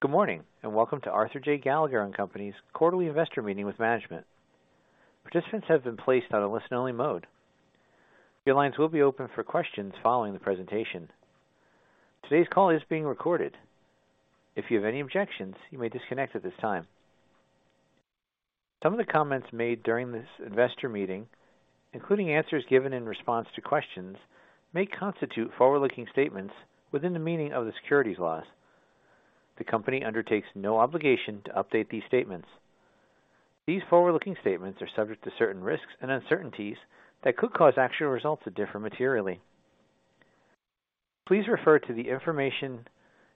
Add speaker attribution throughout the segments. Speaker 1: Good morning, welcome to Arthur J. Gallagher & Co.'s quarterly investor meeting with management. Participants have been placed on a listen-only mode. The lines will be open for questions following the presentation. Today's call is being recorded. If you have any objections, you may disconnect at this time. Some of the comments made during this investor meeting, including answers given in response to questions, may constitute forward-looking statements within the meaning of the securities laws. The Company undertakes no obligation to update these statements. These forward-looking statements are subject to certain risks and uncertainties that could cause actual results to differ materially. Please refer to the Information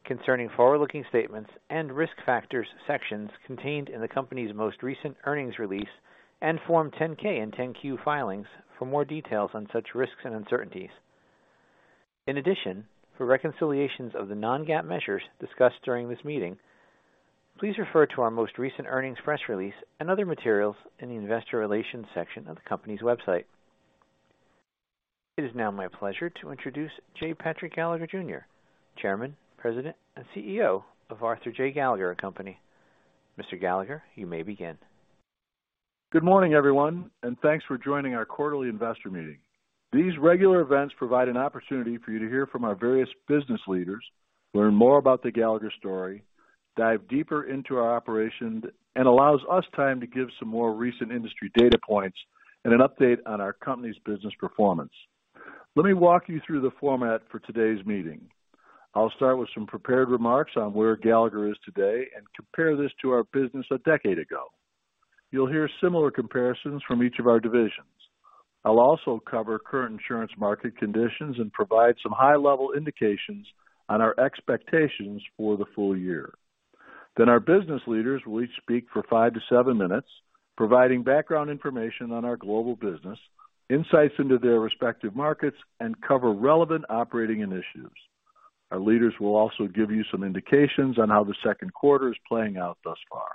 Speaker 1: concerning Forward-looking Statements and Risk Factors sections contained in the Company's most recent earnings release and Form 10-K and 10-Q filings for more details on such risks and uncertainties. For reconciliations of the non-GAAP measures discussed during this meeting, please refer to our most recent earnings press release and other materials in the Investor Relations section of the company's website. It is now my pleasure to introduce J. Patrick Gallagher, Jr., Chairman, President, and CEO of Arthur J. Gallagher & Co. Mr. Gallagher, you may begin.
Speaker 2: Good morning, everyone. Thanks for joining our quarterly investor meeting. These regular events provide an opportunity for you to hear from our various business leaders, learn more about the Gallagher story, dive deeper into our operations, and allows us time to give some more recent industry data points and an update on our company's business performance. Let me walk you through the format for today's meeting. I'll start with some prepared remarks on where Gallagher is today and compare this to our business a decade ago. You'll hear similar comparisons from each of our divisions. I'll also cover current insurance market conditions and provide some high-level indications on our expectations for the full year. Our business leaders will each speak for five to seven minutes, providing background information on our global business, insights into their respective markets, and cover relevant operating initiatives. Our leaders will also give you some indications on how the second quarter is playing out thus far.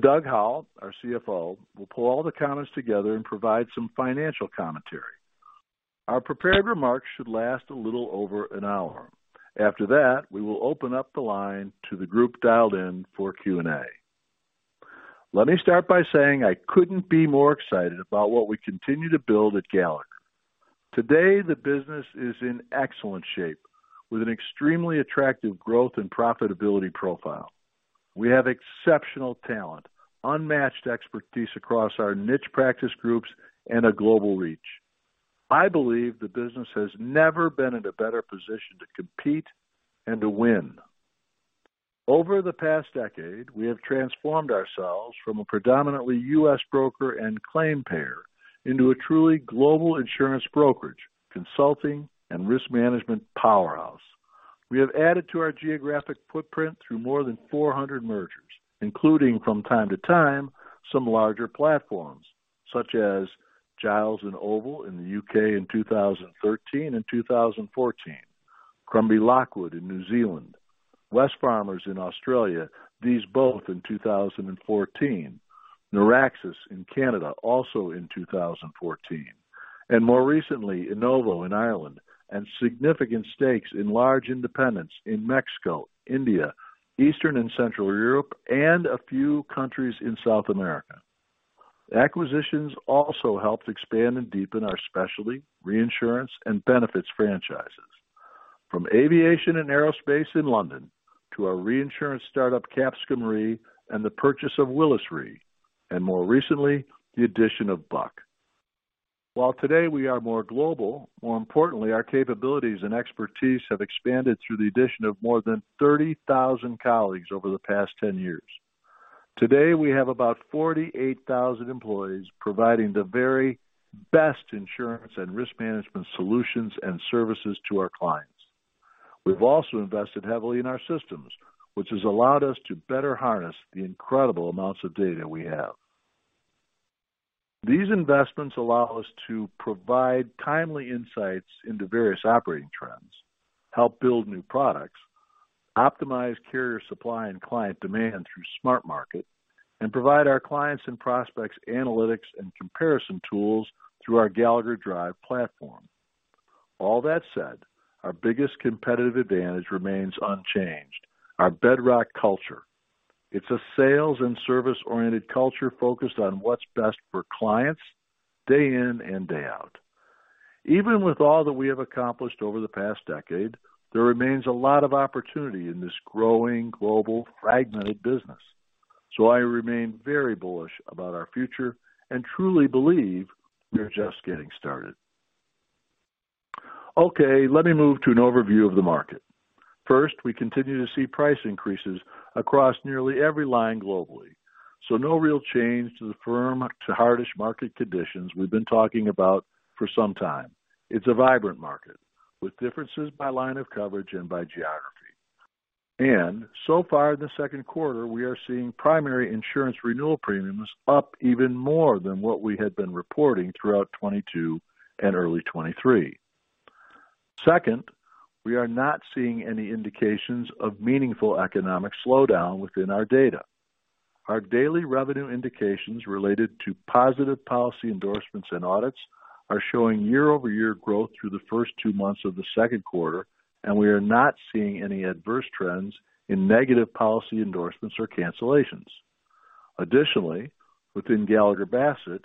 Speaker 2: Doug Howell, our CFO, will pull all the comments together and provide some financial commentary. Our prepared remarks should last a little over an hour. After that, we will open up the line to the group dialed in for Q&A. Let me start by saying I couldn't be more excited about what we continue to build at Gallagher. Today, the business is in excellent shape, with an extremely attractive growth and profitability profile. We have exceptional talent, unmatched expertise across our niche practice groups, and a global reach. I believe the business has never been in a better position to compete and to win. Over the past decade, we have transformed ourselves from a predominantly U.S. broker and claim payer into a truly global insurance brokerage, consulting and risk management powerhouse. We have added to our geographic footprint through more than 400 mergers, including from time to time, some larger platforms, such as Giles and Oval in the U.K. in 2013 and 2014, Crombie Lockwood in New Zealand, Wesfarmers in Australia, these both in 2014, Noraxis in Canada, also in 2014, more recently, INNOVU in Ireland, and significant stakes in large independents in Mexico, India, Eastern and Central Europe, and a few countries in South America. Acquisitions also helped expand and deepen our specialty, reinsurance, and benefits franchises, from aviation and aerospace in London to our reinsurance startup, Capsicum Re, the purchase of Willis Re, more recently, the addition of Buck. While today we are more global, more importantly, our capabilities and expertise have expanded through the addition of more than 30,000 colleagues over the past 10 years. Today, we have about 48,000 employees providing the very best insurance and risk management solutions and services to our clients. We've also invested heavily in our systems, which has allowed us to better harness the incredible amounts of data we have. These investments allow us to provide timely insights into various operating trends, help build new products, optimize carrier supply and client demand through SmartMarket, and provide our clients and prospects analytics and comparison tools through our Gallagher Drive platform. All that said, our biggest competitive advantage remains unchanged: our bedrock culture. It's a sales and service-oriented culture focused on what's best for clients day in and day out. Even with all that we have accomplished over the past decade, there remains a lot of opportunity in this growing, global, fragmented business. I remain very bullish about our future and truly believe we are just getting started. Okay, let me move to an overview of the market. First, we continue to see price increases across nearly every line globally, no real change to the firm to hardest market conditions we've been talking about for some time. It's a vibrant market with differences by line of coverage and by geography. So far, in the second quarter, we are seeing primary insurance renewal premiums up even more than what we had been reporting throughout 2022 and early 2023. Second, we are not seeing any indications of meaningful economic slowdown within our data. Our daily revenue indications related to positive policy endorsements and audits are showing year-over-year growth through the first two months of the second quarter, and we are not seeing any adverse trends in negative policy endorsements or cancellations. Additionally, within Gallagher Bassett,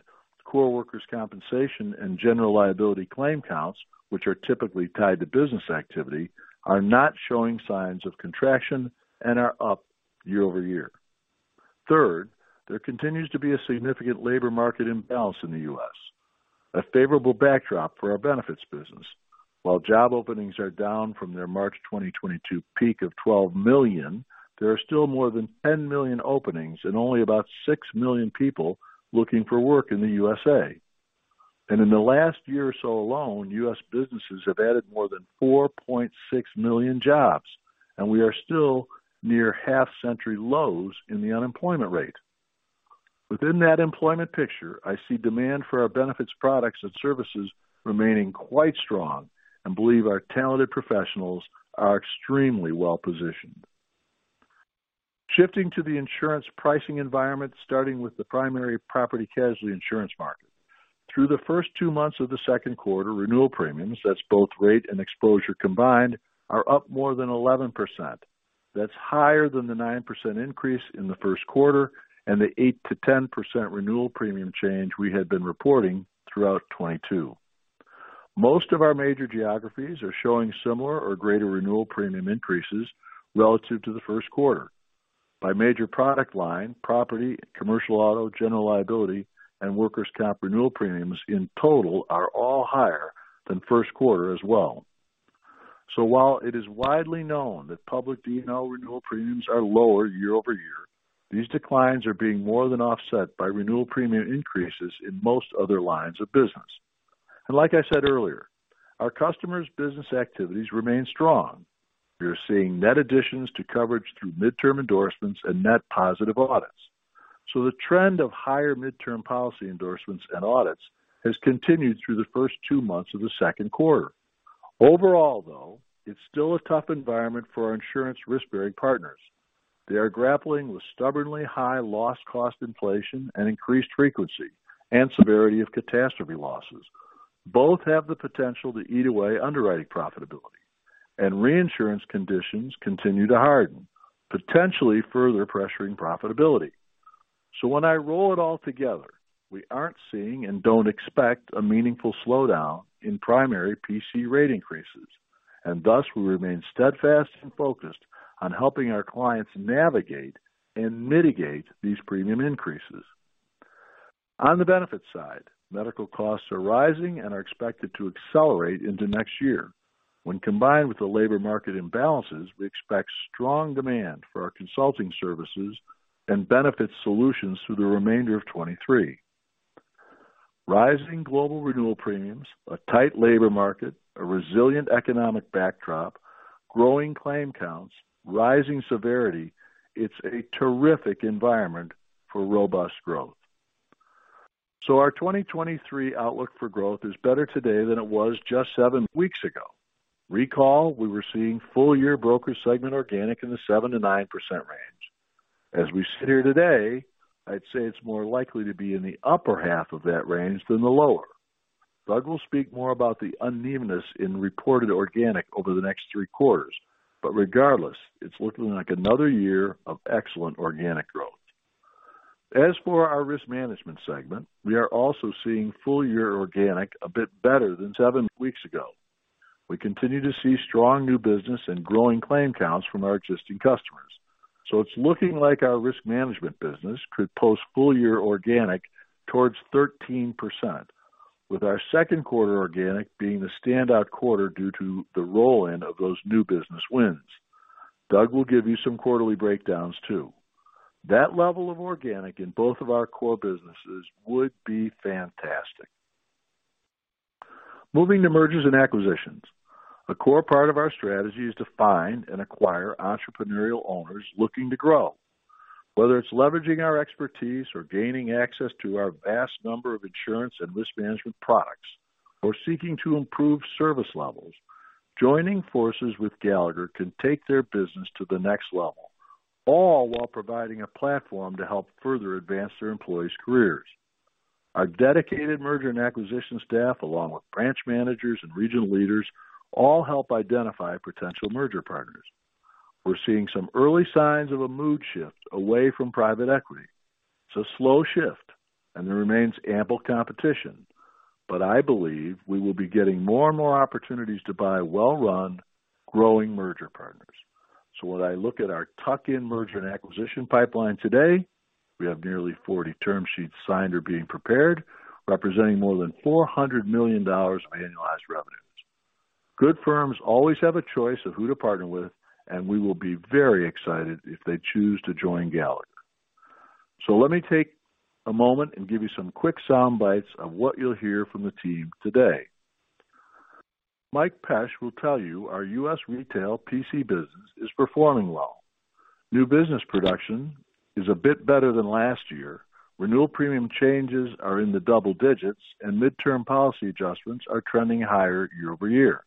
Speaker 2: core workers' compensation and general liability claim counts, which are typically tied to business activity, are not showing signs of contraction and are up year-over-year. Third, there continues to be a significant labor market imbalance in the U.S., a favorable backdrop for our benefits business. While job openings are down from their March 2022 peak of 12 million, there are still more than 10 million openings and only about six million people looking for work in the U.S.A. In the last year or so alone, U.S. businesses have added more than 4.6 million jobs, and we are still near half-century lows in the unemployment rate. Within that employment picture, I see demand for our benefits, products, and services remaining quite strong and believe our talented professionals are extremely well-positioned. Shifting to the insurance pricing environment, starting with the primary property casualty insurance market. Through the first two months of the second quarter, renewal premiums, that's both rate and exposure combined, are up more than 11%. That's higher than the 9% increase in the first quarter and the 8%-10% renewal premium change we had been reporting throughout 2022. Most of our major geographies are showing similar or greater renewal premium increases relative to the first quarter. By major product line, property, commercial auto, general liability, and workers' comp renewal premiums in total are all higher than first quarter as well. While it is widely known that public D&O renewal premiums are lower year-over-year, these declines are being more than offset by renewal premium increases in most other lines of business. Like I said earlier, our customers' business activities remain strong. We are seeing net additions to coverage through midterm endorsements and net positive audits. The trend of higher midterm policy endorsements and audits has continued through the first two months of the second quarter. Overall, though, it's still a tough environment for our insurance risk-bearing partners. They are grappling with stubbornly high loss cost, inflation, and increased frequency, and severity of catastrophe losses. Both have the potential to eat away underwriting profitability, and reinsurance conditions continue to harden, potentially further pressuring profitability. When I roll it all together, we aren't seeing and don't expect a meaningful slowdown in primary PC rate increases, and thus we remain steadfast and focused on helping our clients navigate and mitigate these premium increases. On the benefits side, medical costs are rising and are expected to accelerate into next year. When combined with the labor market imbalances, we expect strong demand for our consulting services and benefits solutions through the remainder of 2023. Rising global renewal premiums, a tight labor market, a resilient economic backdrop, growing claim counts, rising severity, it's a terrific environment for robust growth. Our 2023 outlook for growth is better today than it was just seven weeks ago. Recall, we were seeing full-year broker segment organic in the 7%-9% range. As we sit here today, I'd say it's more likely to be in the upper half of that range than the lower. Doug will speak more about the unevenness in reported organic over the next three quarters, but regardless, it's looking like another year of excellent organic growth. As for our risk management segment, we are also seeing full-year organic a bit better than seven weeks ago. We continue to see strong new business and growing claim counts from our existing customers. It's looking like our risk management business could post full-year organic towards 13%, with our second quarter organic being the standout quarter due to the roll-in of those new business wins. Doug will give you some quarterly breakdowns, too. That level of organic in both of our core businesses would be fantastic. Moving to mergers and acquisitions. A core part of our strategy is to find and acquire entrepreneurial owners looking to grow. Whether it's leveraging our expertise or gaining access to our vast number of insurance and risk management products, or seeking to improve service levels, joining forces with Gallagher can take their business to the next level, all while providing a platform to help further advance their employees' careers. Our dedicated merger and acquisition staff, along with branch managers and regional leaders, all help identify potential merger partners. We're seeing some early signs of a mood shift away from private equity. It's a slow shift, and there remains ample competition, I believe we will be getting more and more opportunities to buy well-run, growing merger partners. When I look at our tuck-in merger and acquisition pipeline today, we have nearly 40 term sheets signed or being prepared, representing more than $400 million of annualized revenues. Good firms always have a choice of who to partner with. We will be very excited if they choose to join Gallagher. Let me take a moment and give you some quick sound bites of what you'll hear from the team today. Mike Pesch will tell you our U.S. retail PC business is performing well. New business production is a bit better than last year. Renewal premium changes are in the double digits, and midterm policy adjustments are trending higher year-over-year.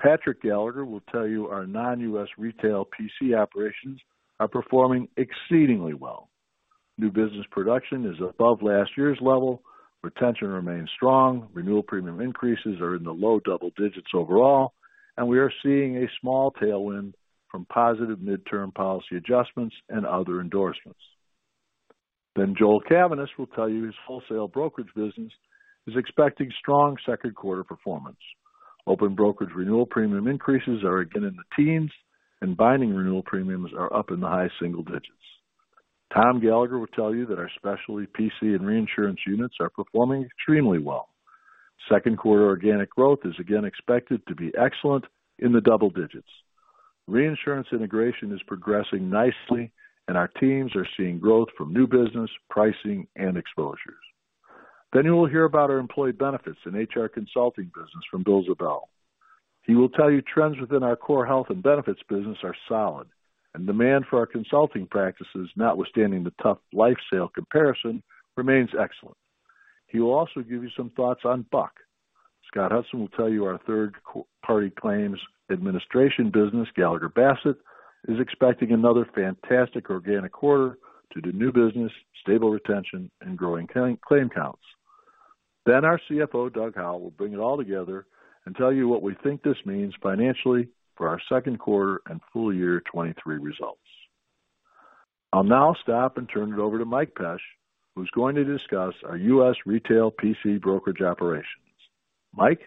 Speaker 2: Patrick Gallagher will tell you our non-U.S. retail PC operations are performing exceedingly well. New business production is above last year's level, retention remains strong, renewal premium increases are in the low double digits overall, we are seeing a small tailwind from positive midterm policy adjustments and other endorsements. Joel Cavaness will tell you his wholesale brokerage business is expecting strong second quarter performance. Open brokerage renewal premium increases are again in the teens, and binding renewal premiums are up in the high single digits. Tom Gallagher will tell you that our specialty PC and reinsurance units are performing extremely well. Second quarter organic growth is again expected to be excellent in the double digits. Reinsurance integration is progressing nicely, and our teams are seeing growth from new business, pricing, and exposures. You will hear about our employee benefits and HR consulting business from Bill Ziebell. He will tell you trends within our core health and benefits business are solid, and demand for our consulting practices, notwithstanding the tough life sale comparison, remains excellent. He will also give you some thoughts on Buck. Scott Hudson will tell you our third-party claims administration business, Gallagher Bassett, is expecting another fantastic organic quarter due to new business, stable retention, and growing claim counts. Our CFO, Doug Howell, will bring it all together and tell you what we think this means financially for our second quarter and full year 2023 results. I'll now stop and turn it over to Mike Pesch, who's going to discuss our U.S. retail P&C brokerage operations. Mike?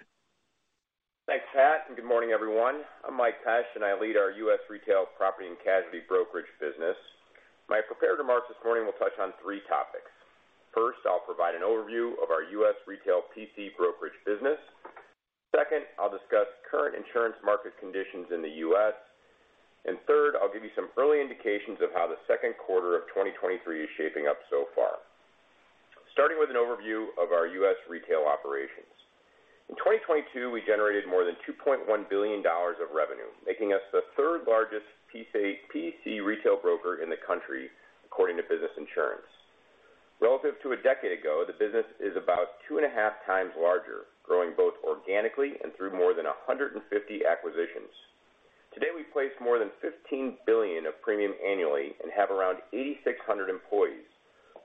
Speaker 3: Thanks, Pat. Good morning, everyone. I'm Mike Pesch, and I lead our U.S. retail property and casualty brokerage business. My prepared remarks this morning will touch on three topics. First, I'll provide an overview of our U.S. retail PC brokerage business. Second, I'll discuss current insurance market conditions in the U.S. Third, I'll give you some early indications of how the second quarter of 2023 is shaping up so far. Starting with an overview of our U.S. retail operations. In 2022, we generated more than $2.1 billion of revenue, making us the third-largest PC retail broker in the country, according to Business Insurance. Relative to a decade ago, the business is about two and a half times larger, growing both organically and through more than 150 acquisitions. Today, we place more than $15 billion of premium annually and have around 8,600 employees.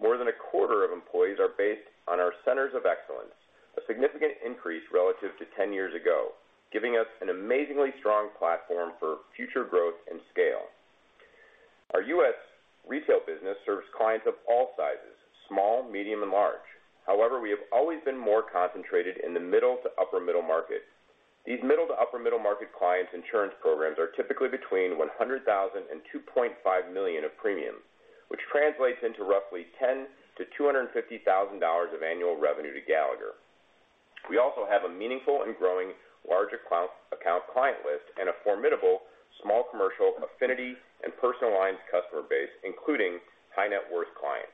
Speaker 3: More than a quarter of employees are based on our centers of excellence, a significant increase relative to 10 years ago, giving us an amazingly strong platform for future growth and scale. Our U.S. retail business serves clients of all sizes, small, medium, and large. We have always been more concentrated in the middle to upper middle market. These middle to upper middle market clients' insurance programs are typically between $100,000 and $2.5 million of premium, which translates into roughly $10,000 to $250,000 of annual revenue to Gallagher. We also have a meaningful and growing large account client list and a formidable small commercial affinity and personal lines customer base, including high-net-worth clients.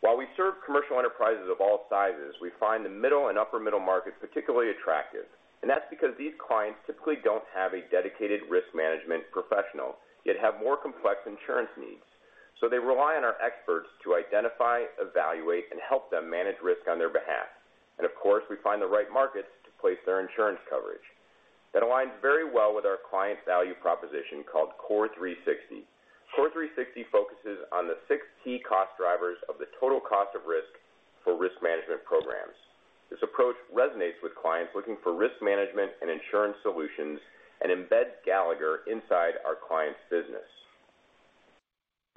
Speaker 3: While we serve commercial enterprises of all sizes, we find the middle and upper middle markets particularly attractive, and that's because these clients typically don't have a dedicated risk management professional, yet have more complex insurance needs. They rely on our experts to identify, evaluate, and help them manage risk on their behalf, and of course, we find the right markets to place their insurance coverage. That aligns very well with our client value proposition called CORE360. CORE360 focuses on the six key cost drivers of the total cost of risk for risk management programs. This approach resonates with clients looking for risk management and insurance solutions and embeds Gallagher inside our client's business.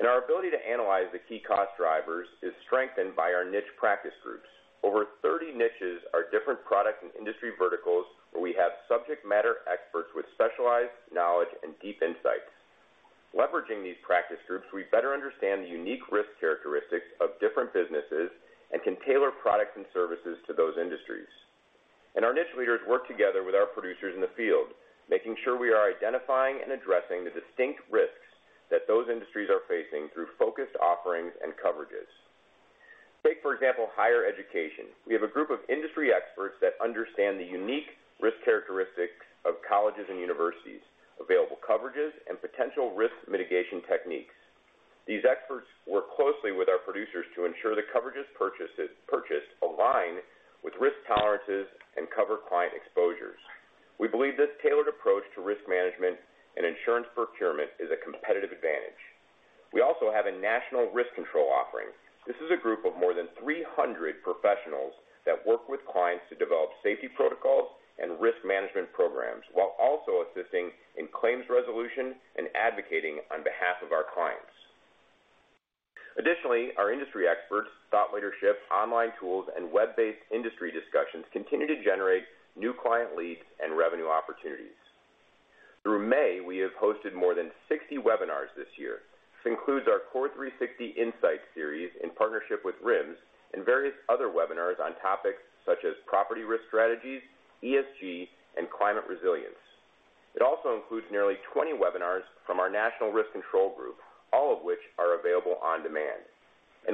Speaker 3: Our ability to analyze the key cost drivers is strengthened by our niche practice groups. Over 30 niches are different product and industry verticals, where we have subject matter experts with specialized knowledge and deep insights. Leveraging these practice groups, we better understand the unique risk characteristics of different businesses and can tailor products and services to those industries. Our niche leaders work together with our producers in the field, making sure we are identifying and addressing the distinct risks that those industries are facing through focused offerings and coverages. Take, for example, higher education. We have a group of industry experts that understand the unique risk characteristics of colleges and universities, available coverages, and potential risk mitigation techniques. These experts work closely with our producers to ensure the coverages purchased align with risk tolerances and cover client exposures. We believe this tailored approach to risk management and insurance procurement is a competitive advantage. We also have a national risk control offering. This is a group of more than 300 professionals that work with clients to develop safety protocols and risk management programs, while also assisting in claims resolution and advocating on behalf of our clients. Additionally, our industry experts, thought leadership, online tools, and web-based industry discussions continue to generate new client leads and revenue opportunities. Through May, we have hosted more than 60 webinars this year. This includes our CORE360 Insight series in partnership with RIMS and various other webinars on topics such as property risk strategies, ESG, and climate resilience. It also includes nearly 20 webinars from our national risk control group, all of which are available on demand.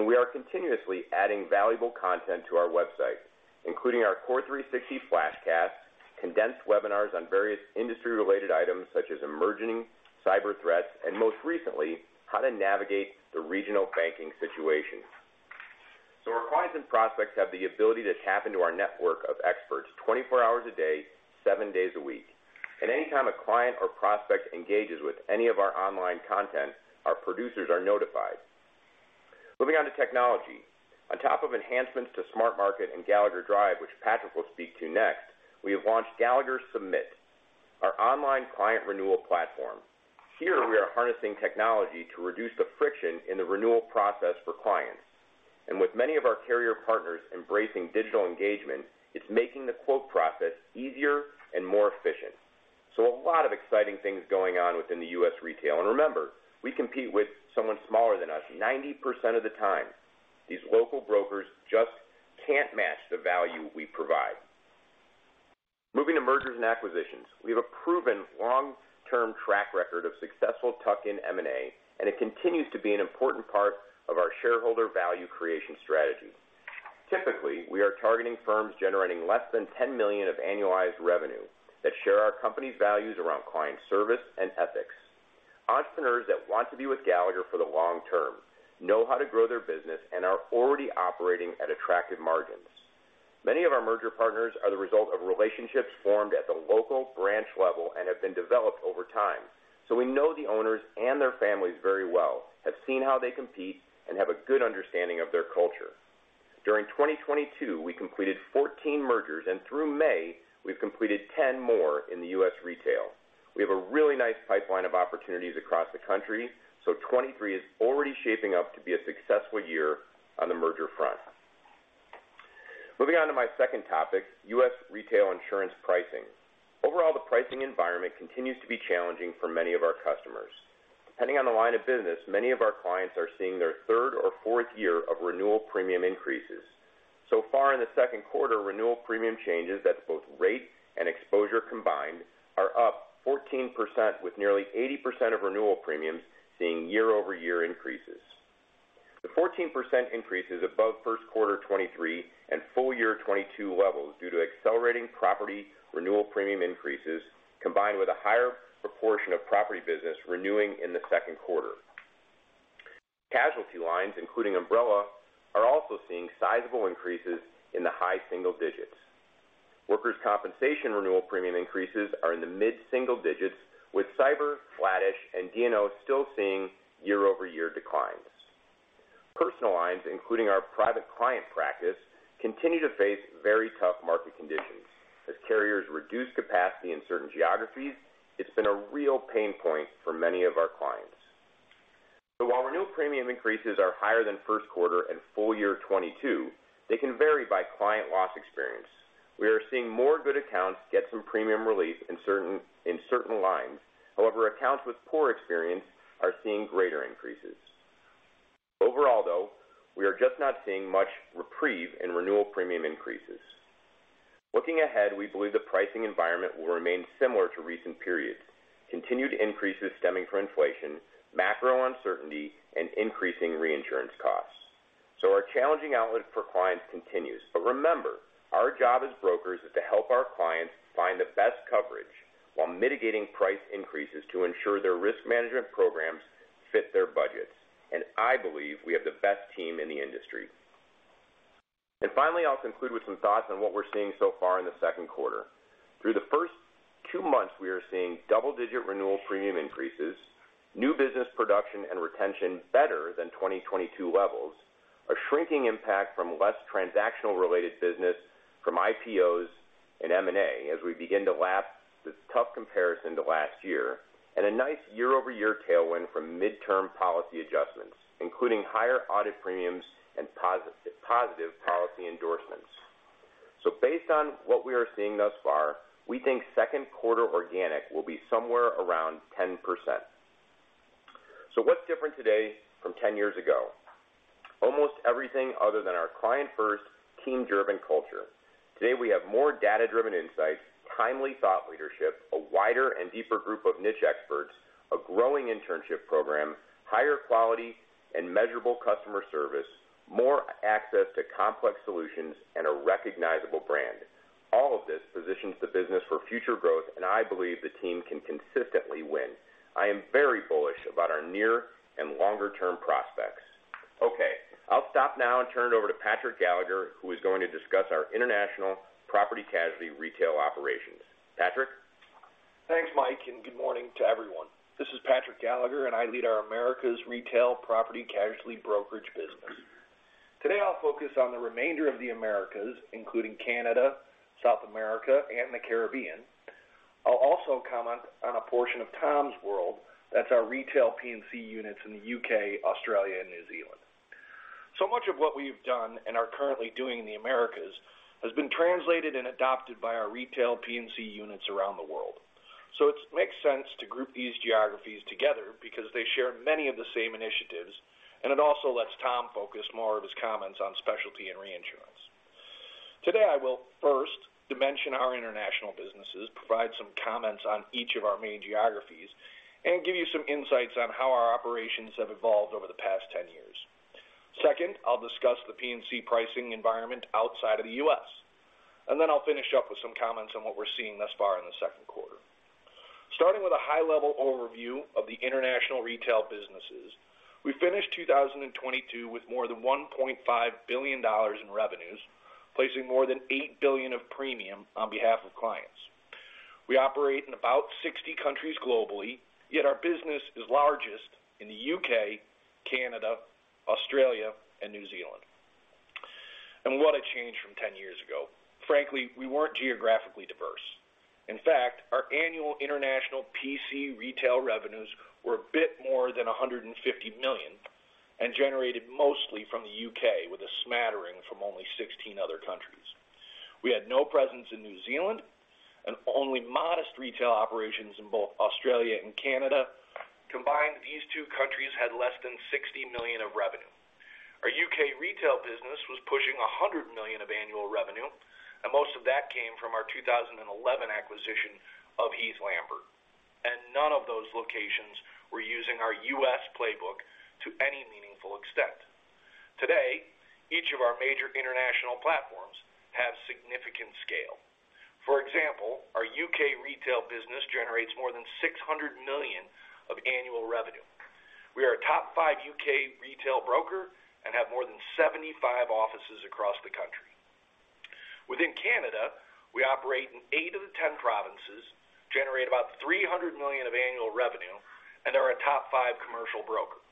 Speaker 3: We are continuously adding valuable content to our website, including our CORE360 Flashcast, condensed webinars on various industry-related items such as emerging cyber threats, and most recently, how to navigate the regional banking situation. Our clients and prospects have the ability to tap into our network of experts 24 hours a day, seven days a week. Anytime a client or prospect engages with any of our online content, our producers are notified. Moving on to technology. On top of enhancements to SmartMarket and Gallagher Drive, which Patrick will speak to next, we have launched Gallagher Submit, our online client renewal platform. Here, we are harnessing technology to reduce the friction in the renewal process for clients. With many of our carrier partners embracing digital engagement, it's making the quote process easier and more efficient. A lot of exciting things going on within the U.S. retail. Remember, we compete with someone smaller than us 90% of the time. These local brokers just can't match the value we provide. Moving to mergers and acquisitions, we have a proven long-term track record of successful tuck-in M&A. It continues to be an important part of our shareholder value creation strategy. Typically, we are targeting firms generating less than $10 million of annualized revenue, that share our company's values around client service and ethics. Entrepreneurs that want to be with Gallagher for the long term, know how to grow their business, and are already operating at attractive margins. Many of our merger partners are the result of relationships formed at the local branch level and have been developed over time. We know the owners and their families very well, have seen how they compete, and have a good understanding of their culture. During 2022, we completed 14 mergers, and through May, we've completed 10 more in the U.S. retail. We have a really nice pipeline of opportunities across the country. 2023 is already shaping up to be a successful year on the merger front. Moving on to my second topic, U.S. retail insurance pricing. Overall, the pricing environment continues to be challenging for many of our customers. Depending on the line of business, many of our clients are seeing their third or fourth year of renewal premium increases. Far in the second quarter, renewal premium changes at both rate and exposure combined are up 14%, with nearly 80% of renewal premiums seeing year-over-year increases. The 14% increase is above first quarter 2023 and full year 2022 levels due to accelerating property renewal premium increases, combined with a higher proportion of property business renewing in the second quarter. Casualty lines, including umbrella, are also seeing sizable increases in the high single digits. Workers' compensation renewal premium increases are in the mid-single digits, with cyber, flattish, and D&O still seeing year-over-year declines. Personal lines, including our private client practice, continue to face very tough market conditions. As carriers reduce capacity in certain geographies, it's been a real pain point for many of our clients. While renewal premium increases are higher than first quarter and full year 2022, they can vary by client loss experience. We are seeing more good accounts get some premium relief in certain lines. However, accounts with poor experience are seeing greater increases. Overall, though, we are just not seeing much reprieve in renewal premium increases. Looking ahead, we believe the pricing environment will remain similar to recent periods, continued increases stemming from inflation, macro uncertainty, and increasing reinsurance costs. Our challenging outlook for clients continues, but remember, our job as brokers is to help our clients find the best coverage while mitigating price increases to ensure their risk management programs fit their budgets. I believe we have the best team in the industry. Finally, I'll conclude with some thoughts on what we're seeing so far in the second quarter. Through the first two months, we are seeing double-digit renewal premium increases, new business production and retention better than 2022 levels, a shrinking impact from less transactional-related business from IPOs and M&A as we begin to lap the tough comparison to last year, and a nice year-over-year tailwind from midterm policy adjustments, including higher audit premiums and positive policy endorsements. Based on what we are seeing thus far, we think second quarter organic will be somewhere around 10%. What's different today from 10 years ago? Almost everything other than our client-first, team-driven culture. Today, we have more data-driven insights, timely thought leadership, a wider and deeper group of niche experts, a growing internship program, higher quality and measurable customer service, more access to complex solutions, and a recognizable brand. All of this positions the business for future growth, and I believe the team can consistently win. I am very bullish about our near and longer-term prospects. I'll stop now and turn it over to Patrick Gallagher, who is going to discuss our international property casualty retail operations. Patrick?
Speaker 4: Thanks, Mike. Good morning to everyone. This is Patrick Gallagher, and I lead our Americas retail property casualty brokerage business. Today, I'll focus on the remainder of the Americas, including Canada, South America, and the Caribbean. I'll also comment on a portion of Tom's world, that's our retail P&C units in the U.K., Australia, and New Zealand. Much of what we've done and are currently doing in the Americas has been translated and adopted by our retail P&C units around the world. It makes sense to group these geographies together because they share many of the same initiatives, and it also lets Tom focus more of his comments on specialty and reinsurance. Today, I will first dimension our international businesses, provide some comments on each of our main geographies, and give you some insights on how our operations have evolved over the past 10 years. Second, I'll discuss the P&C pricing environment outside of the U.S., and then I'll finish up with some comments on what we're seeing thus far in the second quarter. Starting with a high-level overview of the international retail businesses. We finished 2022 with more than $1.5 billion in revenues, placing more than $8 billion of premium on behalf of clients. We operate in about 60 countries globally, yet our business is largest in the U.K., Canada, Australia, and New Zealand. What a change from 10 years ago. Frankly, we weren't geographically diverse. In fact, our annual international P&C retail revenues were a bit more than $150 million, and generated mostly from the U.K., with a smattering from only 16 other countries. We had no presence in New Zealand and only modest retail operations in both Australia and Canada. Combined, these two countries had less than $60 million of revenue. Our U.K. retail business was pushing $100 million of annual revenue, and most of that came from our 2011 acquisition of Heath Lambert, and none of those locations were using our U.S. playbook to any meaningful extent. Today, each of our major international platforms have significant scale. For example, our U.K. retail business generates more than $600 million of annual revenue. We are a top five U.K. retail broker and have more than 75 offices across the country. Within Canada, we operate in eight of the 10 provinces, generate about $300 million of annual revenue, and are a top five commercial broker.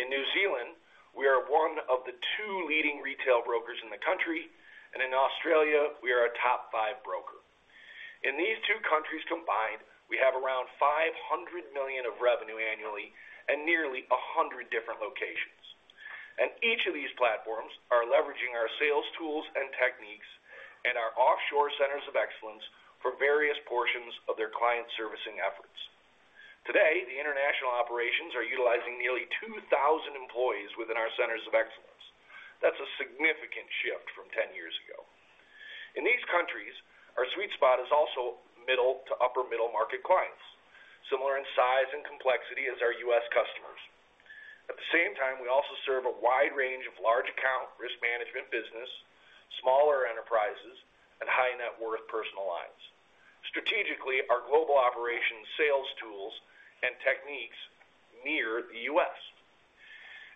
Speaker 4: In New Zealand, we are one of the two leading retail brokers in the country, and in Australia, we are a top five broker. In these two countries combined, we have around $500 million of revenue annually and nearly 100 different locations. Each of these platforms are leveraging our sales tools and techniques and our offshore centers of excellence for various portions of their client servicing efforts. Today, the international operations are utilizing nearly 2,000 employees within our centers of excellence. That's a significant shift from 10 years ago. In these countries, our sweet spot is also middle to upper middle market clients, similar in size and complexity as our U.S. customers. At the same time, we also serve a wide range of large account risk management business, smaller enterprises, and high net worth personal lines. Strategically, our global operations, sales tools, and techniques mirror the U.S.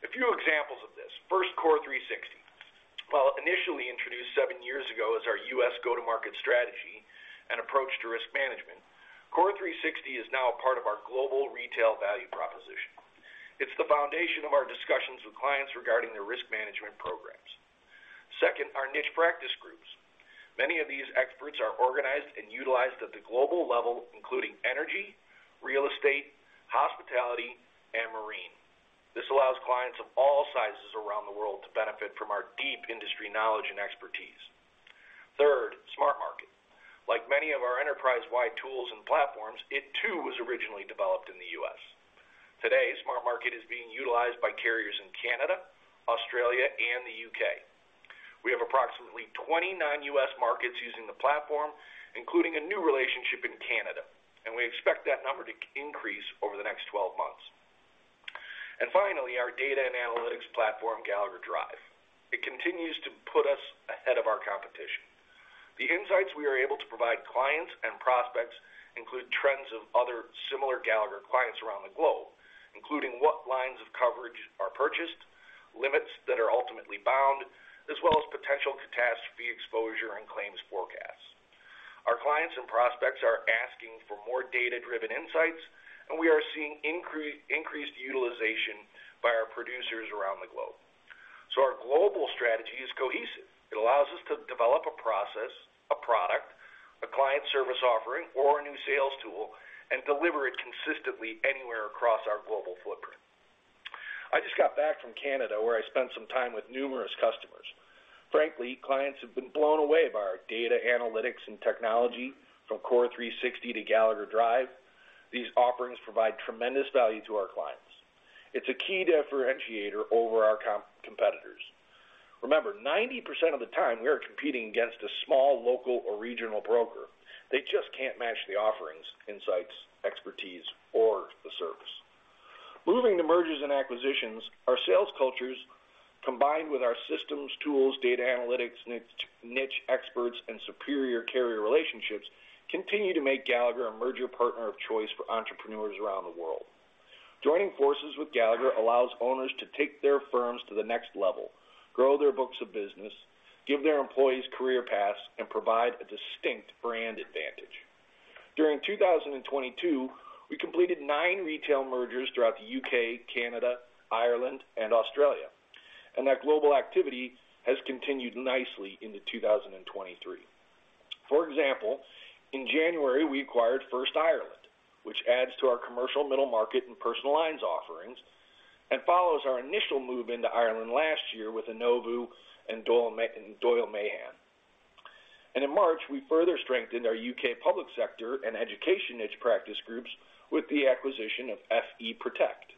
Speaker 4: A few examples of this. First, CORE360. While initially introduced seven years ago as our U.S. go-to-market strategy and approach to risk management, CORE360 is now a part of our global retail value proposition. It's the foundation of our discussions with clients regarding their risk management programs. Our niche practice groups. Many of these experts are organized and utilized at the global level, including energy, real estate, hospitality, and marine. This allows clients of all sizes around the world to benefit from our deep industry knowledge and expertise. SmartMarket. Like many of our enterprise-wide tools and platforms, it too, was originally developed in the U.S. Today, SmartMarket is being utilized by carriers in Canada, Australia, and the U.K. We have approximately 29 U.S. markets using the platform, including a new relationship in Canada, and we expect that number to increase over the next 12 months. Finally, our data and analytics platform, Gallagher Drive. It continues to put us ahead of our competition. The insights we are able to provide clients and prospects include trends of other similar Gallagher clients around the globe, including what lines of coverage are purchased, limits that are ultimately bound, as well as potential catastrophe exposure and claims forecasts. Our clients and prospects are asking for more data-driven insights, and we are seeing increased utilization by our producers around the globe. Our global strategy is cohesive. It allows us to develop a process, a product, a client service offering, or a new sales tool and deliver it consistently anywhere across our global footprint. I just got back from Canada, where I spent some time with numerous customers. Frankly, clients have been blown away by our data analytics and technology, from CORE360 to Gallagher Drive. These offerings provide tremendous value to our clients. It's a key differentiator over our competitors. Remember, 90% of the time, we are competing against a small, local, or regional broker. They just can't match the offerings, insights, expertise, or the service. Moving to mergers and acquisitions, our sales cultures, combined with our systems, tools, data analytics, niche experts, and superior carrier relationships, continue to make Gallagher a merger partner of choice for entrepreneurs around the world. Joining forces with Gallagher allows owners to take their firms to the next level, grow their books of business, give their employees career paths, and provide a distinct brand advantage. During 2022, we completed nine retail mergers throughout the U.K., Canada, Ireland, and Australia, and that global activity has continued nicely into 2023. For example, in January, we acquired First Ireland, which adds to our commercial middle market and personal lines offerings, and follows our initial move into Ireland last year with INNOVU and Doyle Mahon. In March, we further strengthened our U.K. public sector and education niche practice groups with the acquisition of FE Protect,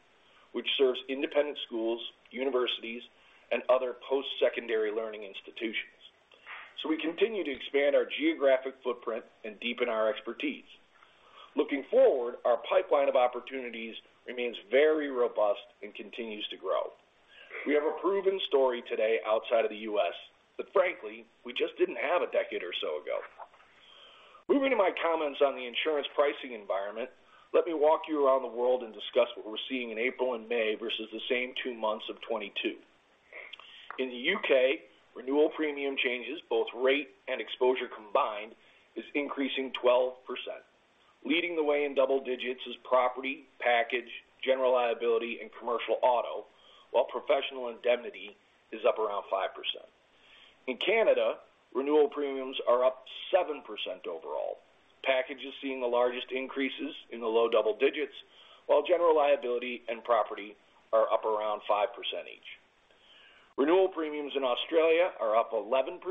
Speaker 4: which serves independent schools, universities, and other post-secondary learning institutions. We continue to expand our geographic footprint and deepen our expertise. Looking forward, our pipeline of opportunities remains very robust and continues to grow. We have a proven story today outside of the U.S., that frankly, we just didn't have a decade or so ago. Moving to my comments on the insurance pricing environment, let me walk you around the world and discuss what we're seeing in April and May versus the same two months of 2022. In the U.K., renewal premium changes, both rate and exposure combined, is increasing 12%. Leading the way in double digits is property, package, general liability, and commercial auto, while professional indemnity is up around 5%. In Canada, renewal premiums are up 7% overall. Package is seeing the largest increases in the low double digits, while general liability and property are up around 5% each. Renewal premiums in Australia are up 11%.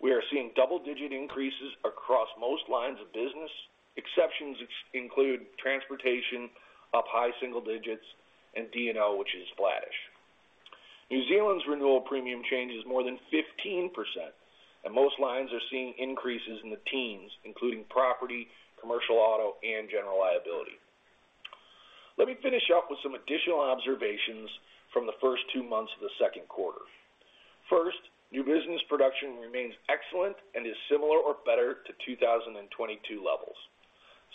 Speaker 4: We are seeing double-digit increases across most lines of business. Exceptions include transportation, up high single digits, and D&O, which is flattish. New Zealand's renewal premium change is more than 15%, and most lines are seeing increases in the teens, including property, commercial auto, and general liability. Let me finish up with some additional observations from the first two months of the second quarter. First, new business production remains excellent and is similar or better to 2022 levels.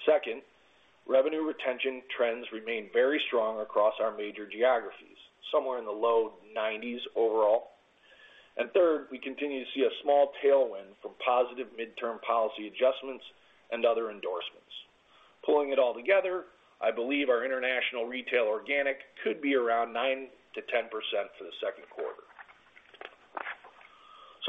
Speaker 4: Second, revenue retention trends remain very strong across our major geographies, somewhere in the low 90s overall. Third, we continue to see a small tailwind from positive midterm policy adjustments and other endorsements. Pulling it all together, I believe our international retail organic could be around 9%-10% for the second quarter.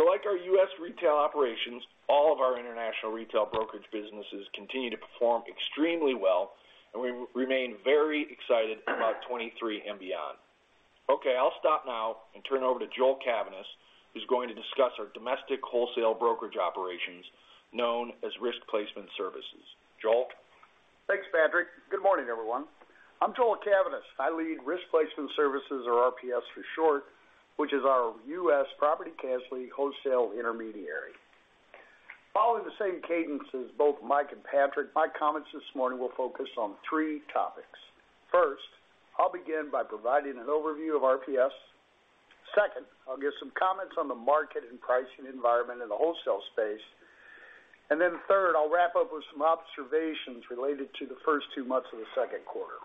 Speaker 4: Like our U.S. retail operations, all of our international retail brokerage businesses continue to perform extremely well, and we remain very excited about 2023 and beyond. Okay, I'll stop now and turn it over to Joel Cavaness, who's going to discuss our domestic wholesale brokerage operations, known as Risk Placement Services. Joel?
Speaker 5: Thanks, Patrick. Good morning, everyone. I'm Joel Cavaness. I lead Risk Placement Services or RPS for short, which is our U.S. property casualty wholesale intermediary. Following the same cadence as both Mike and Patrick, my comments this morning will focus on three topics. First, I'll begin by providing an overview of RPS. Second, I'll give some comments on the market and pricing environment in the wholesale space. Then third, I'll wrap up with some observations related to the first two months of the second quarter.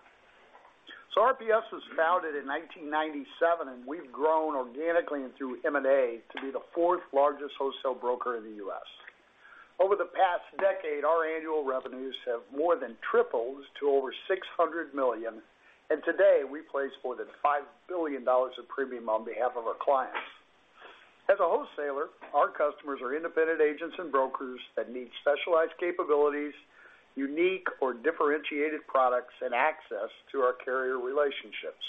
Speaker 5: RPS was founded in 1997, and we've grown organically and through M&A to be the fourth largest wholesale broker in the U.S. Over the past decade, our annual revenues have more than tripled to over $600 million, and today, we place more than $5 billion of premium on behalf of our clients. As a wholesaler, our customers are independent agents and brokers that need specialized capabilities, unique or differentiated products, and access to our carrier relationships.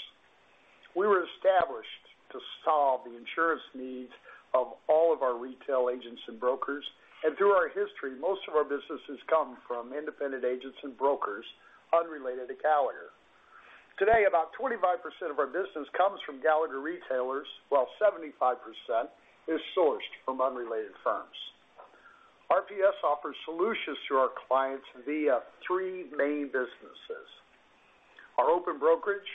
Speaker 5: We were established to solve the insurance needs of all of our retail agents and brokers. Through our history, most of our businesses come from independent agents and brokers unrelated to Gallagher. Today, about 25% of our business comes from Gallagher retailers, while 75% is sourced from unrelated firms. RPS offers solutions to our clients via three main businesses: our open brokerage,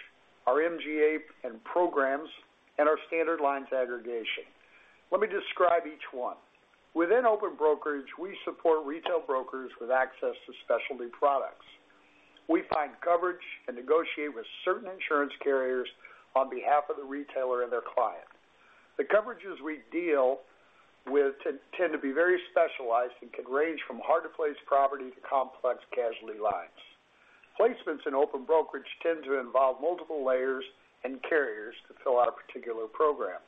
Speaker 5: our MGA and programs, and our standard lines aggregation. Let me describe each one. Within open brokerage, we support retail brokers with access to specialty products. We find coverage and negotiate with certain insurance carriers on behalf of the retailer and their client. The coverages we deal with tend to be very specialized and can range from hard-to-place property to complex casualty lines. Placements in open brokerage tend to involve multiple layers and carriers to fill out a particular program.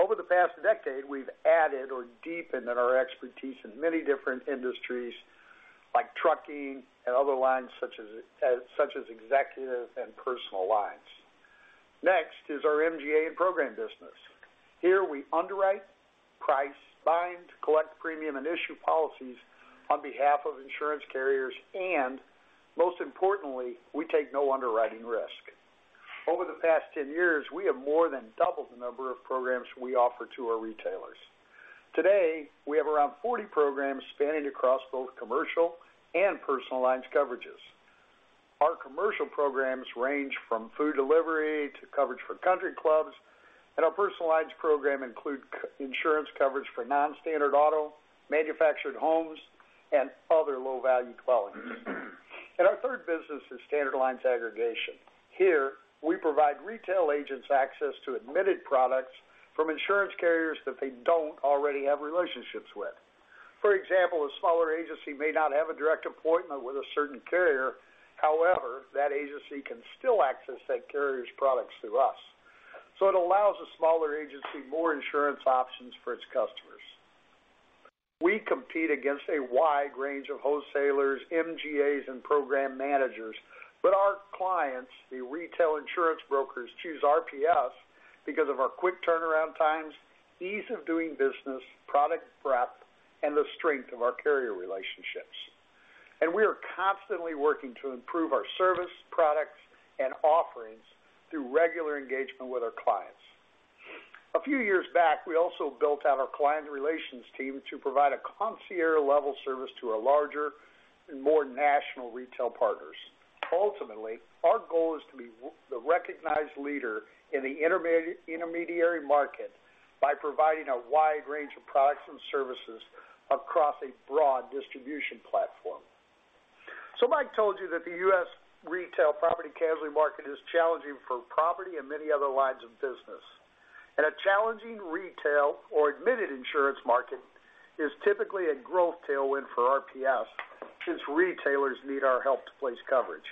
Speaker 5: Over the past decade, we've added or deepened our expertise in many different industries, like trucking and other lines, such as, such as executive and personal lines. Next is our MGA and program business. Here, we underwrite, price, bind, collect premium, and issue policies on behalf of insurance carriers, and most importantly, we take no underwriting risk. Over the past 10 years, we have more than doubled the number of programs we offer to our retailers. Today, we have around 40 programs spanning across both commercial and personal lines coverages. Our commercial programs range from food delivery to coverage for country clubs, our personal lines program include insurance coverage for non-standard auto, manufactured homes, and other low-value qualities. Our third business is standard lines aggregation. Here, we provide retail agents access to admitted products from insurance carriers that they don't already have relationships with. For example, a smaller agency may not have a direct appointment with a certain carrier. However, that agency can still access that carrier's products through us. It allows a smaller agency more insurance options for its customers. We compete against a wide range of wholesalers, MGAs, and program managers, but our clients, the retail insurance brokers, choose RPS because of our quick turnaround times, ease of doing business, product breadth, and the strength of our carrier relationships. We are constantly working to improve our service, products, and offerings through regular engagement with our clients. A few years back, we also built out our client relations team to provide a concierge-level service to our larger and more national retail partners. Ultimately, our goal is to be the recognized leader in the intermediary market by providing a wide range of products and services across a broad distribution platform. Mike told you that the U.S. retail property casualty market is challenging for property and many other lines of business, and a challenging retail or admitted insurance market is typically a growth tailwind for RPS, since retailers need our help to place coverage.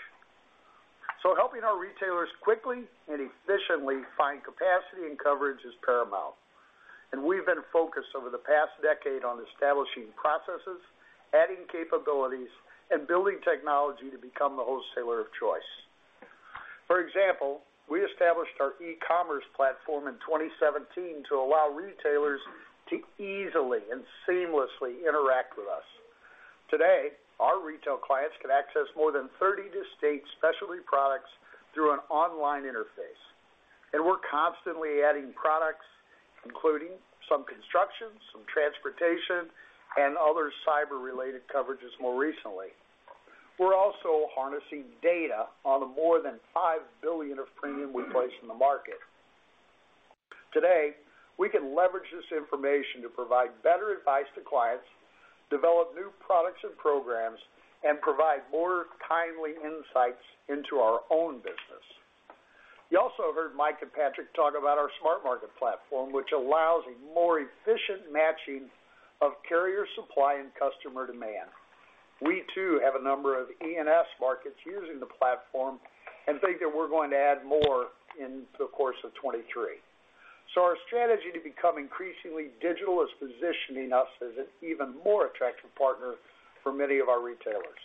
Speaker 5: Helping our retailers quickly and efficiently find capacity and coverage is paramount, and we've been focused over the past decade on establishing processes, adding capabilities, and building technology to become the wholesaler of choice. For example, we established our e-commerce platform in 2017 to allow retailers to easily and seamlessly interact with us. Today, our retail clients can access more than 30 distinct specialty products through an online interface, and we're constantly adding products, including some construction, some transportation, and other cyber-related coverages more recently. We're also harnessing data on the more than $5 billion of premium we place in the market. Today, we can leverage this information to provide better advice to clients, develop new products and programs, and provide more timely insights into our own business. You also heard Mike and Patrick talk about our SmartMarket platform, which allows a more efficient matching of carrier supply and customer demand. We, too, have a number of E&S markets using the platform and think that we're going to add more in the course of 2023. Our strategy to become increasingly digital is positioning us as an even more attractive partner for many of our retailers.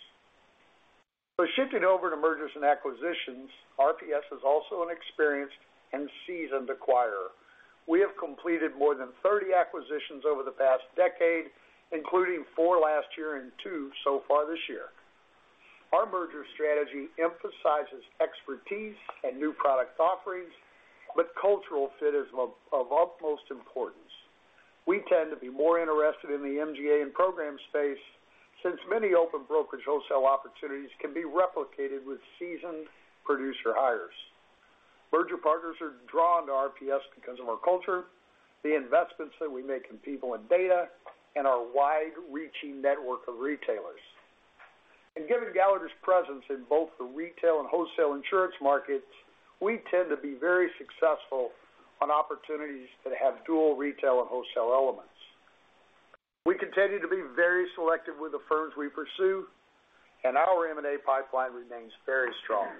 Speaker 5: Shifting over to mergers and acquisitions, RPS is also an experienced and seasoned acquirer. We have completed more than 30 acquisitions over the past decade, including four last year and two so far this year. Our merger strategy emphasizes expertise and new product offerings, but cultural fit is of utmost importance. We tend to be more interested in the MGA and program space, since many open brokerage wholesale opportunities can be replicated with seasoned producer hires. Merger partners are drawn to RPS because of our culture, the investments that we make in people and data, and our wide-reaching network of retailers. Given Gallagher's presence in both the retail and wholesale insurance markets, we tend to be very successful on opportunities that have dual retail and wholesale elements. We continue to be very selective with the firms we pursue, and our M&A pipeline remains very strong.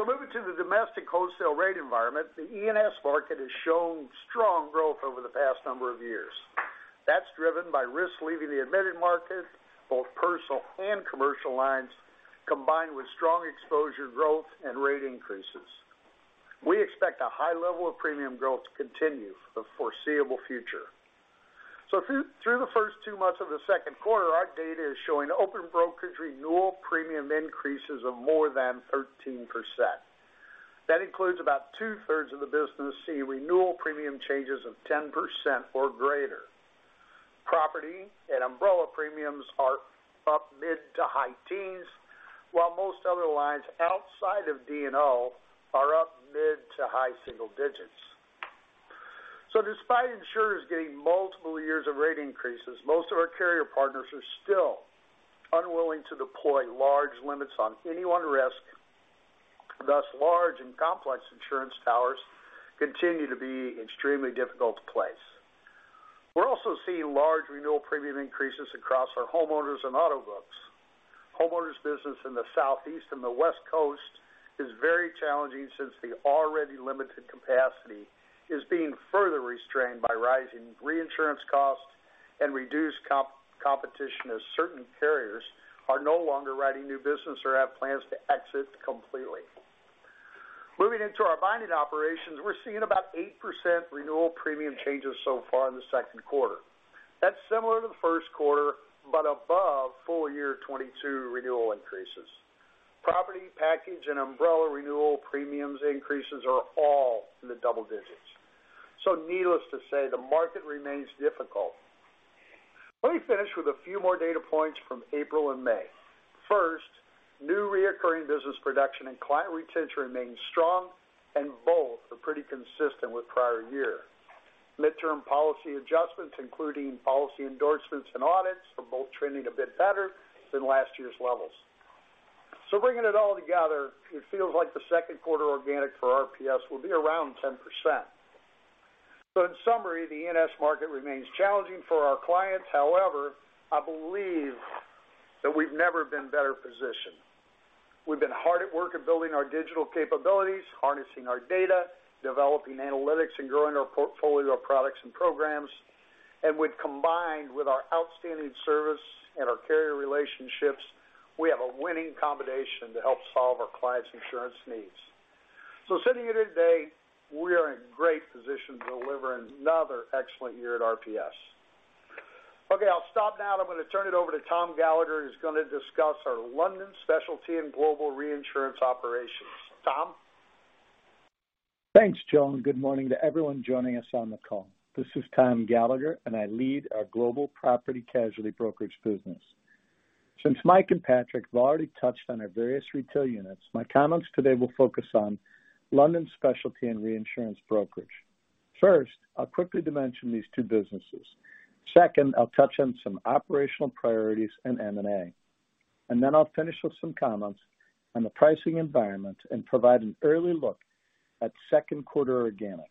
Speaker 5: Moving to the domestic wholesale rate environment, the E&S market has shown strong growth over the past number of years. That's driven by risk leaving the admitted market, both personal and commercial lines, combined with strong exposure growth and rate increases. We expect a high level of premium growth to continue for the foreseeable future. Through the first two months of the second quarter, our data is showing open brokerage renewal premium increases of more than 13%. That includes about two-thirds of the business see renewal premium changes of 10% or greater. Property and umbrella premiums are up mid to high teens, while most other lines outside of D&O are up mid to high single digits. Despite insurers getting multiple years of rate increases, most of our carrier partners are still unwilling to deploy large limits on any one risk, thus, large and complex insurance towers continue to be extremely difficult to place. We're also seeing large renewal premium increases across our homeowners and auto books. Homeowners business in the Southeast and the West Coast is very challenging since the already limited capacity is being further restrained by rising reinsurance costs and reduced competition, as certain carriers are no longer writing new business or have plans to exit completely. Moving into our binding operations, we're seeing about 8% renewal premium changes so far in the second quarter. That's similar to the first quarter, above full year 2022 renewal increases. Property, package, and umbrella renewal premiums increases are all in the double digits. Needless to say, the market remains difficult. Let me finish with a few more data points from April and May. First, new recurring business production and client retention remains strong, both are pretty consistent with prior year. Mid-term policy adjustments, including policy endorsements and audits, are both trending a bit better than last year's levels. Bringing it all together, it feels like the second quarter organic for RPS will be around 10%. In summary, the E&S market remains challenging for our clients. However, I believe that we've never been better positioned. We've been hard at work at building our digital capabilities, harnessing our data, developing analytics, and growing our portfolio of products and programs. When combined with our outstanding service and our carrier relationships, we have a winning combination to help solve our clients' insurance needs. Sitting here today, we are in great position to deliver another excellent year at RPS. Okay, I'll stop now. I'm going to turn it over to Tom Gallagher, who's going to discuss our London specialty and global reinsurance operations. Tom?
Speaker 6: Thanks, Joel. Good morning to everyone joining us on the call. This is Tom Gallagher. I lead our global property casualty brokerage business. Since Mike and Patrick have already touched on our various retail units, my comments today will focus on London specialty and reinsurance brokerage. First, I'll quickly dimension these two businesses. Second, I'll touch on some operational priorities and M&A. I'll finish with some comments on the pricing environment and provide an early look at second quarter organic.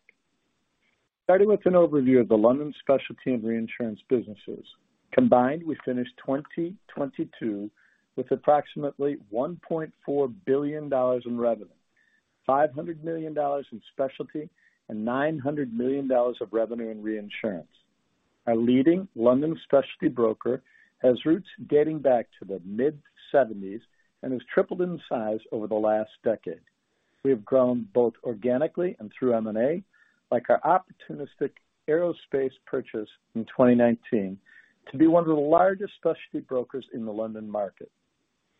Speaker 6: Starting with an overview of the London specialty and reinsurance businesses. Combined, we finished 2022 with approximately $1.4 billion in revenue, $500 million in specialty and $900 million of revenue in reinsurance. Our leading London specialty broker has roots dating back to the mid-70s and has tripled in size over the last decade. We have grown both organically and through M&A, like our opportunistic aerospace purchase in 2019, to be one of the largest specialty brokers in the London market.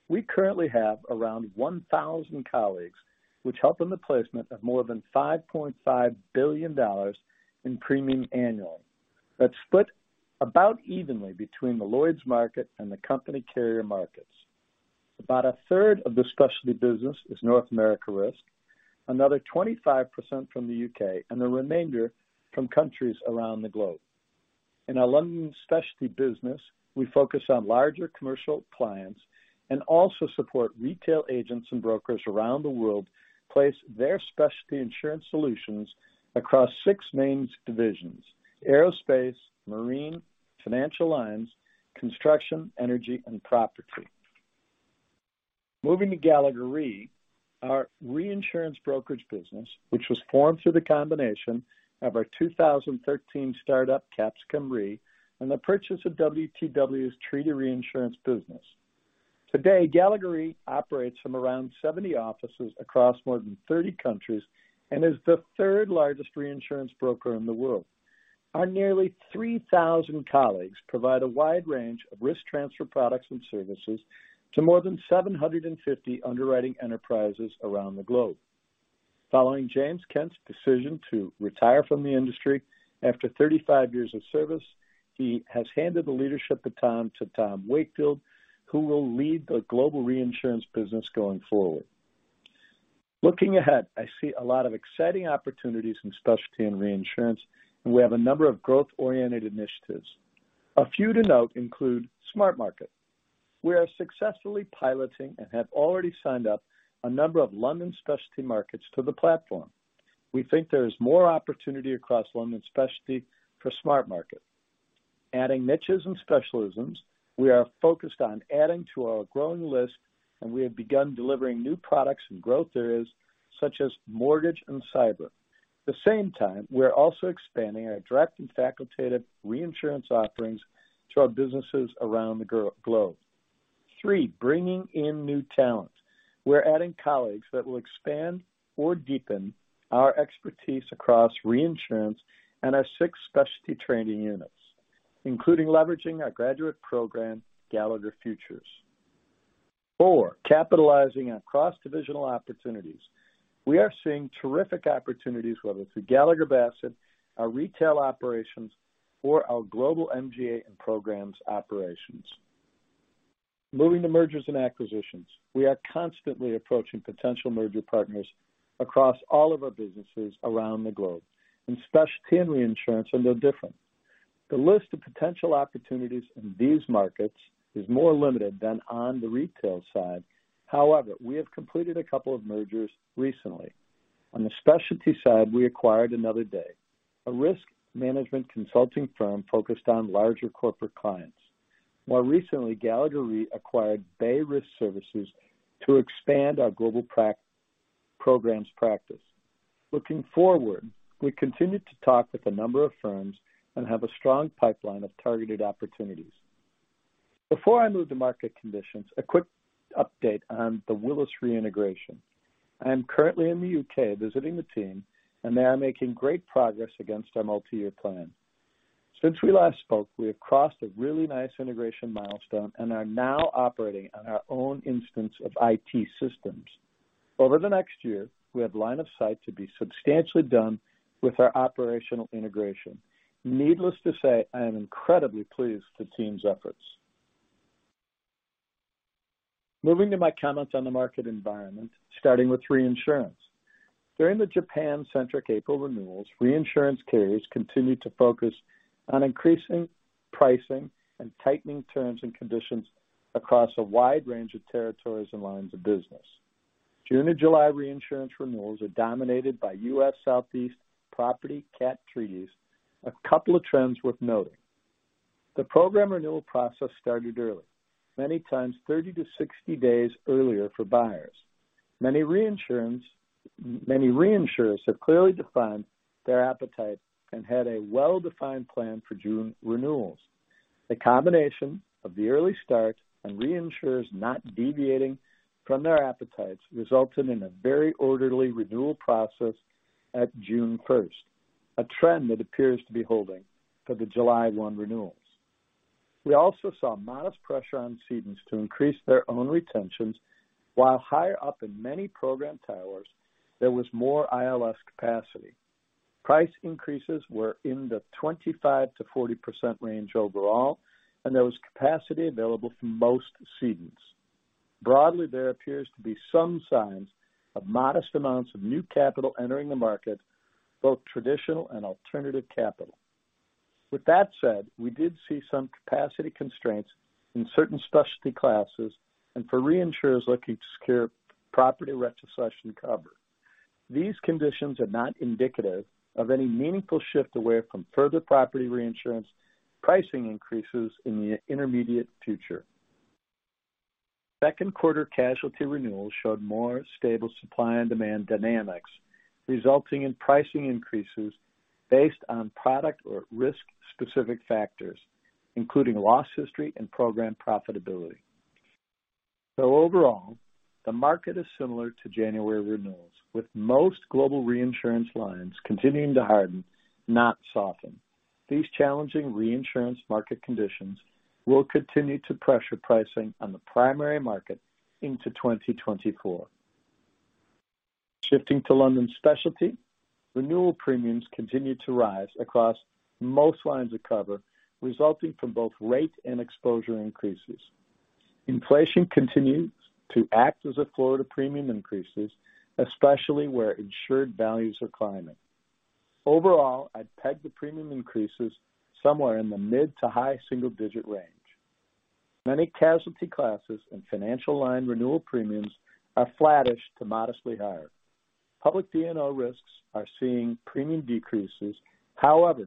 Speaker 6: We currently have around 1,000 colleagues, which help in the placement of more than $5.5 billion in premium annually. That's split about evenly between the Lloyd's market and the company carrier markets. About 1/3 of the specialty business is North America risk, another 25% from the U.K., and the remainder from countries around the globe. In our London specialty business, we focus on larger commercial clients and also support retail agents and brokers around the world, place their specialty insurance solutions across six main divisions: aerospace, marine, financial lines, construction, energy, and property. Moving to Gallagher Re, our reinsurance brokerage business, which was formed through the combination of our 2013 startup, Capsicum Re, and the purchase of WTW's treaty reinsurance business. Today, Gallagher Re operates from around 70 offices across more than 30 countries and is the third-largest reinsurance broker in the world. Our nearly 3,000 colleagues provide a wide range of risk transfer products and services to more than 750 underwriting enterprises around the globe. Following James Kent's decision to retire from the industry after 35 years of service, he has handed the leadership baton to Tom Wakefield, who will lead the global reinsurance business going forward. Looking ahead, I see a lot of exciting opportunities in specialty and reinsurance, and we have a number of growth-oriented initiatives. A few to note include SmartMarket. We are successfully piloting and have already signed up a number of London specialty markets to the platform. We think there is more opportunity across London specialty for SmartMarket. Adding niches and specialisms, we are focused on adding to our growing list, and we have begun delivering new products and growth areas such as mortgage and cyber. At the same time, we are also expanding our direct and facultative reinsurance offerings to our businesses around the globe. Three, bringing in new talent. We're adding colleagues that will expand or deepen our expertise across reinsurance and our six specialty training units, including leveraging our graduate program, Gallagher Futures. Four, capitalizing on cross-divisional opportunities. We are seeing terrific opportunities, whether it's through Gallagher Bassett, our retail operations, or our global MGA and programs operations. Moving to mergers and acquisitions. We are constantly approaching potential merger partners across all of our businesses around the globe, and specialty and reinsurance are no different. The list of potential opportunities in these markets is more limited than on the retail side. However, we have completed a couple of mergers recently. On the specialty side, we acquired AnotherDay, a risk management consulting firm focused on larger corporate clients. More recently, Gallagher Re acquired Bay Risk Services to expand our global programs practice. Looking forward, we continue to talk with a number of firms and have a strong pipeline of targeted opportunities. Before I move to market conditions, a quick update on the Willis Reintegration. I am currently in the U.K. visiting the team, and they are making great progress against our multi-year plan. Since we last spoke, we have crossed a really nice integration milestone and are now operating on our own instance of IT systems. Over the next year, we have line of sight to be substantially done with our operational integration. Needless to say, I am incredibly pleased with the team's efforts. Moving to my comments on the market environment, starting with reinsurance. During the Japan-centric April renewals, reinsurance carriers continued to focus on increasing pricing and tightening terms and conditions across a wide range of territories and lines of business. June and July reinsurance renewals are dominated by US Southeast property cat treaties. A couple of trends worth noting. The program renewal process started early, many times 30 to 60 days earlier for buyers. Many reinsurers have clearly defined their appetite and had a well-defined plan for June renewals. The combination of the early start and reinsurers not deviating from their appetites resulted in a very orderly renewal process. At June 1st, a trend that appears to be holding for the July 1 renewals. We also saw modest pressure on cedants to increase their own retentions, while higher up in many program towers, there was more ILS capacity. Price increases were in the 25%-40% range overall, and there was capacity available from most cedants. Broadly, there appears to be some signs of modest amounts of new capital entering the market, both traditional and alternative capital. With that said, we did see some capacity constraints in certain specialty classes and for reinsurers looking to secure property retrocession cover. These conditions are not indicative of any meaningful shift away from further property reinsurance pricing increases in the intermediate future. Second quarter casualty renewals showed more stable supply and demand dynamics, resulting in pricing increases based on product or risk-specific factors, including loss history and program profitability. Overall, the market is similar to January renewals, with most global reinsurance lines continuing to harden, not soften. These challenging reinsurance market conditions will continue to pressure pricing on the primary market into 2024. Shifting to London specialty, renewal premiums continued to rise across most lines of cover, resulting from both rate and exposure increases. Inflation continues to act as a floor to premium increases, especially where insured values are climbing. Overall, I'd peg the premium increases somewhere in the mid to high single digit range. Many casualty classes and financial line renewal premiums are flattish to modestly higher. Public D&O risks are seeing premium decreases.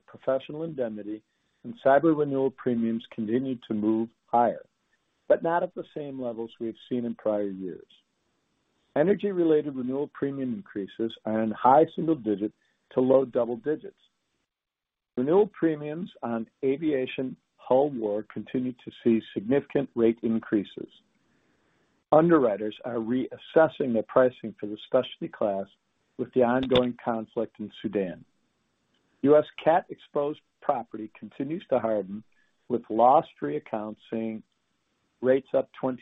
Speaker 6: Professional indemnity and cyber renewal premiums continue to move higher, but not at the same levels we've seen in prior years. Energy-related renewal premium increases are in high single digit to low double digits. Renewal premiums on aviation hull war continue to see significant rate increases. Underwriters are reassessing their pricing for the specialty class with the ongoing conflict in Sudan. U.S. cat-exposed property continues to harden, with loss-free accounts seeing rates up 20%.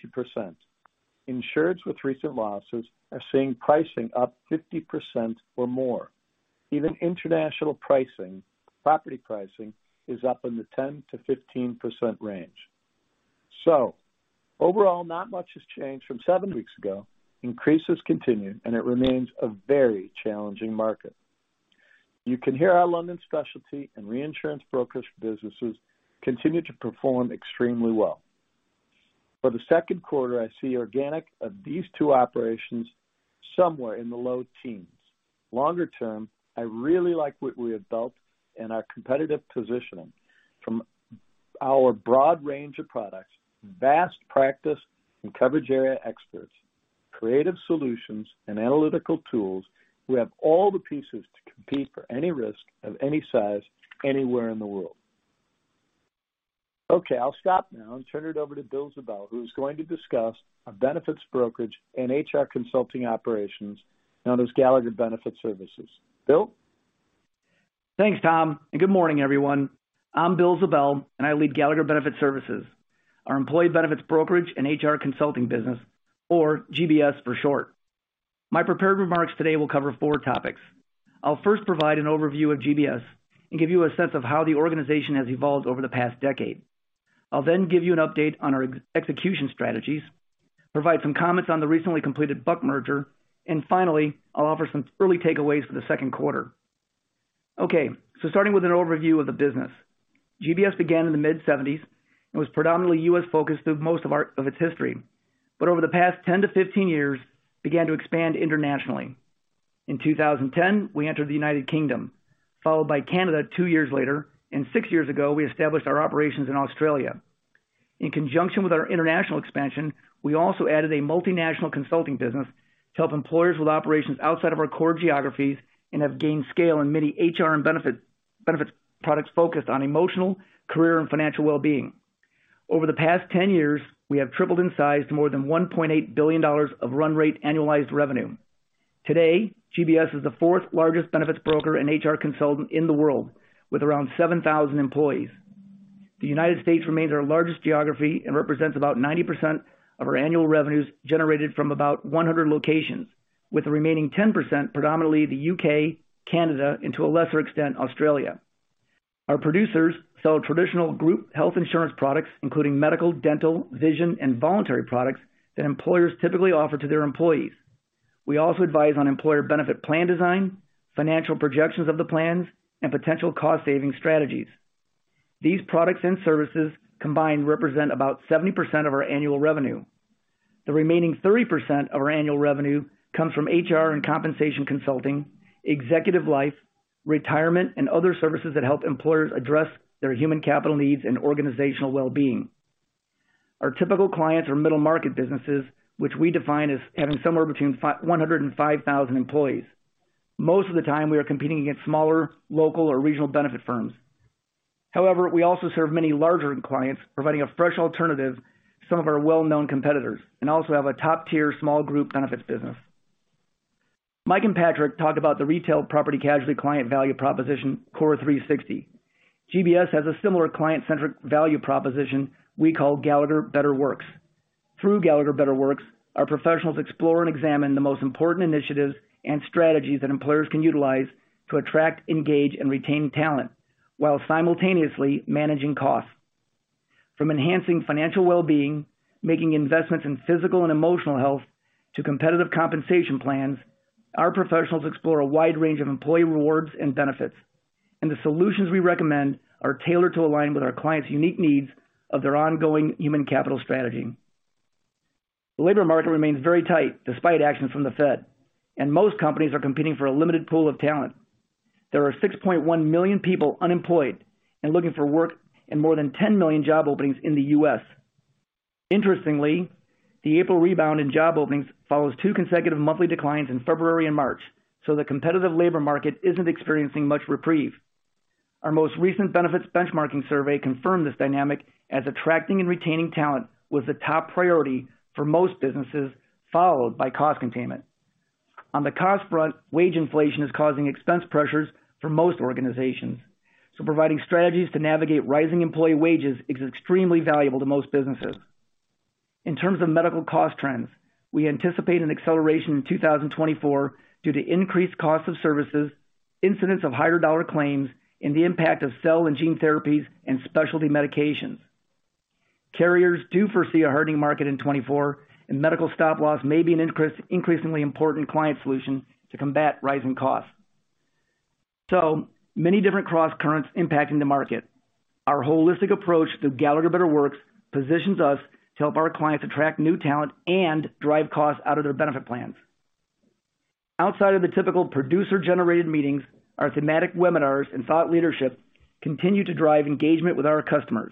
Speaker 6: Insureds with recent losses are seeing pricing up 50% or more. International pricing, property pricing, is up in the 10%-15% range. Overall, not much has changed from seven weeks ago. Increases continue, and it remains a very challenging market. You can hear our London specialty and reinsurance brokerage businesses continue to perform extremely well. For the second quarter, I see organic of these two operations somewhere in the low teens. Longer term, I really like what we have built and our competitive positioning. From our broad range of products, vast practice and coverage area experts, creative solutions, and analytical tools, we have all the pieces to compete for any risk of any size, anywhere in the world. Okay, I'll stop now and turn it over to Bill Ziebell, who's going to discuss our benefits brokerage and HR consulting operations, known as Gallagher Benefit Services. Bill?
Speaker 7: Thanks, Tom. Good morning, everyone. I'm Bill Ziebell. I lead Gallagher Benefit Services, our employee benefits brokerage and HR consulting business, or GBS for short. My prepared remarks today will cover four topics. I'll first provide an overview of GBS and give you a sense of how the organization has evolved over the past decade. I'll then give you an update on our execution strategies, provide some comments on the recently completed Buck merger. Finally, I'll offer some early takeaways for the second quarter. Okay, starting with an overview of the business. GBS began in the mid-1970s and was predominantly U.S.-focused through most of its history. Over the past 10-15 years, began to expand internationally. In 2010, we entered the United Kingdom, followed by Canada two years later, and six years ago, we established our operations in Australia. In conjunction with our international expansion, we also added a multinational consulting business to help employers with operations outside of our core geographies and have gained scale in many HR and benefits products focused on emotional, career, and financial well-being. Over the past 10 years, we have tripled in size to more than $1.8 billion of run rate annualized revenue. Today, GBS is the 4th largest benefits broker and HR consultant in the world, with around 7,000 employees. The United States remains our largest geography and represents about 90% of our annual revenues generated from about 100 locations, with the remaining 10% predominantly the U.K., Canada, and to a lesser extent, Australia. Our producers sell traditional group health insurance products, including medical, dental, vision, and voluntary products, that employers typically offer to their employees. We also advise on employer benefit plan design, financial projections of the plans, and potential cost-saving strategies. These products and services combined represent about 70% of our annual revenue. The remaining 30% of our annual revenue comes from HR and compensation consulting, executive life, retirement, and other services that help employers address their human capital needs and organizational well-being. Our typical clients are middle-market businesses, which we define as having somewhere between 100 and 5,000 employees. Most of the time, we are competing against smaller, local, or regional benefit firms. However, we also serve many larger clients, providing a fresh alternative to some of our well-known competitors, and also have a top-tier small group benefits business. Mike and Patrick talked about the retail property casualty client value proposition, CORE360. GBS has a similar client-centric value proposition we call Gallagher Better Works. Through Gallagher Better Works, our professionals explore and examine the most important initiatives and strategies that employers can utilize to attract, engage, and retain talent while simultaneously managing costs. From enhancing financial well-being, making investments in physical and emotional health, to competitive compensation plans, our professionals explore a wide range of employee rewards and benefits, and the solutions we recommend are tailored to align with our clients' unique needs of their ongoing human capital strategy. The labor market remains very tight, despite actions from the Fed. Most companies are competing for a limited pool of talent. There are 6.1 million people unemployed and looking for work, and more than 10 million job openings in the U.S. Interestingly, the April rebound in job openings follows two consecutive monthly declines in February and March, the competitive labor market isn't experiencing much reprieve. Our most recent benefits benchmarking survey confirmed this dynamic, as attracting and retaining talent was the top priority for most businesses, followed by cost containment. On the cost front, wage inflation is causing expense pressures for most organizations, so providing strategies to navigate rising employee wages is extremely valuable to most businesses. In terms of medical cost trends, we anticipate an acceleration in 2024 due to increased costs of services, incidents of higher dollar claims, and the impact of cell and gene therapies and specialty medications. Carriers do foresee a hardening market in 2024, medical stop loss may be an increasingly important client solution to combat rising costs. Many different crosscurrents impacting the market. Our holistic approach through Gallagher Better Works positions us to help our clients attract new talent and drive costs out of their benefit plans. Outside of the typical producer-generated meetings, our thematic webinars and thought leadership continue to drive engagement with our customers.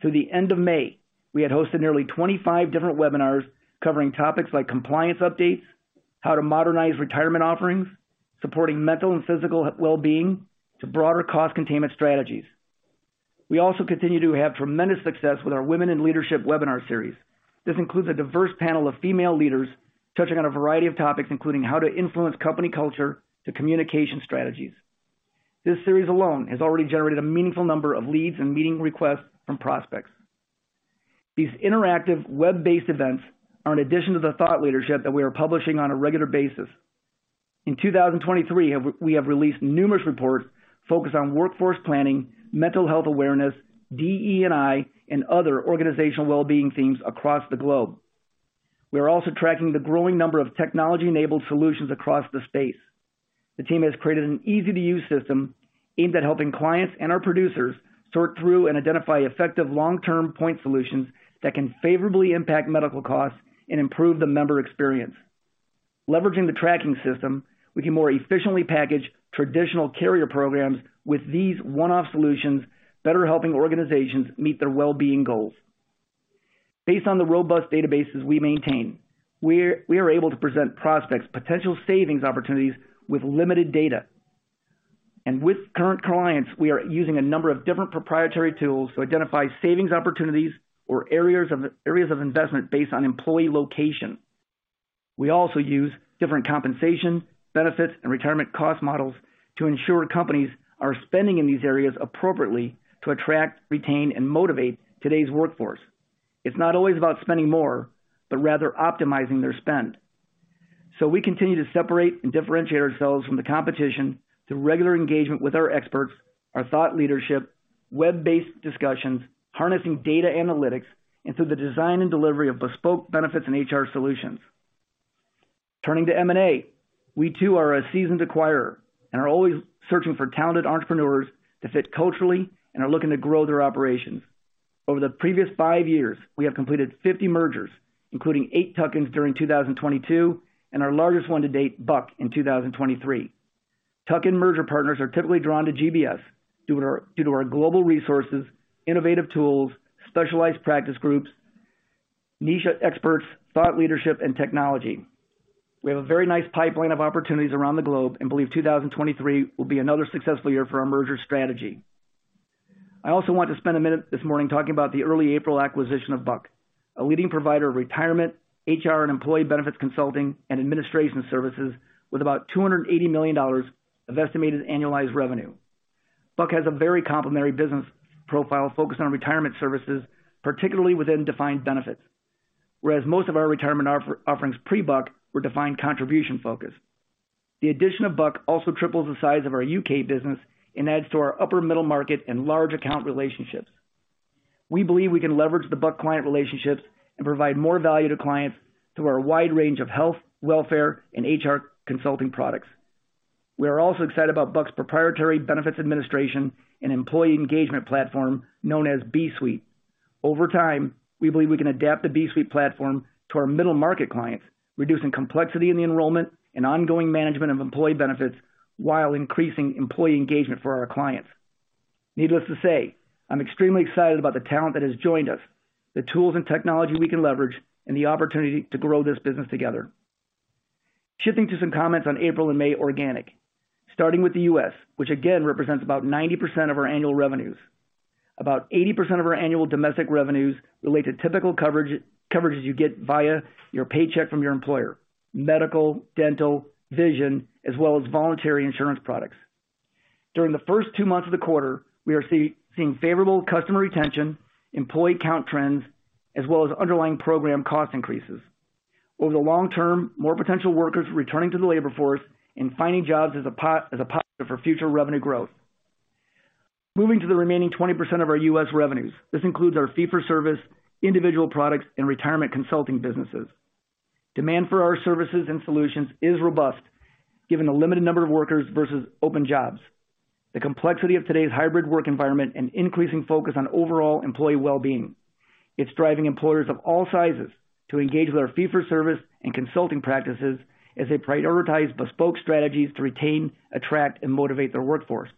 Speaker 7: Through the end of May, we had hosted nearly 25 different webinars covering topics like compliance updates, how to modernize retirement offerings, supporting mental and physical well-being, to broader cost containment strategies. We also continue to have tremendous success with our Women in Leadership webinar series. This includes a diverse panel of female leaders touching on a variety of topics, including how to influence company culture to communication strategies. This series alone has already generated a meaningful number of leads and meeting requests from prospects. These interactive web-based events are an addition to the thought leadership that we are publishing on a regular basis. In 2023, we have released numerous reports focused on workforce planning, mental health awareness, DE&I, and other organizational well-being themes across the globe. We are also tracking the growing number of technology-enabled solutions across the space. The team has created an easy-to-use system aimed at helping clients and our producers sort through and identify effective long-term point solutions that can favorably impact medical costs and improve the member experience. Leveraging the tracking system, we can more efficiently package traditional carrier programs with these one-off solutions, better helping organizations meet their well-being goals. Based on the robust databases we maintain, we are able to present prospects potential savings opportunities with limited data. With current clients, we are using a number of different proprietary tools to identify savings opportunities or areas of investment based on employee location. We also use different compensation, benefits, and retirement cost models to ensure companies are spending in these areas appropriately to attract, retain, and motivate today's workforce. It's not always about spending more, but rather optimizing their spend. We continue to separate and differentiate ourselves from the competition through regular engagement with our experts, our thought leadership, web-based discussions, harnessing data analytics, and through the design and delivery of bespoke benefits and HR solutions. Turning to M&A, we too are a seasoned acquirer and are always searching for talented entrepreneurs to fit culturally and are looking to grow their operations. Over the previous five years, we have completed 50 mergers, including eight tuck-ins during 2022, and our largest one to date, Buck, in 2023. Tuck-in merger partners are typically drawn to GBS, due to our global resources, innovative tools, specialized practice groups, niche experts, thought leadership, and technology. We have a very nice pipeline of opportunities around the globe and believe 2023 will be another successful year for our merger strategy. I also want to spend a minute this morning talking about the early April acquisition of Buck, a leading provider of retirement, HR, and employee benefits consulting and administration services, with about $280 million of estimated annualized revenue. Buck has a very complementary business profile focused on retirement services, particularly within defined benefits, whereas most of our retirement offerings pre-Buck were defined contribution focused. The addition of Buck also triples the size of our U.K. business and adds to our upper middle market and large account relationships. We believe we can leverage the Buck client relationships and provide more value to clients through our wide range of health, welfare, and HR consulting products. We are also excited about Buck's proprietary benefits administration and employee engagement platform, known as bSuite. Over time, we believe we can adapt the bSuite platform to our middle market clients, reducing complexity in the enrollment and ongoing management of employee benefits, while increasing employee engagement for our clients. Needless to say, I'm extremely excited about the talent that has joined us, the tools and technology we can leverage, and the opportunity to grow this business together. Shifting to some comments on April and May organic, starting with the U.S., which again represents about 90% of our annual revenues. About 80% of our annual domestic revenues relate to typical coverage, coverages you get via your paycheck from your employer: medical, dental, vision, as well as voluntary insurance products. During the first two months of the quarter, we are seeing favorable customer retention, employee count trends, as well as underlying program cost increases. Over the long term, more potential workers returning to the labor force and finding jobs is a positive for future revenue growth. Moving to the remaining 20% of our U.S. revenues, this includes our fee-for-service, individual products, and retirement consulting businesses. Demand for our services and solutions is robust, given the limited number of workers versus open jobs, the complexity of today's hybrid work environment, and increasing focus on overall employee well-being. It's driving employers of all sizes to engage with our fee-for-service and consulting practices as they prioritize bespoke strategies to retain, attract, and motivate their workforce.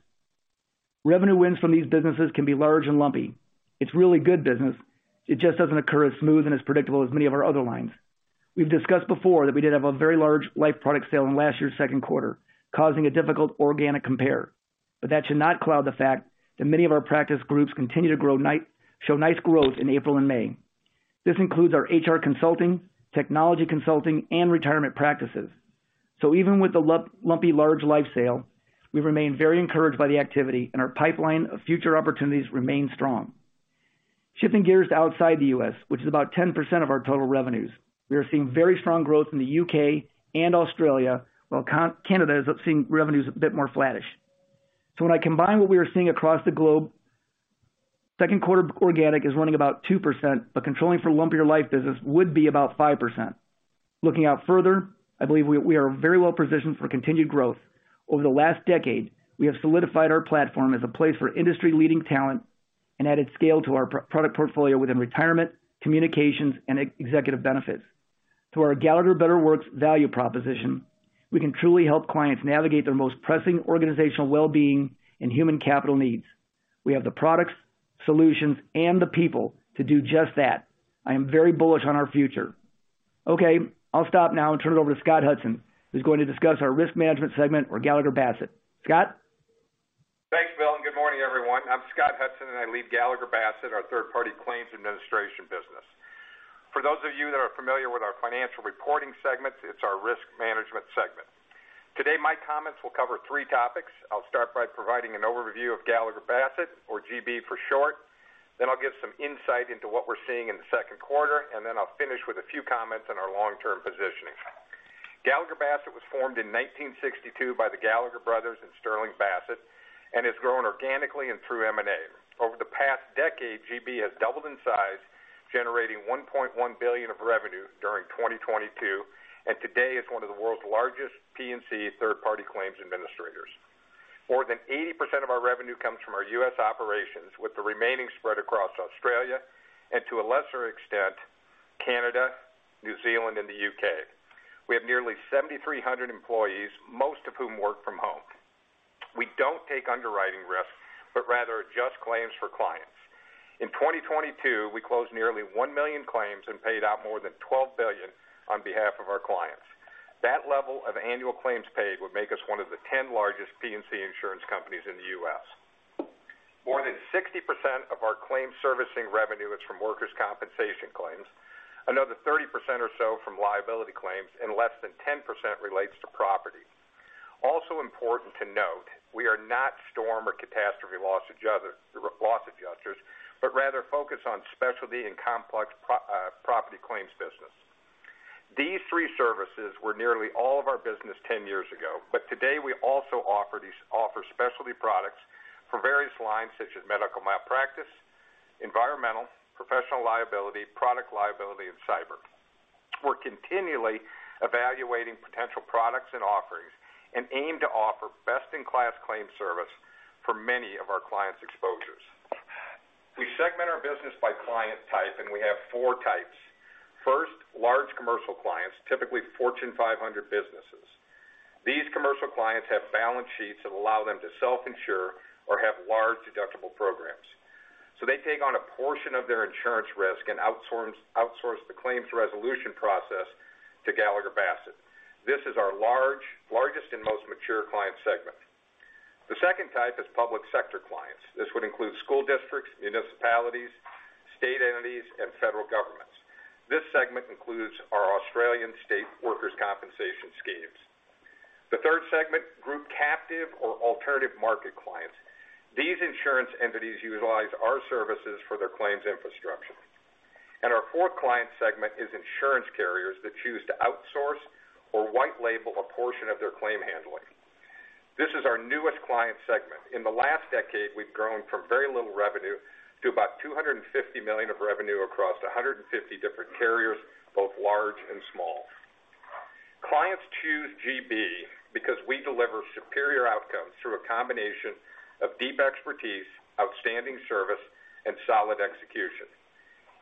Speaker 7: Revenue wins from these businesses can be large and lumpy. It's really good business. It just doesn't occur as smooth and as predictable as many of our other lines. We've discussed before that we did have a very large life product sale in last year's second quarter, causing a difficult organic compare. That should not cloud the fact that many of our practice groups continue to show nice growth in April and May. This includes our HR consulting, technology consulting, and retirement practices. Even with the lumpy large life sale, we remain very encouraged by the activity, and our pipeline of future opportunities remains strong. Shifting gears to outside the U.S., which is about 10% of our total revenues, we are seeing very strong growth in the U.K. and Australia, while Canada is seeing revenues a bit more flattish. When I combine what we are seeing across the globe, second quarter organic is running about 2%, but controlling for lumpier life business would be about 5%. Looking out further, I believe we are very well positioned for continued growth. Over the last decade, we have solidified our platform as a place for industry-leading talent and added scale to our product portfolio within retirement, communications, and executive benefits. Through our Gallagher Better Works value proposition, we can truly help clients navigate their most pressing organizational well-being and human capital needs. We have the products, solutions, and the people to do just that. I am very bullish on our future. Okay, I'll stop now and turn it over to Scott Hudson, who's going to discuss our risk management segment or Gallagher Bassett. Scott?
Speaker 8: Thanks, Bill, good morning, everyone. I'm Scott Hudson, I lead Gallagher Bassett, our third-party claims administration business. For those of you that are familiar with our financial reporting segments, it's our risk management segment. Today, my comments will cover three topics. I'll start by providing an overview of Gallagher Bassett, or GB for short. I'll give some insight into what we're seeing in the second quarter, I'll finish with a few comments on our long-term positioning. Gallagher Bassett was formed in 1962 by the Gallagher brothers and Sterling Bassett, it's grown organically and through M&A. Over the past decade, GB has doubled in size, generating $1.1 billion of revenue during 2022, today is one of the world's largest P&C third-party claims administrators. More than 80% of our revenue comes from our U.S. operations, with the remaining spread across Australia and, to a lesser extent, Canada, New Zealand, and the U.K. We have nearly 7,300 employees, most of whom work from home. We don't take underwriting risk, but rather adjust claims for clients. In 2022, we closed nearly 1 million claims and paid out more than $12 billion on behalf of our clients. That level of annual claims paid would make us one of the 10 largest P&C insurance companies in the U.S. More than 60% of our claims servicing revenue is from workers' compensation claims, another 30% or so from liability claims, and less than 10% relates to property. Important to note, we are not storm or catastrophe loss adjusters, but rather focus on specialty and complex property claims business. These three services were nearly all of our business 10 years ago, but today we also offer specialty products for various lines, such as medical malpractice, environmental, professional liability, product liability, and cyber. We're continually evaluating potential products and offerings and aim to offer best-in-class claims service for many of our clients' exposures. We segment our business by client type, and we have four types. First, large commercial clients, typically Fortune 500 businesses. These commercial clients have balance sheets that allow them to self-insure or have large deductible programs. They take on a portion of their insurance risk and outsource the claims resolution process to Gallagher Bassett. This is our largest and most mature client segment. The second type is public sector clients. This would include school districts, municipalities, state entities, and federal governments. This segment includes our Australian state workers' compensation schemes. The third segment, group captive or alternative market clients. These insurance entities utilize our services for their claims infrastructure. Our fourth client segment is insurance carriers that choose to outsource or white label a portion of their claim handling. This is our newest client segment. In the last decade, we've grown from very little revenue to about $250 million of revenue across 150 different carriers, both large and small. Clients choose GB because we deliver superior outcomes through a combination of deep expertise, outstanding service, and solid execution.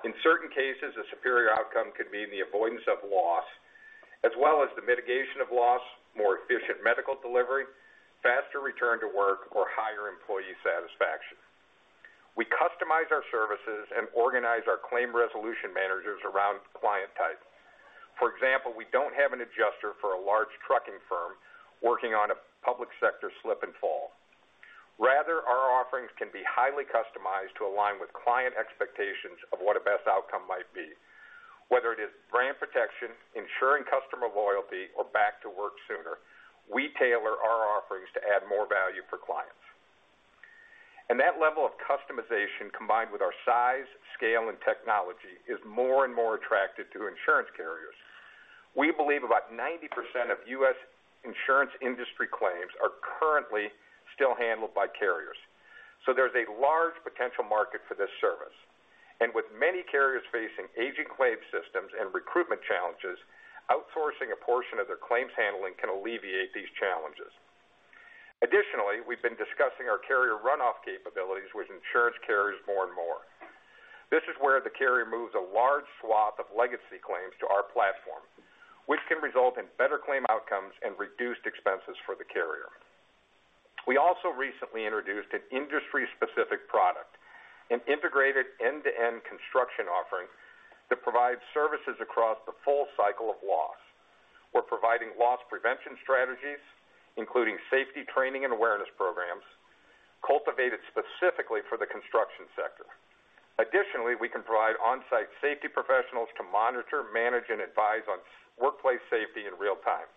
Speaker 8: In certain cases, a superior outcome could mean the avoidance of loss, as well as the mitigation of loss, more efficient medical delivery, faster return to work, or higher employee satisfaction. We customize our services and organize our claim resolution managers around client type. For example, we don't have an adjuster for a large trucking firm working on a public sector slip and fall. Rather, our offerings can be highly customized to align with client expectations of what a best outcome might be. Whether it is brand protection, ensuring customer loyalty, or back to work sooner, we tailor our offerings to add more value for clients. That level of customization, combined with our size, scale, and technology, is more and more attractive to insurance carriers. We believe about 90% of U.S. insurance industry claims are currently still handled by carriers, so there's a large potential market for this service. With many carriers facing aging claim systems and recruitment challenges, outsourcing a portion of their claims handling can alleviate these challenges. Additionally, we've been discussing our carrier runoff capabilities with insurance carriers more and more. This is where the carrier moves a large swath of legacy claims to our platform, which can result in better claim outcomes and reduced expenses for the carrier. We also recently introduced an industry-specific product, an integrated end-to-end construction offering that provides services across the full cycle of loss. We're providing loss prevention strategies, including safety training and awareness programs, cultivated specifically for the construction sector. Additionally, we can provide on-site safety professionals to monitor, manage, and advise on workplace safety in real time.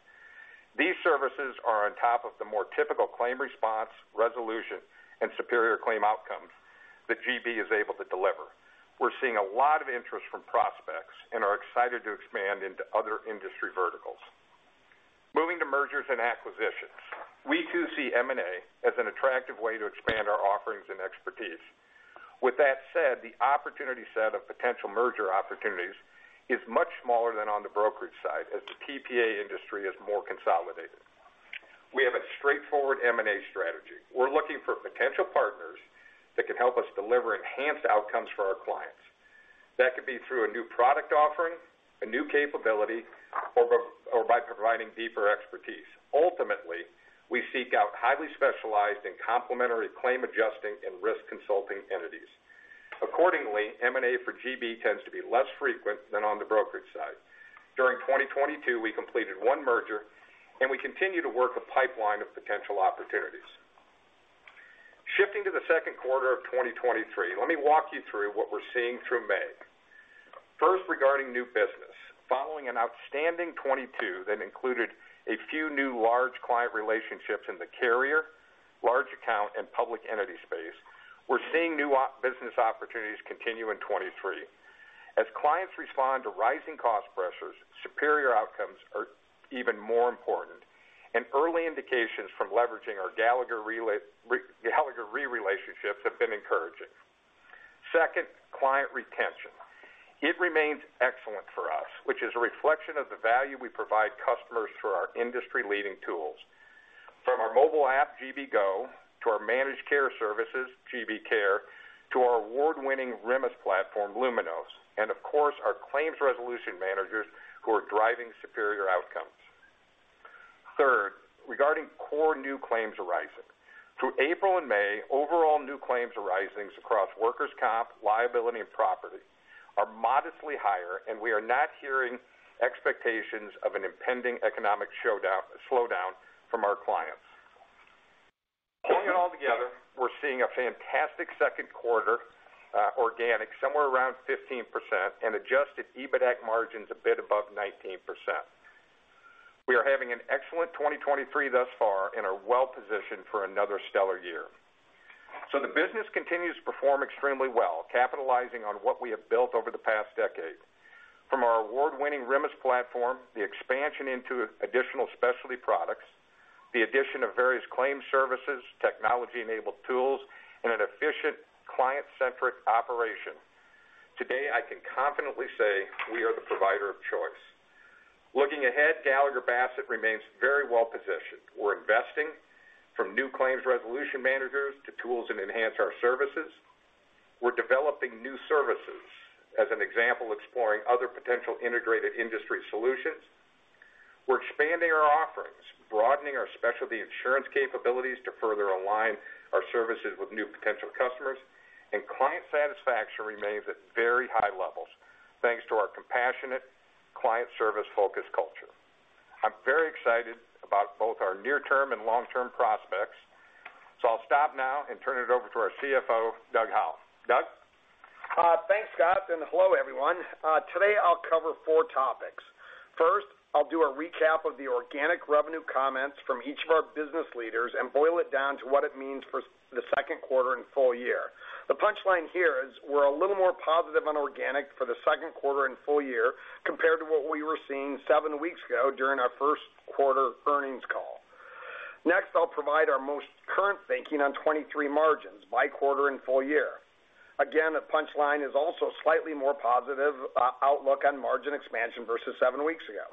Speaker 8: These services are on top of the more typical claim response, resolution, and superior claim outcomes that GB is able to deliver. We're seeing a lot of interest from prospects and are excited to expand into other industry verticals. Moving to mergers and acquisitions, we, too, see M&A as an attractive way to expand our offerings and expertise. With that said, the opportunity set of potential merger opportunities is much smaller than on the brokerage side, as the TPA industry is more consolidated. We have a straightforward M&A strategy. We're looking for potential partners that can help us deliver enhanced outcomes for our clients. That could be through a new product offering, a new capability, or by providing deeper expertise. Ultimately, we seek out highly specialized and complementary claim adjusting and risk consulting entities. M&A for GB tends to be less frequent than on the brokerage side. During 2022, we completed one merger, and we continue to work a pipeline of potential opportunities. Shifting to the second quarter of 2023, let me walk you through what we're seeing through May. First, regarding new business, following an outstanding 2022 that included a few new large client relationships in the carrier, large account, and public entity space, we're seeing new business opportunities continue in 2023. As clients respond to rising cost pressures, superior outcomes are even more important, and early indications from leveraging our Gallagher Re relationships have been encouraging. Second, client retention. It remains excellent for us, which is a reflection of the value we provide customers through our industry-leading tools. From our mobile app, GBGO, to our managed care services, GBCARE, to our award-winning RMIS platform, Luminos, and of course, our claims resolution managers, who are driving superior outcomes. Third, regarding core new claims arising. Through April and May, overall new claims arisings across workers' comp, liability, and property are modestly higher, and we are not hearing expectations of an impending economic slowdown from our clients. Taking it all together, we're seeing a fantastic second quarter, organic, somewhere around 15%, and adjusted EBITAC margins a bit above 19%. We are having an excellent 2023 thus far and are well-positioned for another stellar year. The business continues to perform extremely well, capitalizing on what we have built over the past decade. From our award-winning RMIS platform, the expansion into additional specialty products, the addition of various claims services, technology-enabled tools, and an efficient, client-centric operation, today, I can confidently say we are the provider of choice. Looking ahead, Gallagher Bassett remains very well-positioned. We're investing from new claims resolution managers to tools that enhance our services. We're developing new services, as an example, exploring other potential integrated industry solutions. We're expanding our offerings, broadening our specialty insurance capabilities to further align our services with new potential customers. Client satisfaction remains at very high levels, thanks to our compassionate, client service-focused culture. I'm very excited about both our near-term and long-term prospects. I'll stop now and turn it over to our CFO, Doug Howell. Doug?
Speaker 9: Thanks, Scott, hello, everyone. Today, I'll cover four topics. First, I'll do a recap of the organic revenue comments from each of our business leaders and boil it down to what it means for the second quarter and full year. The punchline here is we're a little more positive on organic for the second quarter and full year compared to what we were seeing seven weeks ago during our first quarter earnings call. I'll provide our most current thinking on 2023 margins by quarter and full year. The punchline is also slightly more positive outlook on margin expansion versus seven weeks ago.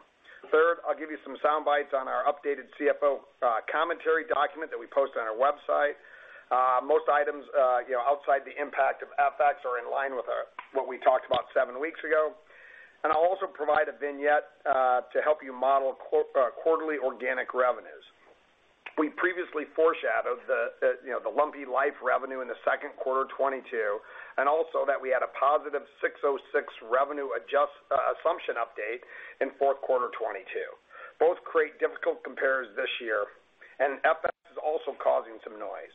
Speaker 9: Third, I'll give you some sound bites on our updated CFO commentary document that we post on our website. Most items, you know, outside the impact of FX are in line with what we talked about seven weeks ago. I'll also provide a vignette to help you model quarterly organic revenues. We previously foreshadowed the, you know, the lumpy life revenue in the second quarter 2022, and also that we had a +606 revenue assumption update in fourth quarter 2022. Both create difficult compares this year. FX is also causing some noise.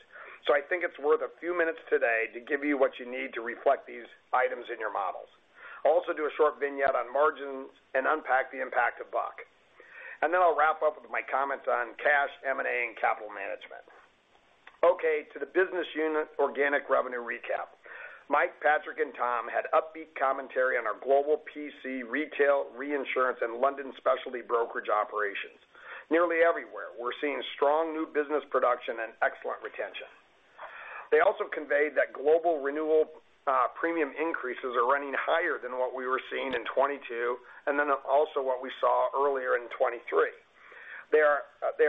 Speaker 9: I think it's worth a few minutes today to give you what you need to reflect these items in your models. I'll also do a short vignette on margins and unpack the impact of Buck. I'll wrap up with my comments on cash, M&A, and capital management. Okay, to the business unit organic revenue recap. Mike Pesch, Patrick, and Tom had upbeat commentary on our global PC, retail, reinsurance, and London specialty brokerage operations. Nearly everywhere, we're seeing strong new business production and excellent retention. They also conveyed that global renewal premium increases are running higher than what we were seeing in 2022, and then also what we saw earlier in 2023. They are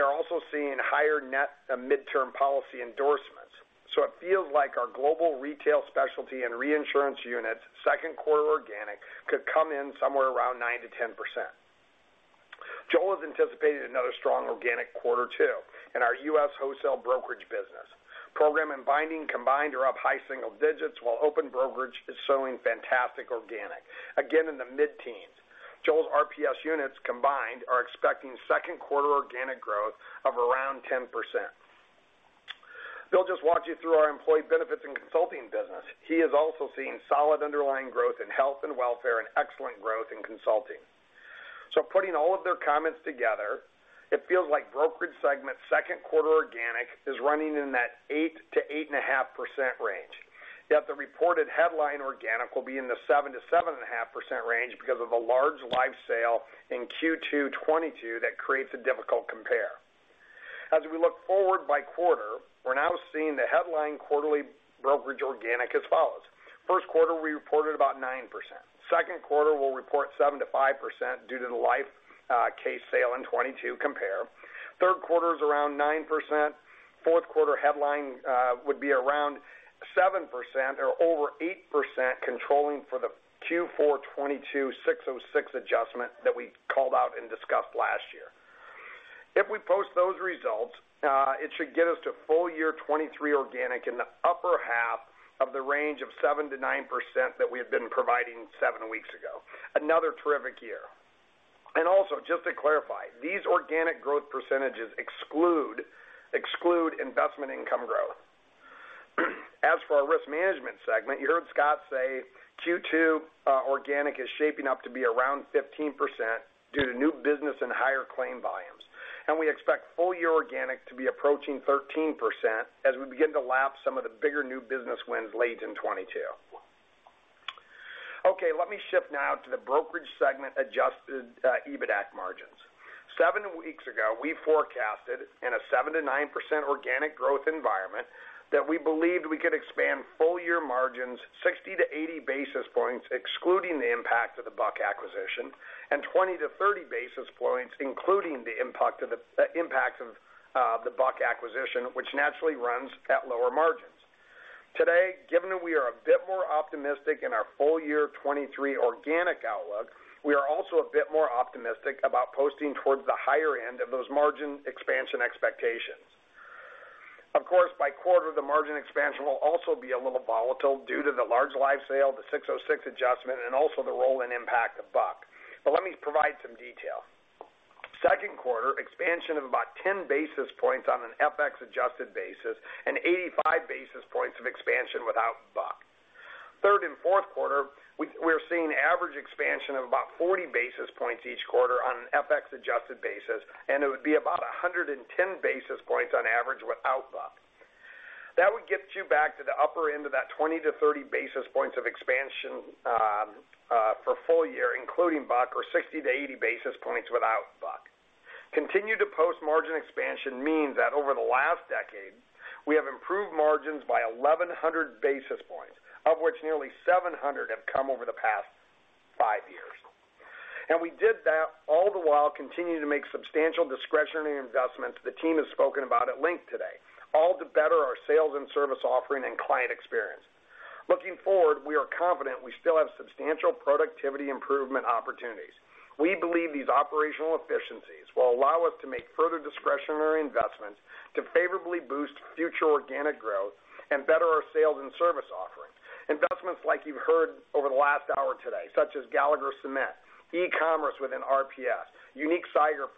Speaker 9: also seeing higher net midterm policy endorsements. It feels like our global retail specialty and reinsurance units' second quarter organic could come in somewhere around 9%-10%. Joel has anticipated another strong organic quarter, too, in our U.S. wholesale brokerage business. Program and binding combined are up high single digits, while open brokerage is showing fantastic organic, again, in the mid-teens. Joel's RPS units combined are expecting second quarter organic growth of around 10%. Bill Ziebell just walked you through our employee benefits and consulting business. He is also seeing solid underlying growth in health and welfare and excellent growth in consulting. Putting all of their comments together, it feels like brokerage segment second quarter organic is running in that 8%-8.5% range, yet the reported headline organic will be in the 7%-7.5% range because of a large life sale in Q2 2022 that creates a difficult compare. Looking forward by quarter, we're now seeing the headline quarterly brokerage organic as follows: first quarter, we reported about 9%. Second quarter, we'll report 7%-5% due to the life case sale in 2022 compare. Third quarter is around 9%. Fourth quarter headline would be around 7% or over 8%, controlling for the Q4 2022 ASC 606 adjustment that we called out and discussed last year. If we post those results, it should get us to full year 2023 organic in the upper half of the range of 7%-9% that we had been providing seven weeks ago. Another terrific year. Also, just to clarify, these organic growth percentages exclude investment income growth. As for our risk management segment, you heard Scott say Q2 organic is shaping up to be around 15% due to new business and higher claim volumes. We expect full year organic to be approaching 13% as we begin to lap some of the bigger new business wins late in 2022. Let me shift now to the brokerage segment Adjusted EBITDA margins. Seven weeks ago, we forecasted in a 7%-9% organic growth environment that we believed we could expand full year margins 60 to 80 basis points, excluding the impact of the Buck acquisition, and 20 to 30 basis points, including the impact of the Buck acquisition, which naturally runs at lower margins. Today, given that we are a bit more optimistic in our full year 2023 organic outlook, we are also a bit more optimistic about posting towards the higher end of those margin expansion expectations. Of course, by quarter, the margin expansion will also be a little volatile due to the large life sale, the 606 adjustment, and also the role and impact of Buck. Let me provide some detail. Second quarter, expansion of about 10 basis points on an FX adjusted basis and 85 basis points of expansion without Buck. Third and fourth quarter, we're seeing average expansion of about 40 basis points each quarter on an FX adjusted basis, and it would be about 110 basis points on average without Buck. That would get you back to the upper end of that 20-30 basis points of expansion for full year, including Buck, or 60-80 basis points without Buck. Continue to post margin expansion means that over the last decade, we have improved margins by 1,100 basis points, of which nearly 700 have come over the past five years. We did that all the while continuing to make substantial discretionary investments the team has spoken about at length today, all to better our sales and service offering and client experience. Looking forward, we are confident we still have substantial productivity improvement opportunities. We believe these operational efficiencies will allow us to make further discretionary investments to favorably boost future organic growth and better our sales and service offerings. Investments like you've heard over the last hour today, such as Gallagher Connect, e-commerce within RPS, unique cyber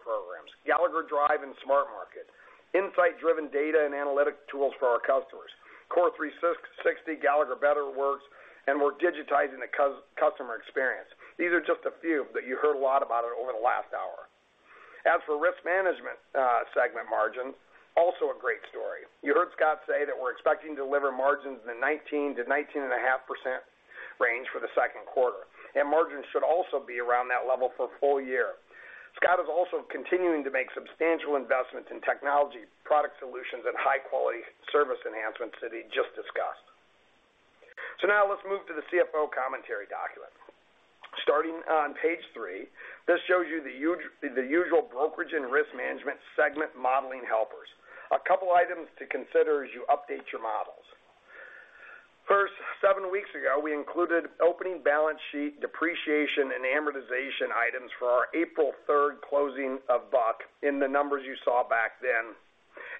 Speaker 9: programs, Gallagher Drive and SmartMarket, insight-driven data and analytic tools for our customers, CORE360, Gallagher Better Works, and we're digitizing the customer experience. These are just a few that you heard a lot about over the last hour. As for risk management, segment margins, also a great story. You heard Scott say that we're expecting to deliver margins in the 19%-19.5% range for the second quarter. Margins should also be around that level for full year. Scott is also continuing to make substantial investments in technology, product solutions, and high-quality service enhancements that he just discussed. Now let's move to the CFO commentary document. Starting on page three, this shows you the usual brokerage and risk management segment modeling helpers. A couple items to consider as you update your models. Seven weeks ago, we included opening balance sheet, depreciation, and amortization items for our April 3rd closing of Buck in the numbers you saw back then.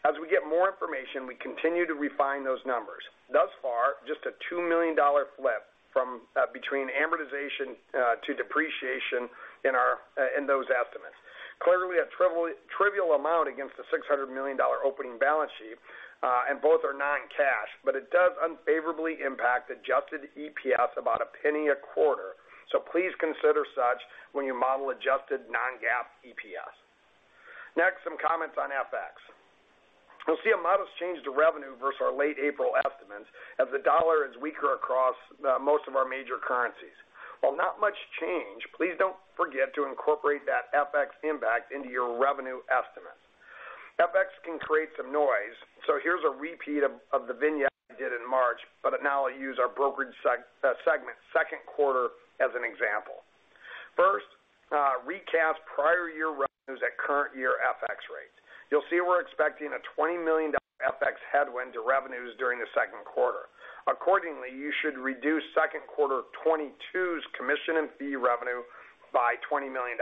Speaker 9: As we get more information, we continue to refine those numbers. Thus far, just a $2 million flip from between amortization to depreciation in our in those estimates. Clearly, a trivial amount against the $600 million opening balance sheet, both are non-cash, but it does unfavorably impact adjusted EPS about a penny a quarter. Please consider such when you model adjusted non-GAAP EPS. Next, some comments on FX. We'll see a modest change to revenue versus our late April estimates, as the dollar is weaker across most of our major currencies. While not much change, please don't forget to incorporate that FX impact into your revenue estimates. FX can create some noise, here's a repeat of the vignette we did in March, but now I'll use our brokerage segment second quarter as an example. First, recast prior year revenues at current year FX rates. You'll see we're expecting a $20 million FX headwind to revenues during the second quarter. Accordingly, you should reduce second quarter 2022's commission and fee revenue by $20 million.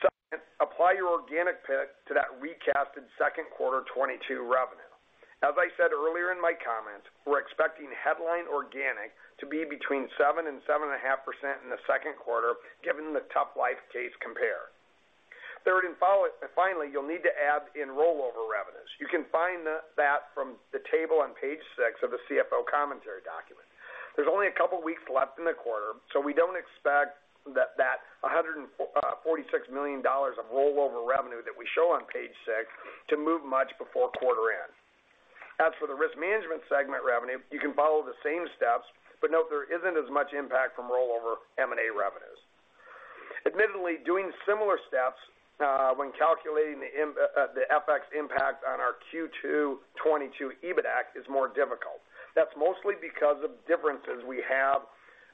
Speaker 9: Second, apply your organic pick to that recasted second quarter 2022 revenue. As I said earlier in my comments, we're expecting headline organic to be between 7% and 7.5% in the second quarter, given the tough life case compare. Third, finally, you'll need to add in rollover revenues. You can find that from the table on page six of the CFO commentary document. There's only a couple of weeks left in the quarter, so we don't expect that $146 million of rollover revenue that we show on page six to move much before quarter end. As for the risk management segment revenue, you can follow the same steps, but note there isn't as much impact from rollover M&A revenues. Admittedly, doing similar steps, when calculating the FX impact on our Q2 2022 EBITDA is more difficult. That's mostly because of differences we have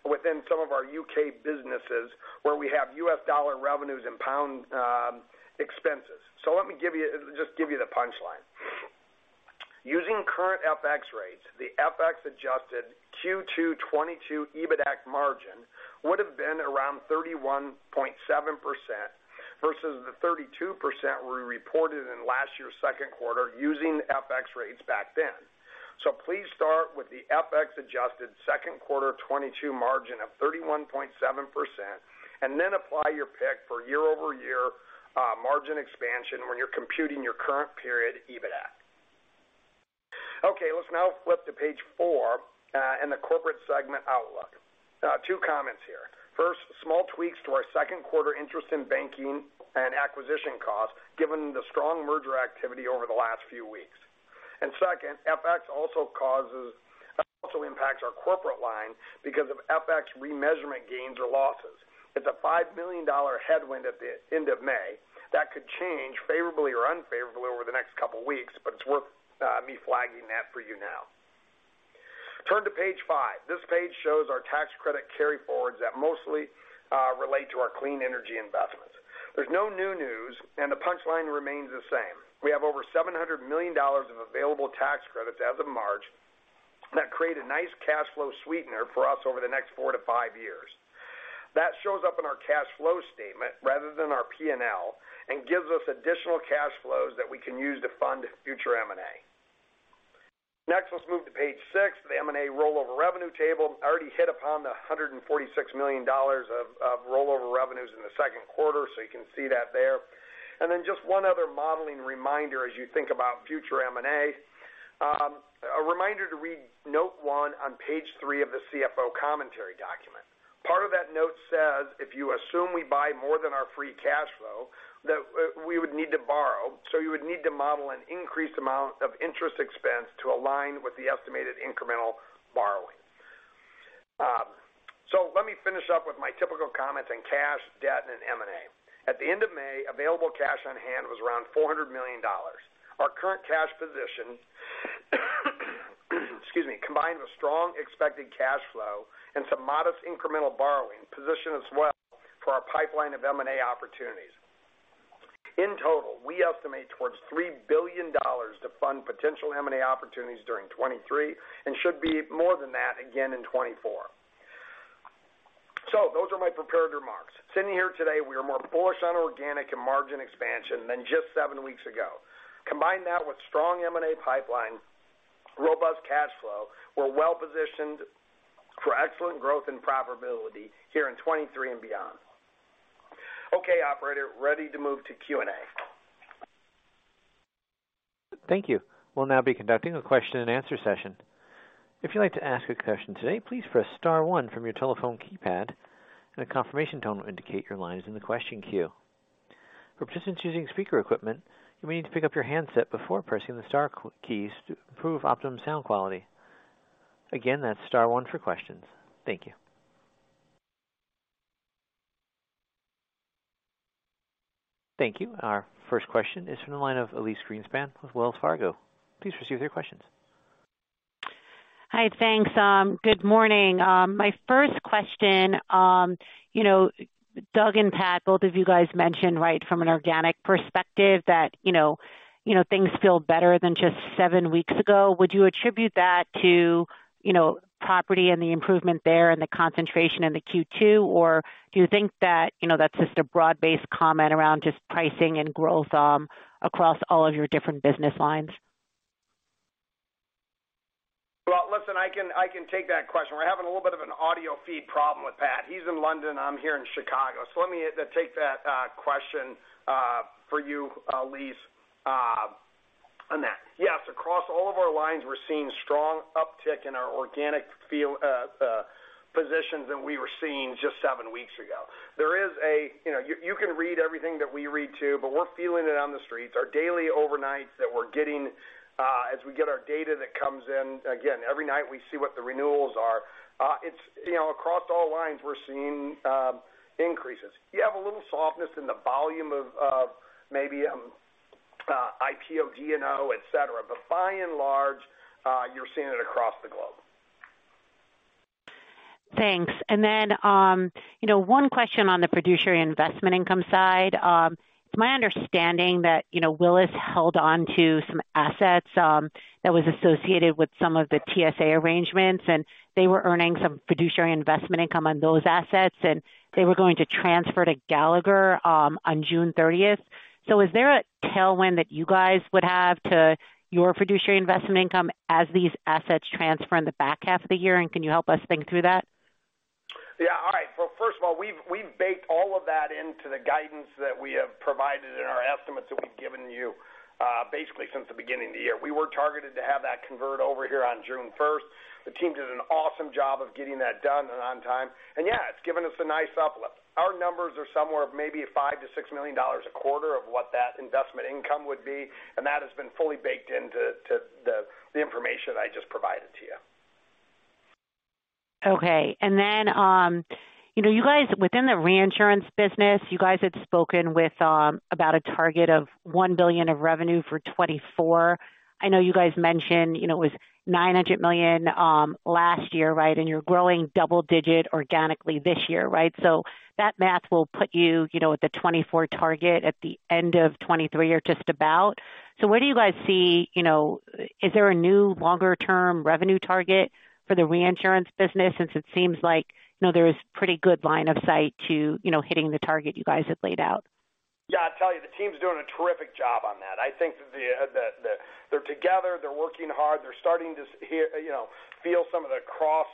Speaker 9: within some of our U.K. businesses, where we have US dollar revenues and GBP expenses. Let me give you the punchline. Using current FX rates, the FX adjusted Q2 2022 EBITDA margin would have been around 31.7% versus the 32% we reported in last year's second quarter using FX rates back then. Please start with the FX-adjusted second quarter 2022 margin of 31.7%, and then apply your pick for year-over-year margin expansion when you're computing your current period EBITDA. Let's now flip to page four and the corporate segment outlook. Two comments here. First, small tweaks to our second quarter interest in banking and acquisition costs, given the strong merger activity over the last few weeks. Second, FX also impacts our corporate line because of FX remeasurement gains or losses. It's a $5 million headwind at the end of May. That could change favorably or unfavorably over the next couple of weeks, but it's worth me flagging that for you now. Turn to page five. This page shows our tax credit carryforwards that mostly relate to our clean energy investments. There's no new news, and the punchline remains the same. We have over $700 million of available tax credits as of March, that create a nice cash flow sweetener for us over the next four to five years. That shows up in our cash flow statement rather than our P&L, and gives us additional cash flows that we can use to fund future M&A. Let's move to page six, the M&A rollover revenue table. I already hit upon the $146 million of rollover revenues in the second quarter, so you can see that there. Just one other modeling reminder as you think about future M&A. A reminder to read note one on page three of the CFO commentary document. Part of that note says, "If you assume we buy more than our free cash flow, that we would need to borrow, so you would need to model an increased amount of interest expense to align with the estimated incremental borrowing." Let me finish up with my typical comments on cash, debt, and M&A. At the end of May, available cash on hand was around $400 million. Our current cash position, excuse me, combined with strong expected cash flow and some modest incremental borrowing, positioned us well for our pipeline of M&A opportunities. In total, we estimate towards $3 billion to fund potential M&A opportunities during 2023. Should be more than that again in 2024. Those are my prepared remarks. Sitting here today, we are more bullish on organic and margin expansion than just seven weeks ago. Combine that with strong M&A pipeline, robust cash flow, we're well-positioned for excellent growth and profitability here in 2023 and beyond. Okay, operator, ready to move to Q&A.
Speaker 1: Thank you. We'll now be conducting a question-and-answer session. If you'd like to ask a question today, please press star one from your telephone keypad, and a confirmation tone will indicate your line is in the question queue. For participants using speaker equipment, you may need to pick up your handset before pressing the star keys to improve optimum sound quality. Again, that's star one for questions. Thank you. Our first question is from the line of Elyse Greenspan with Wells Fargo. Please proceed with your questions.
Speaker 10: Hi, thanks. Good morning. My first question. You know, Doug and Pat, both of you guys mentioned, right, from an organic perspective that, you know, things feel better than just seven weeks ago. Would you attribute that to, you know, property and the improvement there and the concentration in the Q2? Do you think that, you know, that's just a broad-based comment around just pricing and growth, across all of your different business lines?
Speaker 9: Well, listen, I can take that question. We're having a little bit of an audio feed problem with Pat. He's in London, I'm here in Chicago. Let me take that question for you Elyse on that. Yes, across all of our lines, we're seeing strong uptick in our organic feel positions than we were seeing just seven weeks ago. There is a. You know, you can read everything that we read, too, but we're feeling it on the streets. Our daily overnights that we're getting as we get our data that comes in, again, every night, we see what the renewals are. It's, you know, across all lines, we're seeing increases. You have a little softness in the volume of maybe IPO, D&O, et cetera. By and large, you're seeing it across the globe.
Speaker 10: Thanks. Then, you know, one question on the fiduciary investment income side. It's my understanding that, you know, Willis held on to some assets that was associated with some of the TSA arrangements, and they were earning some fiduciary investment income on those assets, and they were going to transfer to Gallagher on June 30th. Is there a tailwind that you guys would have to your fiduciary investment income as these assets transfer in the back half of the year, and can you help us think through that?
Speaker 9: Yeah. All right. Well, first of all, we've baked all of that into the guidance that we have provided in our estimates that we've given you, basically since the beginning of the year. We were targeted to have that convert over here on June 1st. The team did an awesome job of getting that done and on time. Yeah, it's given us a nice uplift. Our numbers are somewhere of maybe $5 million-$6 million a quarter of what that investment income would be, and that has been fully baked into the information I just provided to you.
Speaker 10: Okay. You know, you guys, within the reinsurance business, you guys had spoken with about a target of $1 billion of revenue for 2024. I know you guys mentioned, you know, it was $900 million last year, right? You're growing double-digit organically this year, right? That math will put you know, at the 2024 target at the end of 2023 or just about. Where do you guys see, you know, is there a new longer-term revenue target for the reinsurance business, since it seems like, you know, there is pretty good line of sight to, you know, hitting the target you guys have laid out?
Speaker 9: Yeah, I'll tell you, the team's doing a terrific job on that. I think they're together, they're working hard, they're starting to hear, you know, feel some of the cross,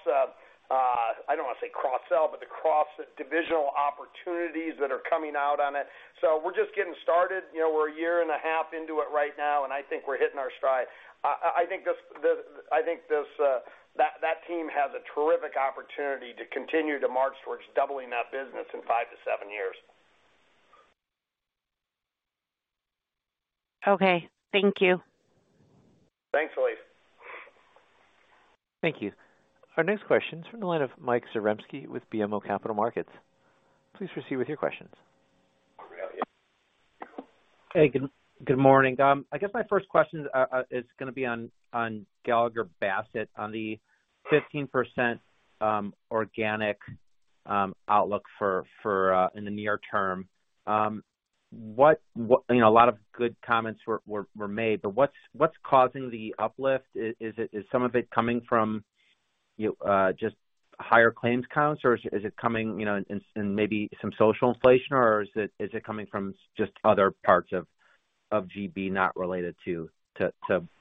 Speaker 9: I don't want to say cross-sell, but the cross-divisional opportunities that are coming out on it. We're just getting started. You know, we're a year and a half into it right now, and I think we're hitting our stride. I think this, uh, that team has a terrific opportunity to continue to march towards doubling that business in 5-7 years.
Speaker 10: Okay, thank you.
Speaker 9: Thanks, Elyse.
Speaker 1: Thank you. Our next question is from the line of Mike Zarembski with BMO Capital Markets. Please proceed with your questions.
Speaker 11: Hey, good morning. I guess my first question is going to be on Gallagher Bassett on the 15% organic outlook for in the near term. What, you know, a lot of good comments were made, but what's causing the uplift? Is some of it coming from just higher claims counts, or is it coming, you know, and maybe some social inflation, or is it coming from just other parts of GB not related to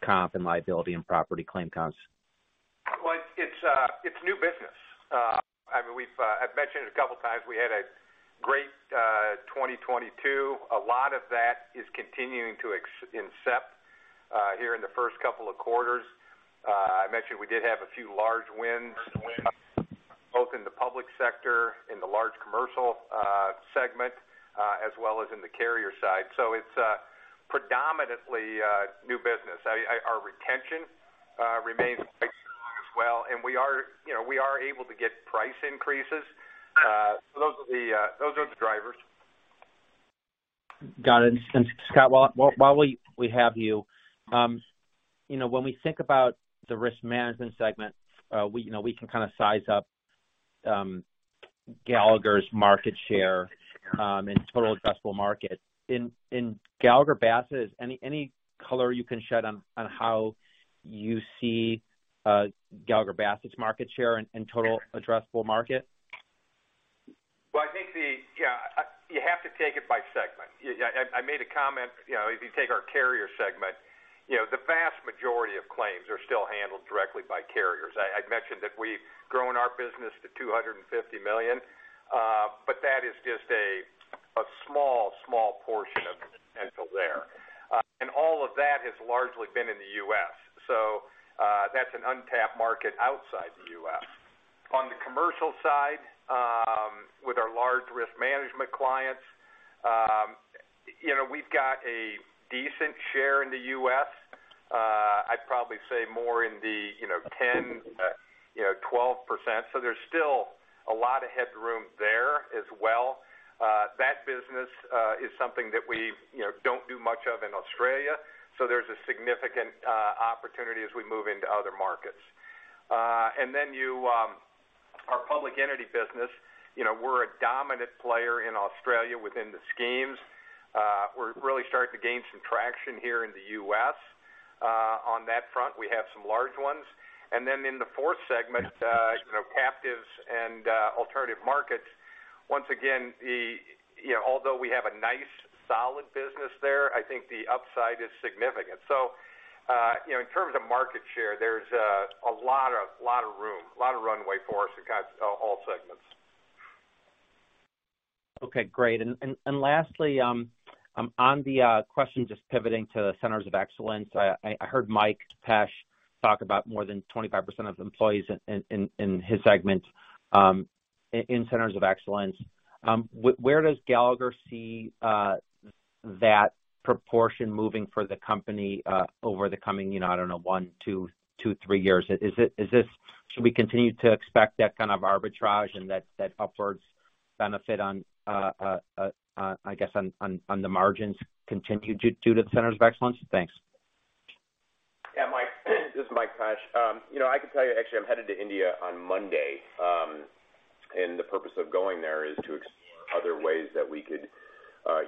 Speaker 11: comp and liability and property claim counts?
Speaker 9: Well, it's new business. I mean, we've mentioned it a couple of times. We had a great 2022. A lot of that is continuing to incept here in the first couple of quarters. I mentioned we did have a few large wins, both in the public sector, in the large commercial segment, as well as in the carrier side. It's predominantly new business. Our retention remains strong as well, and we are, you know, we are able to get price increases. Those are the drivers.
Speaker 11: Got it. Scott, while we have you know, when we think about the risk management segment, we, you know, we can kind of size up Gallagher's market share in total addressable market. In Gallagher Bassett, any color you can shed on how you see Gallagher Bassett's market share in total addressable market?
Speaker 9: Well, I think the yeah, you have to take it by segment. Yeah, I made a comment, you know, if you take our carrier segment, you know, the vast majority of claims are still handled directly by carriers. I mentioned that we've grown our business to $250 million, but that is just a small portion of the potential there. All of that has largely been in the U.S., so that's an untapped market outside the U.S. On the commercial side, with our large risk management clients, you know, we've got a decent share in the U.S., probably say more in the, you know, 10%, you know, 12%. There's still a lot of headroom there as well. That business is something that we, you know, don't do much of in Australia, so there's a significant opportunity as we move into other markets. You, our public entity business, you know, we're a dominant player in Australia within the schemes. We're really starting to gain some traction here in the U.S. On that front, we have some large ones. In the fourth segment, you know, captives and alternative markets, once again, the, you know, although we have a nice, solid business there, I think the upside is significant. You know, in terms of market share, there's a lot of room, a lot of runway for us across all segments.
Speaker 11: Okay, great. Lastly, on the question, just pivoting to the centers of excellence, I heard Mike Pesch talk about more than 25% of employees in his segment in centers of excellence. Where does Gallagher see that proportion moving for the company over the coming, you know, I don't know, one to two, three years? Should we continue to expect that kind of arbitrage and that upwards benefit on, I guess, on the margins continue due to the centers of excellence? Thanks.
Speaker 3: Yeah, Mike, this is Mike Pesch. you know, I can tell you, actually, I'm headed to India on Monday, and the purpose of going there is to explore other ways that we could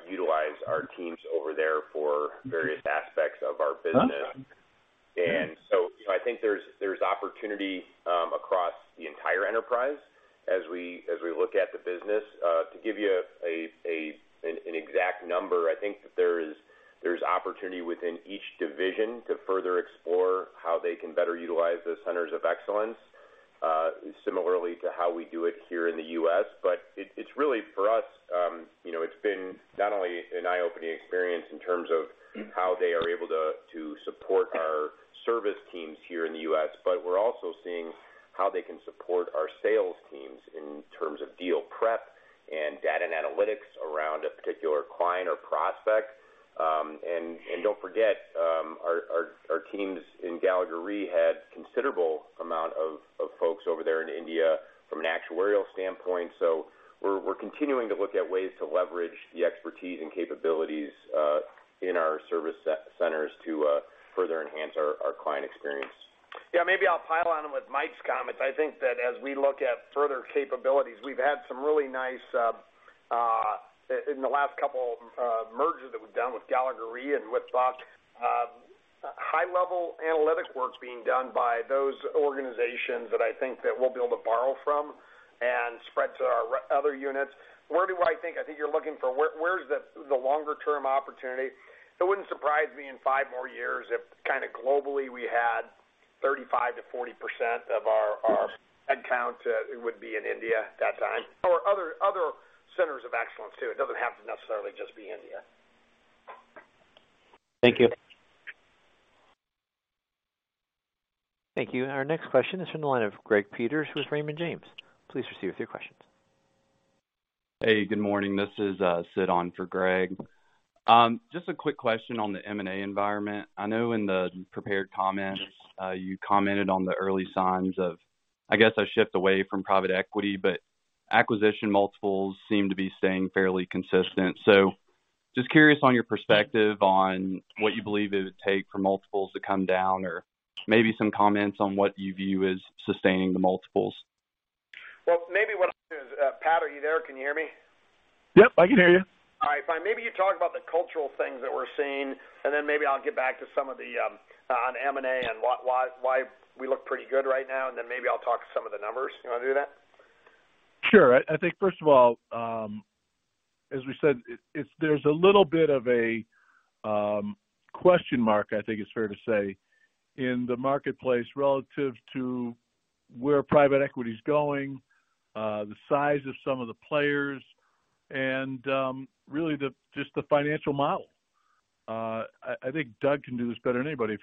Speaker 3: utilize our teams over there for various aspects of our business. I think there's opportunity across the entire enterprise as we look at the business. To give you an exact number, I think that there's opportunity within each division to further explore how they can better utilize the centers of excellence, similarly to how we do it here in the U.S. It's really for us, you know, it's been not only an eye-opening experience in terms of how they are able to support our service teams here in the U.S. We're also seeing how they can support our sales teams in terms of deal prep and data and analytics around a particular client or prospect. Don't forget, our teams in Gallagher Re have considerable amount of folks over there in India from an actuarial standpoint. We're continuing to look at ways to leverage the expertise and capabilities in our service centers to further enhance our client experience.
Speaker 9: Yeah, maybe I'll pile on with Mike's comments. I think that as we look at further capabilities, we've had some really nice in the last couple mergers that we've done with Gallagher Re and with Buck, high-level analytics work is being done by those organizations that I think that we'll be able to borrow from and spread to our other units. Where do I think? I think you're looking for where is the longer term opportunity? It wouldn't surprise me in five more years if kind of globally, we had 35%-40% of our headcount would be in India at that time, or other centers of excellence, too. It doesn't have to necessarily just be India.
Speaker 11: Thank you.
Speaker 1: Thank you. Our next question is from the line of Greg Peters with Raymond James. Please proceed with your questions.
Speaker 12: Hey, good morning. This is Sid on for Greg. Just a quick question on the M&A environment. I know in the prepared comments, you commented on the early signs of, I guess, a shift away from private equity, but acquisition multiples seem to be staying fairly consistent. Just curious on your perspective on what you believe it would take for multiples to come down, or maybe some comments on what you view as sustaining the multiples?
Speaker 9: Well, maybe what I'll do is, Pat, are you there? Can you hear me?
Speaker 2: Yep, I can hear you.
Speaker 9: All right, fine. Maybe you talk about the cultural things that we're seeing, and then maybe I'll get back to some of the, on M&A and why we look pretty good right now, and then maybe I'll talk to some of the numbers. You want to do that?
Speaker 2: Sure. I think first of all, as we said, there's a little bit of a question mark, I think it's fair to say, in the marketplace relative to where private equity is going, the size of some of the players and really the just the financial model. I think Doug can do this better than anybody.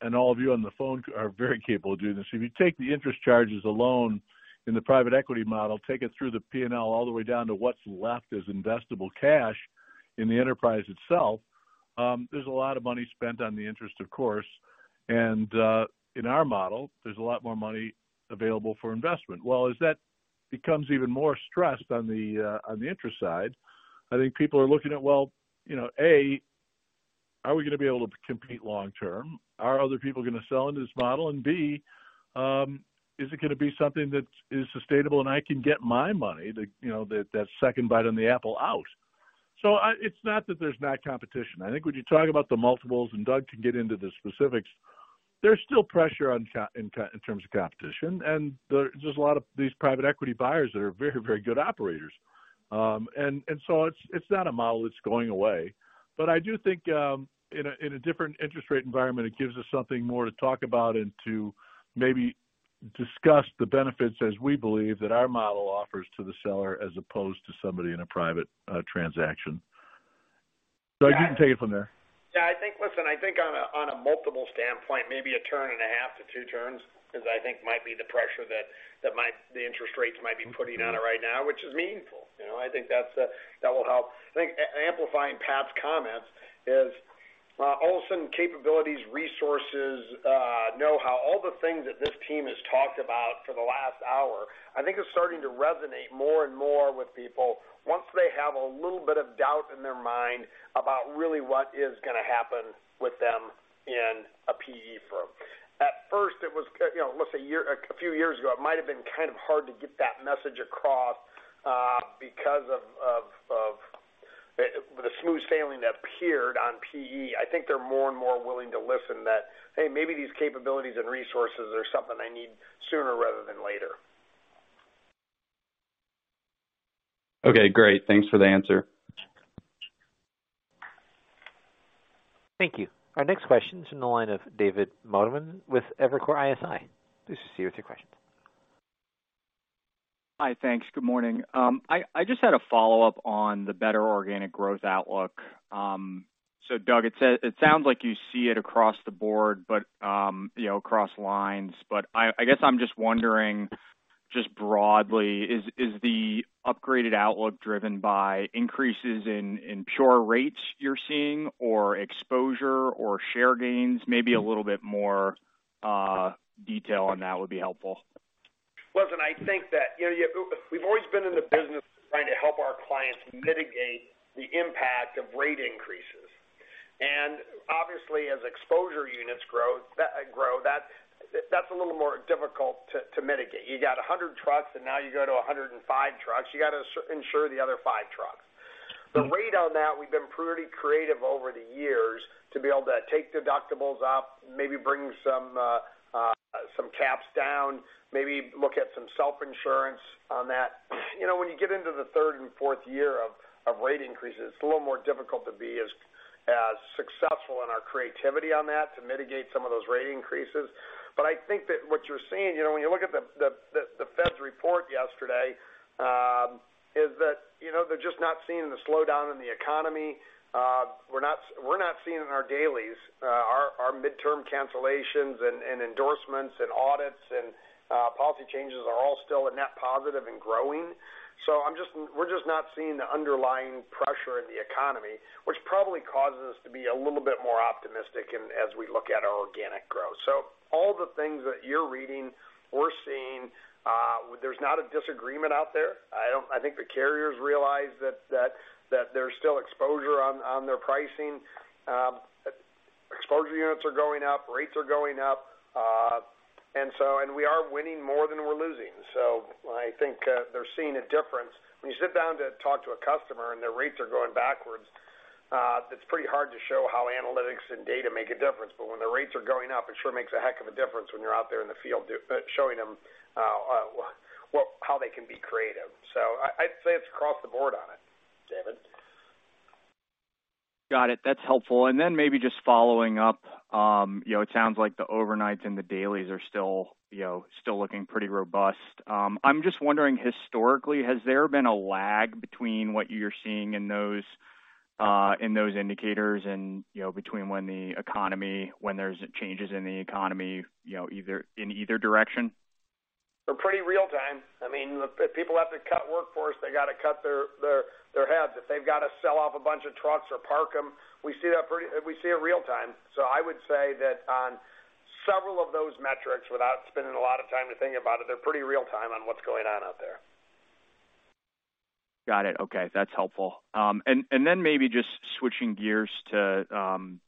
Speaker 2: And all of you on the phone are very capable of doing this. If you take the interest charges alone in the private equity model, take it through the P&L all the way down to what's left, is investable cash in the enterprise itself, there's a lot of money spent on the interest, of course, and in our model, there's a lot more money available for investment. As that becomes even more stressed on the interest side, I think people are looking at, you know, A, are we going to be able to compete long term? Are other people going to sell into this model? B, is it going to be something that is sustainable, and I can get my money, the, you know, that second bite on the apple out? It's not that there's not competition. I think when you talk about the multiples, and Doug can get into the specifics, there's still pressure in terms of competition, and there's a lot of these private equity buyers that are very good operators. It's not a model that's going away. I do think, in a different interest rate environment, it gives us something more to talk about and to maybe discuss the benefits as we believe that our model offers to the seller, as opposed to somebody in a private transaction. Doug, you can take it from there.
Speaker 9: Yeah, I think, listen, I think on a, on a multiple standpoint, maybe a turn and a half to two turns, is I think might be the pressure that the interest rates might be putting on it right now, which is meaningful. You know, I think that's, that will help. I think amplifying Pat's comments is. All of a sudden, capabilities, resources, know-how, all the things that this team has talked about for the last hour, I think is starting to resonate more and more with people once they have a little bit of doubt in their mind about really what is going to happen with them in a PE firm. At first, it was, you know, let's say a few years ago, it might have been kind of hard to get that message across because of the smooth sailing that appeared on PE. I think they're more and more willing to listen that, hey, maybe these capabilities and resources are something I need sooner rather than later.
Speaker 12: Okay, great. Thanks for the answer.
Speaker 1: Thank you. Our next question is in the line of David Motemaden with Evercore ISI. Please proceed with your question.
Speaker 13: Hi, thanks. Good morning. I just had a follow-up on the better organic growth outlook. Doug, it sounds like you see it across the board, you know, across lines. I guess I'm just wondering, just broadly, is the upgraded outlook driven by increases in pure rates you're seeing, or exposure, or share gains? Maybe a little bit more detail on that would be helpful.
Speaker 9: Listen, I think that, you know, we've always been in the business of trying to help our clients mitigate the impact of rate increases. Obviously, as exposure units grow, that's a little more difficult to mitigate. You got 100 trucks, and now you go to 105 trucks, you got to insure the other five trucks. The rate on that, we've been pretty creative over the years to be able to take deductibles up, maybe bring some caps down, maybe look at some self-insurance on that. You know, when you get into the third and fourth year of rate increases, it's a little more difficult to be successful in our creativity on that to mitigate some of those rate increases. I think that what you're seeing, you know, when you look at the Fed's report yesterday, is that, you know, they're just not seeing the slowdown in the economy. We're not seeing it in our dailies, our midterm cancellations and endorsements, and audits, and policy changes are all still a net positive and growing. We're just not seeing the underlying pressure in the economy, which probably causes us to be a little bit more optimistic as we look at our organic growth. All the things that you're reading, we're seeing, there's not a disagreement out there. I think the carriers realize that there's still exposure on their pricing. Exposure units are going up, rates are going up, we are winning more than we're losing. I think, they're seeing a difference. When you sit down to talk to a customer and their rates are going backwards, it's pretty hard to show how analytics and data make a difference. When the rates are going up, it sure makes a heck of a difference when you're out there in the field showing them, well, how they can be creative. I'd say it's across the board on it, David.
Speaker 13: Got it. That's helpful. Then maybe just following up, you know, it sounds like the overnights and the dailies are still, you know, still looking pretty robust. I'm just wondering, historically, has there been a lag between what you're seeing in those in those indicators and, you know, between when the economy when there's changes in the economy, you know, in either direction?
Speaker 9: They're pretty real time. I mean, if people have to cut workforce, they got to cut their heads. If they've got to sell off a bunch of trucks or park them, we see it real time. I would say that on several of those metrics, without spending a lot of time to think about it, they're pretty real time on what's going on out there.
Speaker 13: Got it. Okay, that's helpful. Then maybe just switching gears to,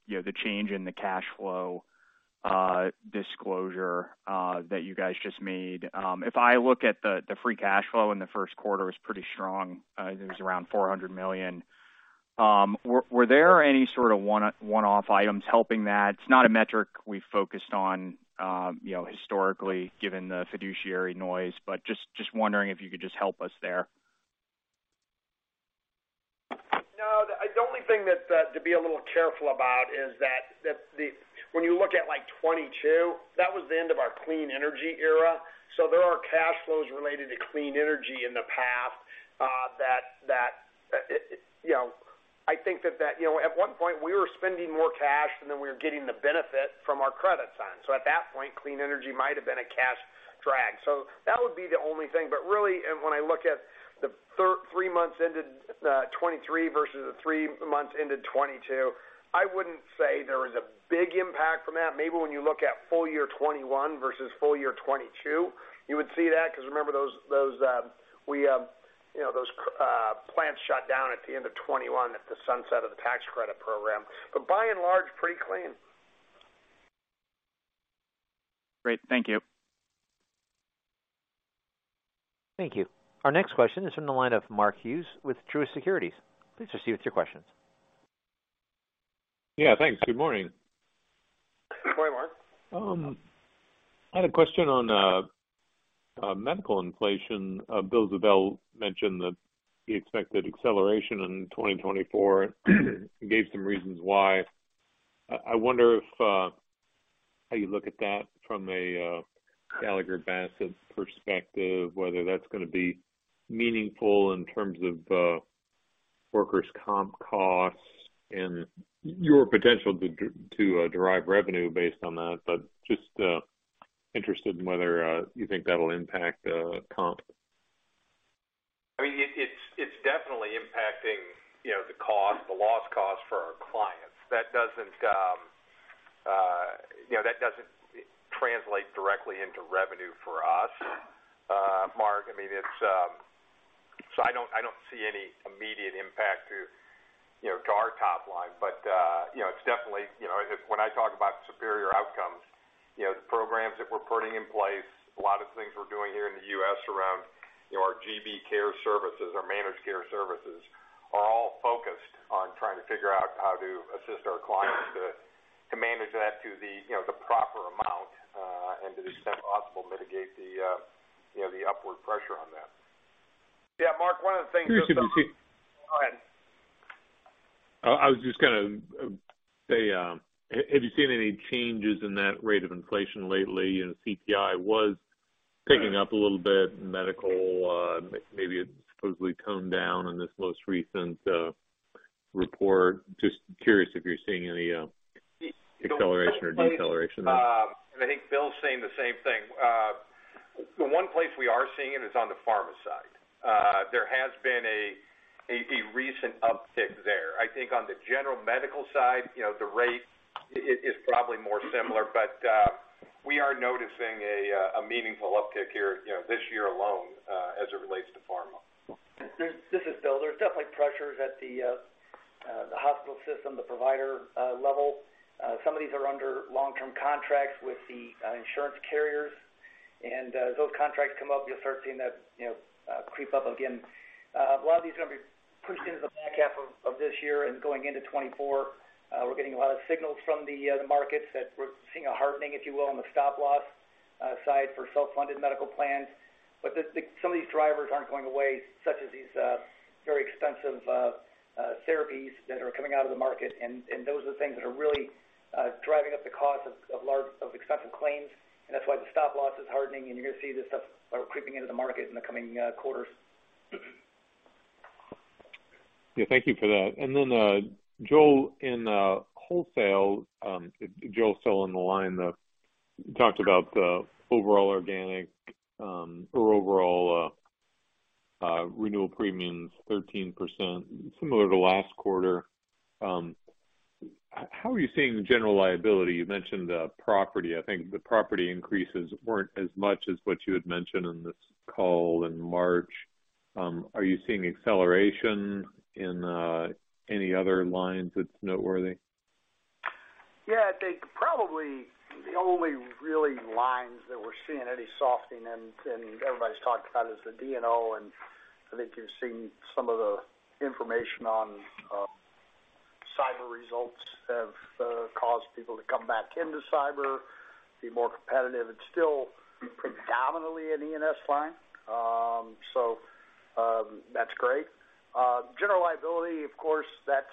Speaker 13: you know, the change in the cash flow disclosure that you guys just made. If I look at the free cash flow in the first quarter was pretty strong, it was around $400 million. Were there any sort of one-off items helping that? It's not a metric we focused on, you know, historically, given the fiduciary noise, but just wondering if you could just help us there.
Speaker 9: The only thing that to be a little careful about is that the when you look at like 2022, that was the end of our clean energy era. There are cash flows related to clean energy in the past, that, you know, I think that, you know, at one point, we were spending more cash than we were getting the benefit from our credits on. At that point, clean energy might have been a cash drag. That would be the only thing. Really, and when I look at the three months into 2023 versus the three months into 2022, I wouldn't say there was a big impact from that. Maybe when you look at full year 2021 versus full year 2022, you would see that because remember those, we, you know, those, plants shut down at the end of 2021 at the sunset of the tax credit program. By and large, pretty clean.
Speaker 13: Great. Thank you.
Speaker 1: Thank you. Our next question is from the line of Mark Hughes with Truist Securities. Please proceed with your questions.
Speaker 14: Yeah, thanks. Good morning.
Speaker 9: Good morning, Mark.
Speaker 14: I had a question on medical inflation. Bill Ziebell mentioned that he expected acceleration in 2024, and gave some reasons why. I wonder if how you look at that from a Gallagher Bassett perspective, whether that's going to be meaningful in terms of workers' comp costs and your potential to derive revenue based on that. Just interested in whether you think that'll impact comp?
Speaker 9: I mean, it's definitely impacting, you know, the cost, the loss cost for our clients. That doesn't, you know, that doesn't translate directly into revenue for us, Mark. I mean, it's. So I don't see any immediate impact to, you know, to our top line. You know, it's definitely, you know, when I talk about superior outcomes, you know, the programs that we're putting in place, a lot of things we're doing here in the U.S. around, you know, our GBCARE services, our managed care services, are all focused on trying to figure out how to assist our clients to manage that to the, you know, the proper amount, and to the extent possible, mitigate the, you know, the upward pressure on that.
Speaker 5: Yeah, Mark, one of the things...
Speaker 14: Curious if you see-?
Speaker 5: Go ahead.
Speaker 14: I was just gonna say, have you seen any changes in that rate of inflation lately? You know, CPI was picking up a little bit, medical, maybe it supposedly toned down in this most recent report. Just curious if you're seeing any acceleration or deceleration?
Speaker 9: I think Bill's saying the same thing. The one place we are seeing it is on the pharma side. There has been a recent uptick there. I think on the general medical side, you know, the rate is probably more similar. We are noticing a meaningful uptick here, you know, this year alone, as it relates to pharma.
Speaker 7: This is Bill. There's definitely pressures at the hospital system, the provider level. Some of these are under long-term contracts with the insurance carriers, and as those contracts come up, you'll start seeing that, you know, creep up again. A lot of these are going to be pushed into the back half of this year and going into 2024. We're getting a lot of signals from the markets that we're seeing a hardening, if you will, on the stop-loss side for self-funded medical plans. Some of these drivers aren't going away, such as these very expensive therapies that are coming out of the market, and those are the things that are really driving up the cost of expensive claims. That's why the stop-loss is hardening, and you're going to see this stuff start creeping into the market in the coming quarters.
Speaker 14: Thank you for that. Joel, in wholesale, Joel still on the line, talked about the overall organic, or overall, renewal premiums, 13%, similar to last quarter. How are you seeing the general liability? You mentioned the property. I think the property increases weren't as much as what you had mentioned in this call in March. Are you seeing acceleration in any other lines that's noteworthy?
Speaker 5: I think probably the only really lines that we're seeing any softening in, and everybody's talked about, is the D&O, and I think you've seen some of the information on cyber results have caused people to come back into cyber, be more competitive. It's still predominantly an E&S line. That's great. General liability, of course, that's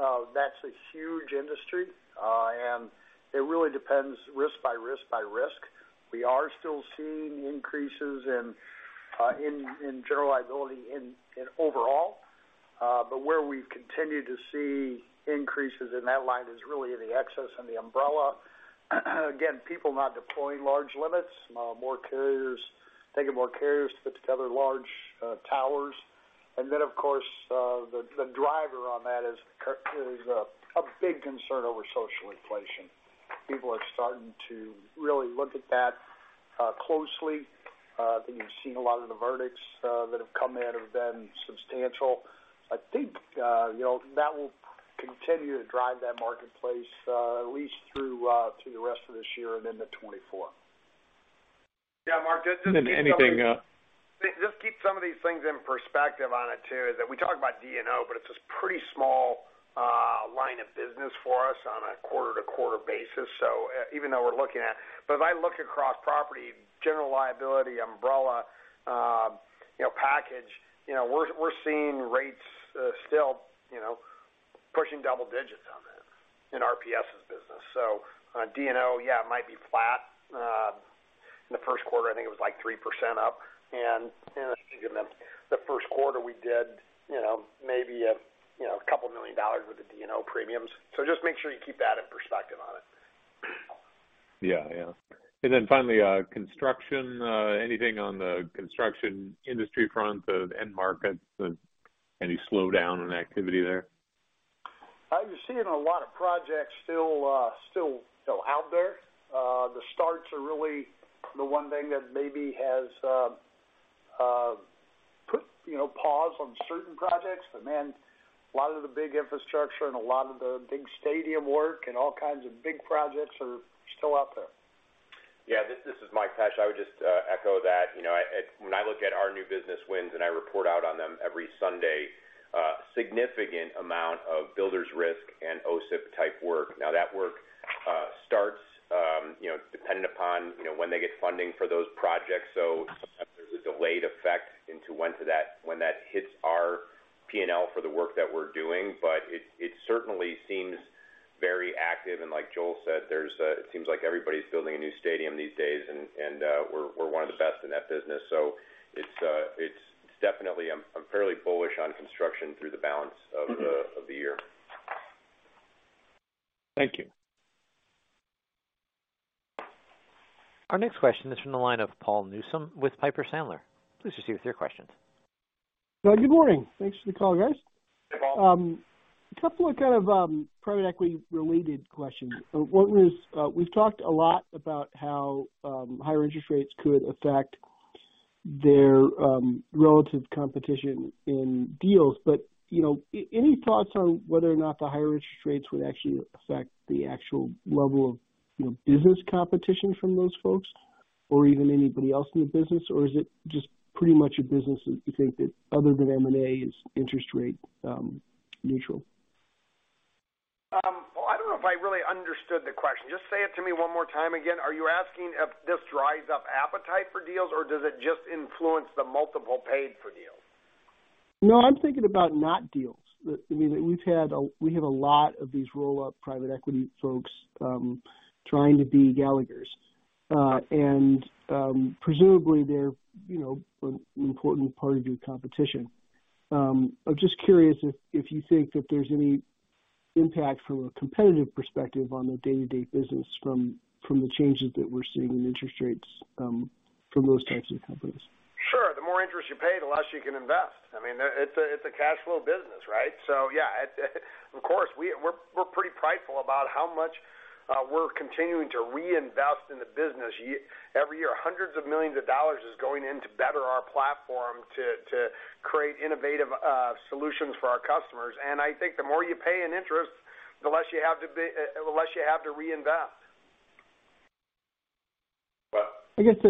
Speaker 5: a huge industry, and it really depends risk by risk, by risk. We are still seeing increases in general liability in overall, but where we've continued to see increases in that line is really in the excess and the umbrella. Again, people not deploying large limits, taking more carriers to put together large towers. Of course, the driver on that is a big concern over social inflation. People are starting to really look at that closely. I think you've seen a lot of the verdicts that have come in have been substantial. I think, you know, that will continue to drive that marketplace at least through the rest of this year and into 2024.
Speaker 9: Yeah, Mark, just keep some of-.
Speaker 14: Anything.
Speaker 9: Just keep some of these things in perspective on it, too, is that we talk about D&O, it's this pretty small line of business for us on a quarter-to-quarter basis. Even though we're looking at... if I look across property, general liability, umbrella, you know, package, you know, we're seeing rates still, you know, pushing double digits on it in RPS's business. D&O, yeah, it might be flat. In the first quarter, I think it was, like, 3% up, and the first quarter we did, you know, maybe a, you know, a couple million dollars with the D&O premiums. Just make sure you keep that in perspective on it.
Speaker 14: Yeah. Yeah. Finally, construction. Anything on the construction industry front of end markets? Any slowdown in activity there?
Speaker 5: I'm seeing a lot of projects still out there. The starts are really the one thing that maybe has put, you know, pause on certain projects. A lot of the big infrastructure and a lot of the big stadium work and all kinds of big projects are still out there.
Speaker 3: This is Mike Pesch. I would just echo that. You know, I, when I look at our new business wins, and I report out on them every Sunday, significant amount of builders risk and OCIP type work. That work starts, you know, dependent upon, you know, when they get funding for those projects. Sometimes there's a delayed effect into when that hits our P&L for the work that we're doing. It certainly seems very active, and like Joel said, it seems like everybody's building a new stadium these days, and we're one of the best in that business. It's definitely, I'm fairly bullish on construction through the balance of the year.
Speaker 14: Thank you.
Speaker 1: Our next question is from the line of Paul Newsome with Piper Sandler. Please proceed with your questions.
Speaker 15: Good morning. Thanks for the call, guys.
Speaker 9: Good morning.
Speaker 15: A couple of kind of private equity-related questions. What was, we've talked a lot about how higher interest rates could affect their relative competition in deals, but, you know, any thoughts on whether or not the higher interest rates would actually affect the actual level of, you know, business competition from those folks, or even anybody else in the business? Is it just pretty much a business, you think that other than M&A, is interest rate neutral?
Speaker 9: I don't know if I really understood the question. Just say it to me one more time again. Are you asking if this dries up appetite for deals, or does it just influence the multiple paid for deals?
Speaker 15: No, I'm thinking about not deals. I mean, you've had we have a lot of these roll-up private equity folks, trying to be Gallaghers. Presumably, they're, you know, an important part of your competition. I'm just curious if you think that there's any impact from a competitive perspective on the day-to-day business from the changes that we're seeing in interest rates, for those types of companies.
Speaker 9: Sure. The more interest you pay, the less you can invest. I mean, it's a cash flow business, right? Yeah, of course, we're pretty prideful about how much we're continuing to reinvest in the business every year. Hundreds of millions of dollars is going in to better our platform to create innovative solutions for our customers. I think the more you pay in interest, the less you have to reinvest.
Speaker 15: I guess.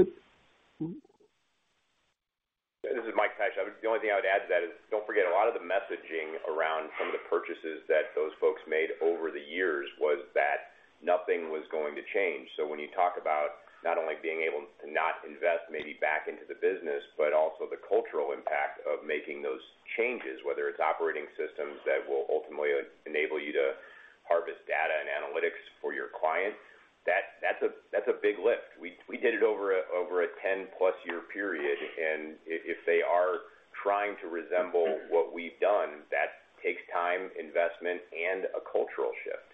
Speaker 3: This is Mike Pesch. The only thing I would add to that is, don't forget, a lot of the messaging around some of the purchases that those folks made over the years was that nothing was going to change. When you talk about not only being able to not invest maybe back into the business, but also the cultural impact of making those changes, whether it's operating systems that will ultimately enable you to harvest data and analytics for your clients, that's a big lift. We did it over a 10+ year period, and if they are trying to resemble what we've done, that takes time, investment, and a cultural shift.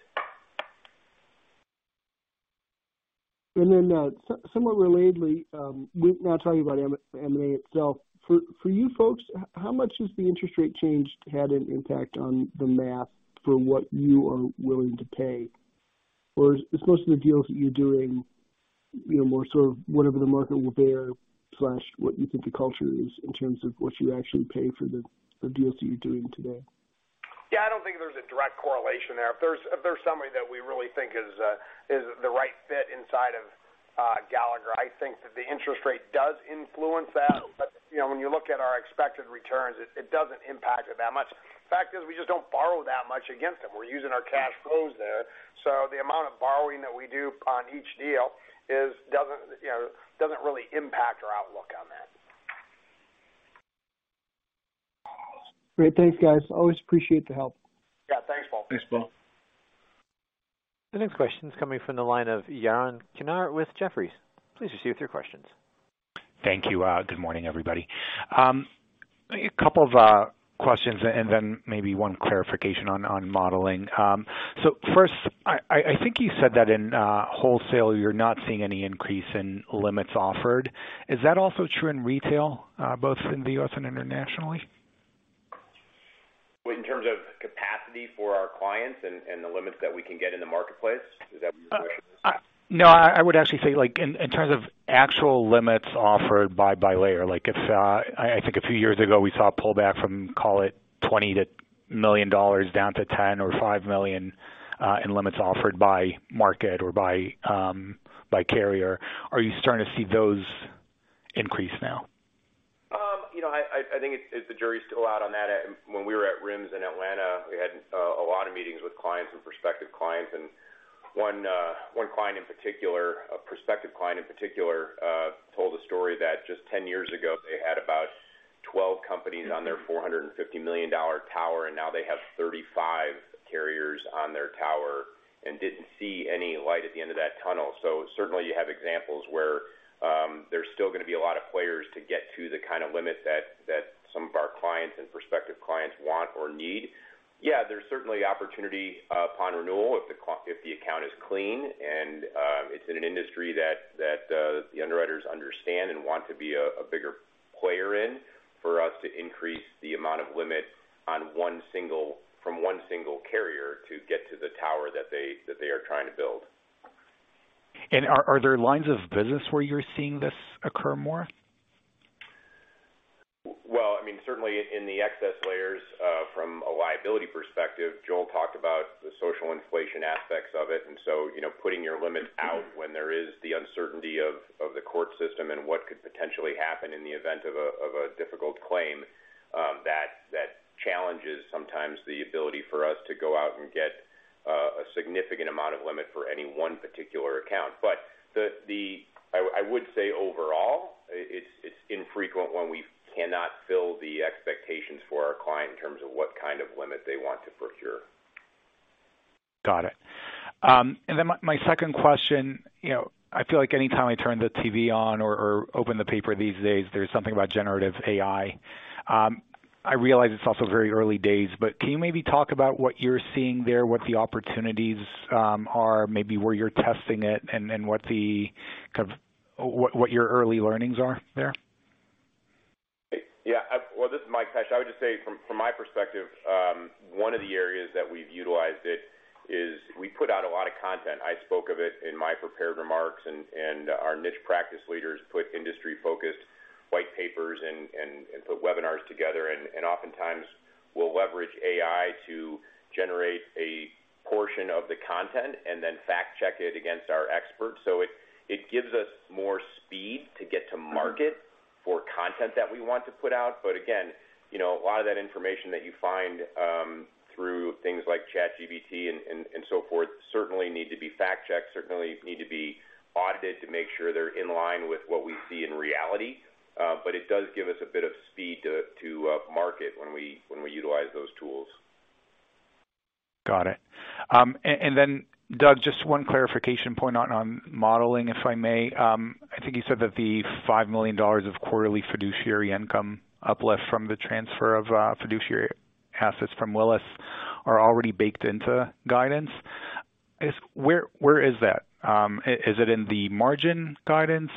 Speaker 15: Somewhat relatedly, not talking about M&A itself. For you folks, how much has the interest rate change had an impact on the math for what you are willing to pay? Or is most of the deals that you're doing, you know, more sort of whatever the market will bear, slash what you think the culture is in terms of what you actually pay for the deals that you're doing today?
Speaker 9: I don't think there's a direct correlation there. If there's somebody that we really think is the right fit inside of Gallagher, I think that the interest rate does influence that. You know, when you look at our expected returns, it doesn't impact it that much. The fact is, we just don't borrow that much against them. We're using our cash flows there, the amount of borrowing that we do on each deal doesn't, you know, really impact our outlook on that.
Speaker 15: Great. Thanks, guys. Always appreciate the help.
Speaker 9: Yeah, thanks, Paul.
Speaker 3: Thanks, Paul.
Speaker 1: The next question is coming from the line of Yaron Kinar with Jefferies. Please proceed with your questions.
Speaker 16: Thank you. Good morning, everybody. A couple of questions and then maybe 1 clarification on modeling. First, I think you said that in wholesale, you're not seeing any increase in limits offered. Is that also true in retail, both in the U.S. and internationally?
Speaker 3: In terms of capacity for our clients and the limits that we can get in the marketplace? Is that what you're saying?
Speaker 16: No, I would actually say, like, in terms of actual limits offered by layer. If I think a few years ago, we saw a pullback from, call it, $20 million, down to $10 million or $5 million in limits offered by market or by carrier. Are you starting to see those increase now?
Speaker 3: You know, I think the jury is still out on that. When we were at RIMS in Atlanta, we had a lot of meetings with clients and prospective clients, one client in particular, a prospective client in particular, told a story that just 10 years ago, they had about 12 companies on their $450 million tower, now they have 35 carriers on their tower and didn't see any light at the end of that tunnel. Certainly you have examples where there's still going to be a lot of players to get to the kind of limits that some of our clients and prospective clients want or need. Yeah, there's certainly opportunity upon renewal if the account is clean and it's in an industry that the underwriters understand and want to be a bigger player in, for us to increase the amount of limit from one single carrier to get to the tower that they are trying to build.
Speaker 16: Are there lines of business where you're seeing this occur more?
Speaker 3: Well, I mean, certainly in the excess layers, from a liability perspective, Joel talked about the social inflation aspects of it, you know, putting your limits out when there is the uncertainty of the court system and what could potentially happen in the event of a difficult claim, that challenges sometimes the ability for us to go out and get a significant amount of limit for any one particular account. I would say overall, it's infrequent when we cannot fill the expectations for our client in terms of what kind of limit they want to procure.
Speaker 16: Got it. Then my second question, you know, I feel like anytime I turn the TV on or open the paper these days, there's something about generative AI. I realize it's also very early days, but can you maybe talk about what you're seeing there, what the opportunities, are, maybe where you're testing it, and then what the kind of, what your early learnings are there?
Speaker 3: Well, this is Mike Pesch. I would just say from my perspective, one of the areas that we've utilized it is we put out a lot of content. I spoke of it in my prepared remarks, and our niche practice leaders put industry-focused white papers and put webinars together. Oftentimes, we'll leverage AI to generate a portion of the content and then fact-check it against our experts. It gives us more speed to get to market. for content that we want to put out. Again, you know, a lot of that information that you find through things like ChatGPT and so forth, certainly need to be fact-checked, certainly need to be audited to make sure they're in line with what we see in reality. It does give us a bit of speed to market when we utilize those tools.
Speaker 16: Got it. Doug, just one clarification point on modeling, if I may. I think you said that the $5 million of quarterly fiduciary income uplift from the transfer of fiduciary assets from Willis are already baked into guidance. Where is that? Is it in the margin guidance?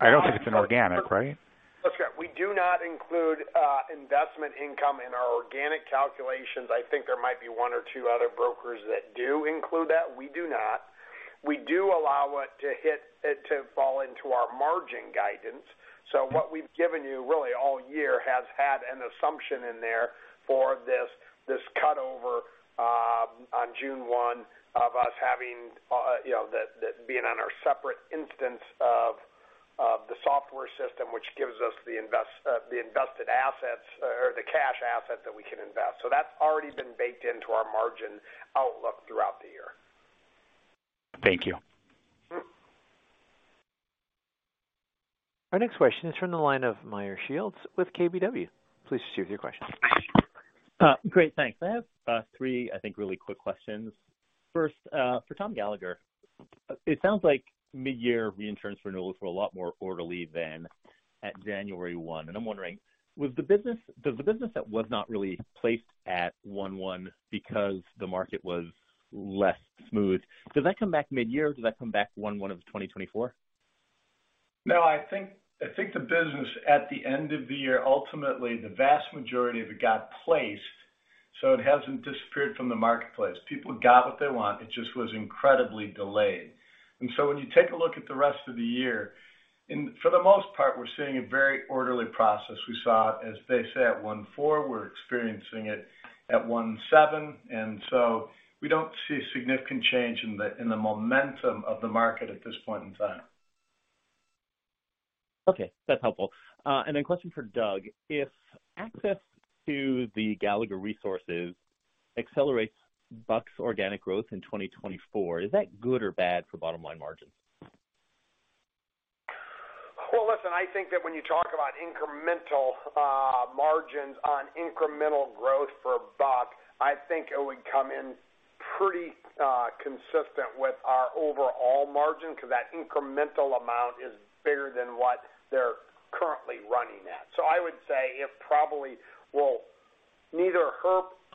Speaker 16: I don't think it's in organic, right?
Speaker 9: That's correct. We do not include investment income in our organic calculations. I think there might be one or two other brokers that do include that. We do not. We do allow it to fall into our margin guidance. What we've given you really all year has had an assumption in there for this cut over on June 1 of us having, you know, that being on our separate instance of the software system, which gives us the invested assets or the cash assets that we can invest. That's already been baked into our margin outlook throughout the year.
Speaker 16: Thank you.
Speaker 9: Mm-hmm.
Speaker 1: Our next question is from the line of Meyer Shields with KBW. Please proceed with your question.
Speaker 17: Great, thanks. I have three, I think, really quick questions. First, for Tom Gallagher, it sounds like mid-year reinsurance renewals were a lot more orderly than at January 1. I'm wondering, does the business that was not really placed at 1/1 because the market was less smooth, does that come back mid-year? Does that come back 1/1 of 2024?
Speaker 2: No, I think the business at the end of the year, ultimately the vast majority of it got placed, so it hasn't disappeared from the marketplace. People got what they want. It just was incredibly delayed. When you take a look at the rest of the year, and for the most part, we're seeing a very orderly process. We saw it, as they say, at one-four, we're experiencing it at one-seven, we don't see a significant change in the momentum of the market at this point in time.
Speaker 17: Okay, that's helpful. Then question for Doug: If access to the Gallagher resources accelerates Buck's organic growth in 2024, is that good or bad for bottom-line margins?
Speaker 9: Well, listen, I think that when you talk about incremental margins on incremental growth for Buck, I think it would come in pretty consistent with our overall margin, because that incremental amount is bigger than what they're currently running at. I would say it probably will neither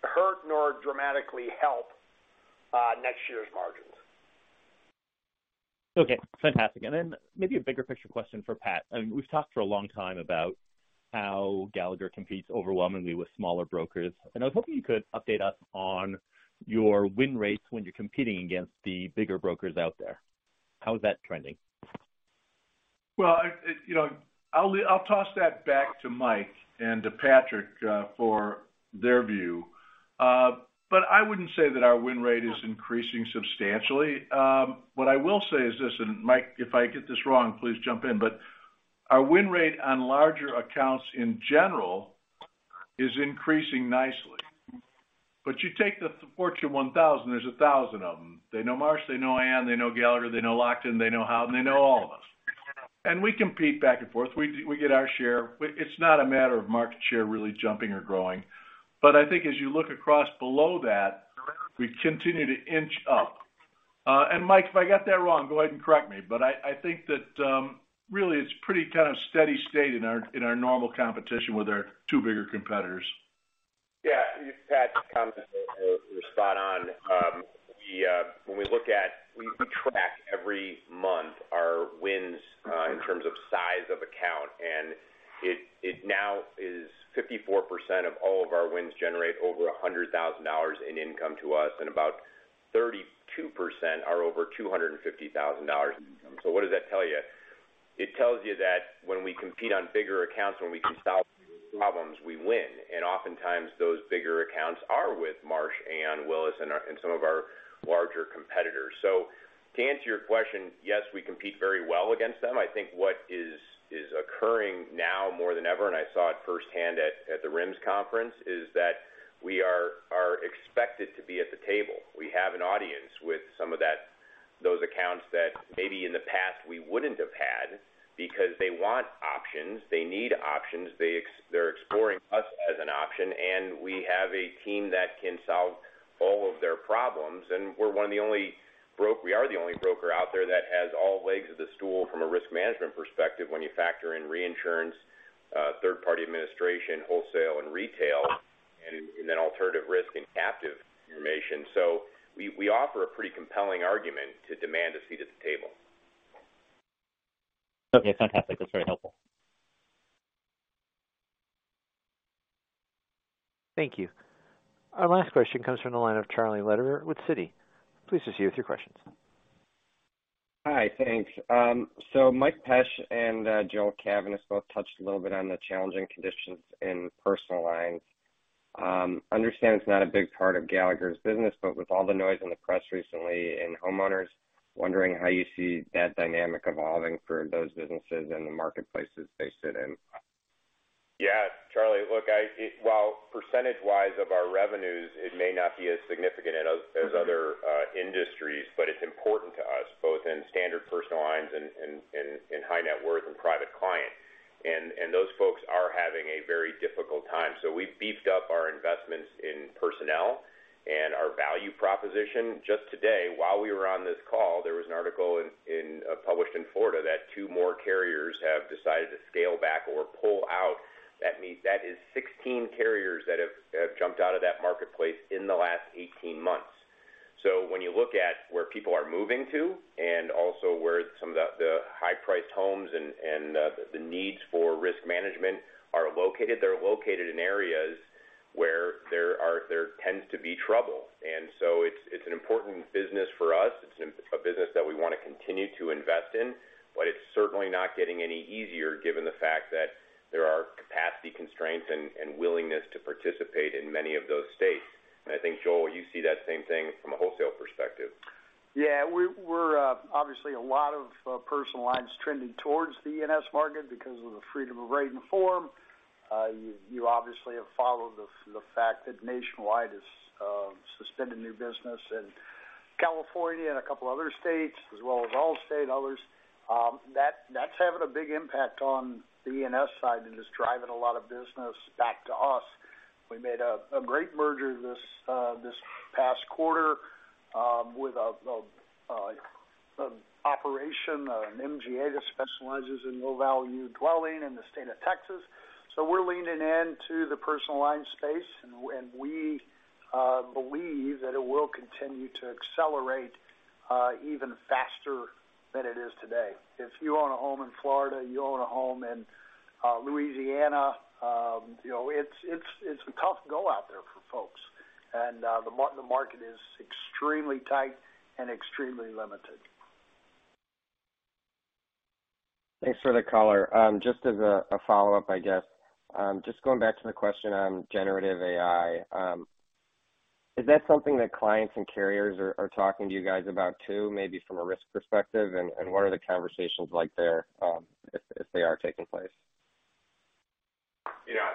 Speaker 9: hurt nor dramatically help next year's margins.
Speaker 17: Okay, fantastic. Maybe a bigger picture question for Pat. I mean, we've talked for a long time about how Gallagher competes overwhelmingly with smaller brokers, and I was hoping you could update us on your win rates when you're competing against the bigger brokers out there. How is that trending?
Speaker 2: Well, I, you know, I'll toss that back to Mike and to Patrick for their view. I wouldn't say that our win rate is increasing substantially. What I will say is this, and Mike, if I get this wrong, please jump in, but our win rate on larger accounts in general is increasing nicely. You take the Fortune 1000, there's 1,000 of them. They know Marsh, they know Aon, they know Gallagher, they know Lockton, they know Howden, and they know all of us. We compete back and forth. We get our share. It's not a matter of market share really jumping or growing. I think as you look across below that, we continue to inch up. Mike, if I got that wrong, go ahead and correct me, but I think that, really, it's pretty kind of steady state in our, in our normal competition with our two bigger competitors.
Speaker 3: Yeah, Pat, Tom, you're spot on. When we track every month our wins, in terms of size of account, and it now is 54% of all of our wins generate over $100,000 in income to us, and about 32% are over $250,000 in income. What does that tell you? It tells you that when we compete on bigger accounts, when we can solve problems, we win. Oftentimes those bigger accounts are with Marsh, Aon, Willis, and some of our larger competitors. To answer your question, yes, we compete very well against them. I think what is occurring now more than ever, and I saw it firsthand at the RIMS conference, is that we are expected to be at the table. We have an audience with some of those accounts that maybe in the past we wouldn't have had, because they want options, they need options, they're exploring us as an option. We have a team that can solve all of their problems, we are the only broker out there that has all legs of the stool from a risk management perspective when you factor in reinsurance, third-party administration, wholesale, and retail. Alternative risk and captive information. We offer a pretty compelling argument to demand a seat at the table.
Speaker 17: Okay, fantastic. That's very helpful.
Speaker 1: Thank you. Our last question comes from the line of Charlie Lederer with Citi. Please proceed with your questions.
Speaker 18: Hi, thanks. Mike Pesch and Joel Cavaness has both touched a little bit on the challenging conditions in personal lines. I understand it's not a big part of Gallagher's business, but with all the noise in the press recently, and homeowners wondering how you see that dynamic evolving for those businesses and the marketplaces they sit in?
Speaker 3: Yeah, Charlie, look, I, while percentage-wise of our revenues, it may not be as significant as other industries, but it's important to us, both in standard personal lines and in high net worth and private clients. Those folks are having a very difficult time. We've beefed up our investments in personnel and our value proposition. Just today, while we were on this call, there was an article in published in Florida that two more carriers have decided to scale back or pull out. That means that is 16 carriers that have jumped out of that marketplace in the last 18 months. When you look at where people are moving to and also where some of the high-priced homes and the needs for risk management are located, they're located in areas where there tends to be trouble. It's an important business for us. It's a business that we want to continue to invest in, but it's certainly not getting any easier given the fact that there are capacity constraints and willingness to participate in many of those states. I think, Joel, you see that same thing from a wholesale perspective.
Speaker 5: Yeah, we're obviously a lot of personal lines trending towards the E&S market because of the freedom of rating form. You obviously have followed the fact that Nationwide is suspending new business in California and a couple of other states, as well as Allstate and others. That's having a big impact on the E&S side and is driving a lot of business back to us. We made a great merger this past quarter with an operation, an MGA, that specializes in low-value dwelling in the state of Texas. We're leaning into the personal line space, and we believe that it will continue to accelerate even faster than it is today. If you own a home in Florida, you own a home in Louisiana, you know, it's, it's a tough go out there for folks. The market is extremely tight and extremely limited.
Speaker 18: Thanks for the color. Just as a follow-up, I guess. Just going back to the question on Generative AI, is that something that clients and carriers are talking to you guys about, too, maybe from a risk perspective? What are the conversations like there, if they are taking place?
Speaker 3: You know,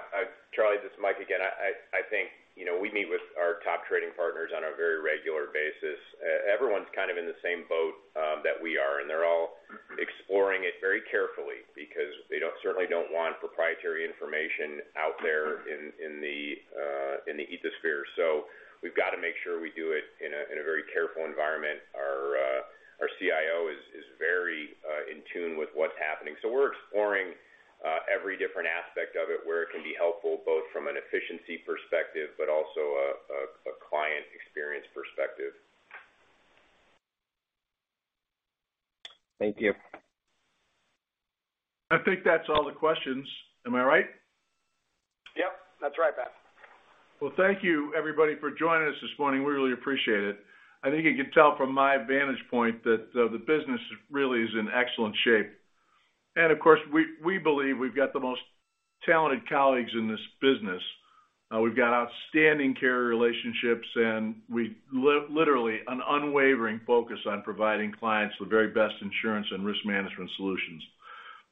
Speaker 3: Charlie, this is Mike again. I think, you know, we meet with our top trading partners on a very regular basis. Everyone's kind of in the same boat that we are, and they're all exploring it very carefully because they certainly don't want proprietary information out there in the ethosphere. We've got to make sure we do it in a very careful environment. Our CIO is very in tune with what's happening. We're exploring every different aspect of it, where it can be helpful, both from an efficiency perspective, but also a client experience perspective.
Speaker 18: Thank you.
Speaker 2: I think that's all the questions. Am I right?
Speaker 3: Yep, that's right, Pat.
Speaker 2: Well, thank you, everybody, for joining us this morning. We really appreciate it. I think you can tell from my vantage point that the business really is in excellent shape. Of course, we believe we've got the most talented colleagues in this business. We've got outstanding carrier relationships, and we literally an unwavering focus on providing clients the very best insurance and risk management solutions.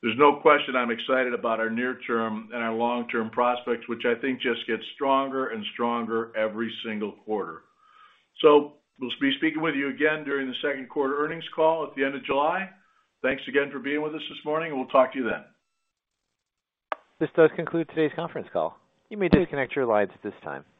Speaker 2: There's no question I'm excited about our near-term and our long-term prospects, which I think just get stronger and stronger every single quarter. We'll be speaking with you again during the second quarter earnings call at the end of July. Thanks again for being with us this morning, and we'll talk to you then.
Speaker 1: This does conclude today's conference call. You may disconnect your lines at this time.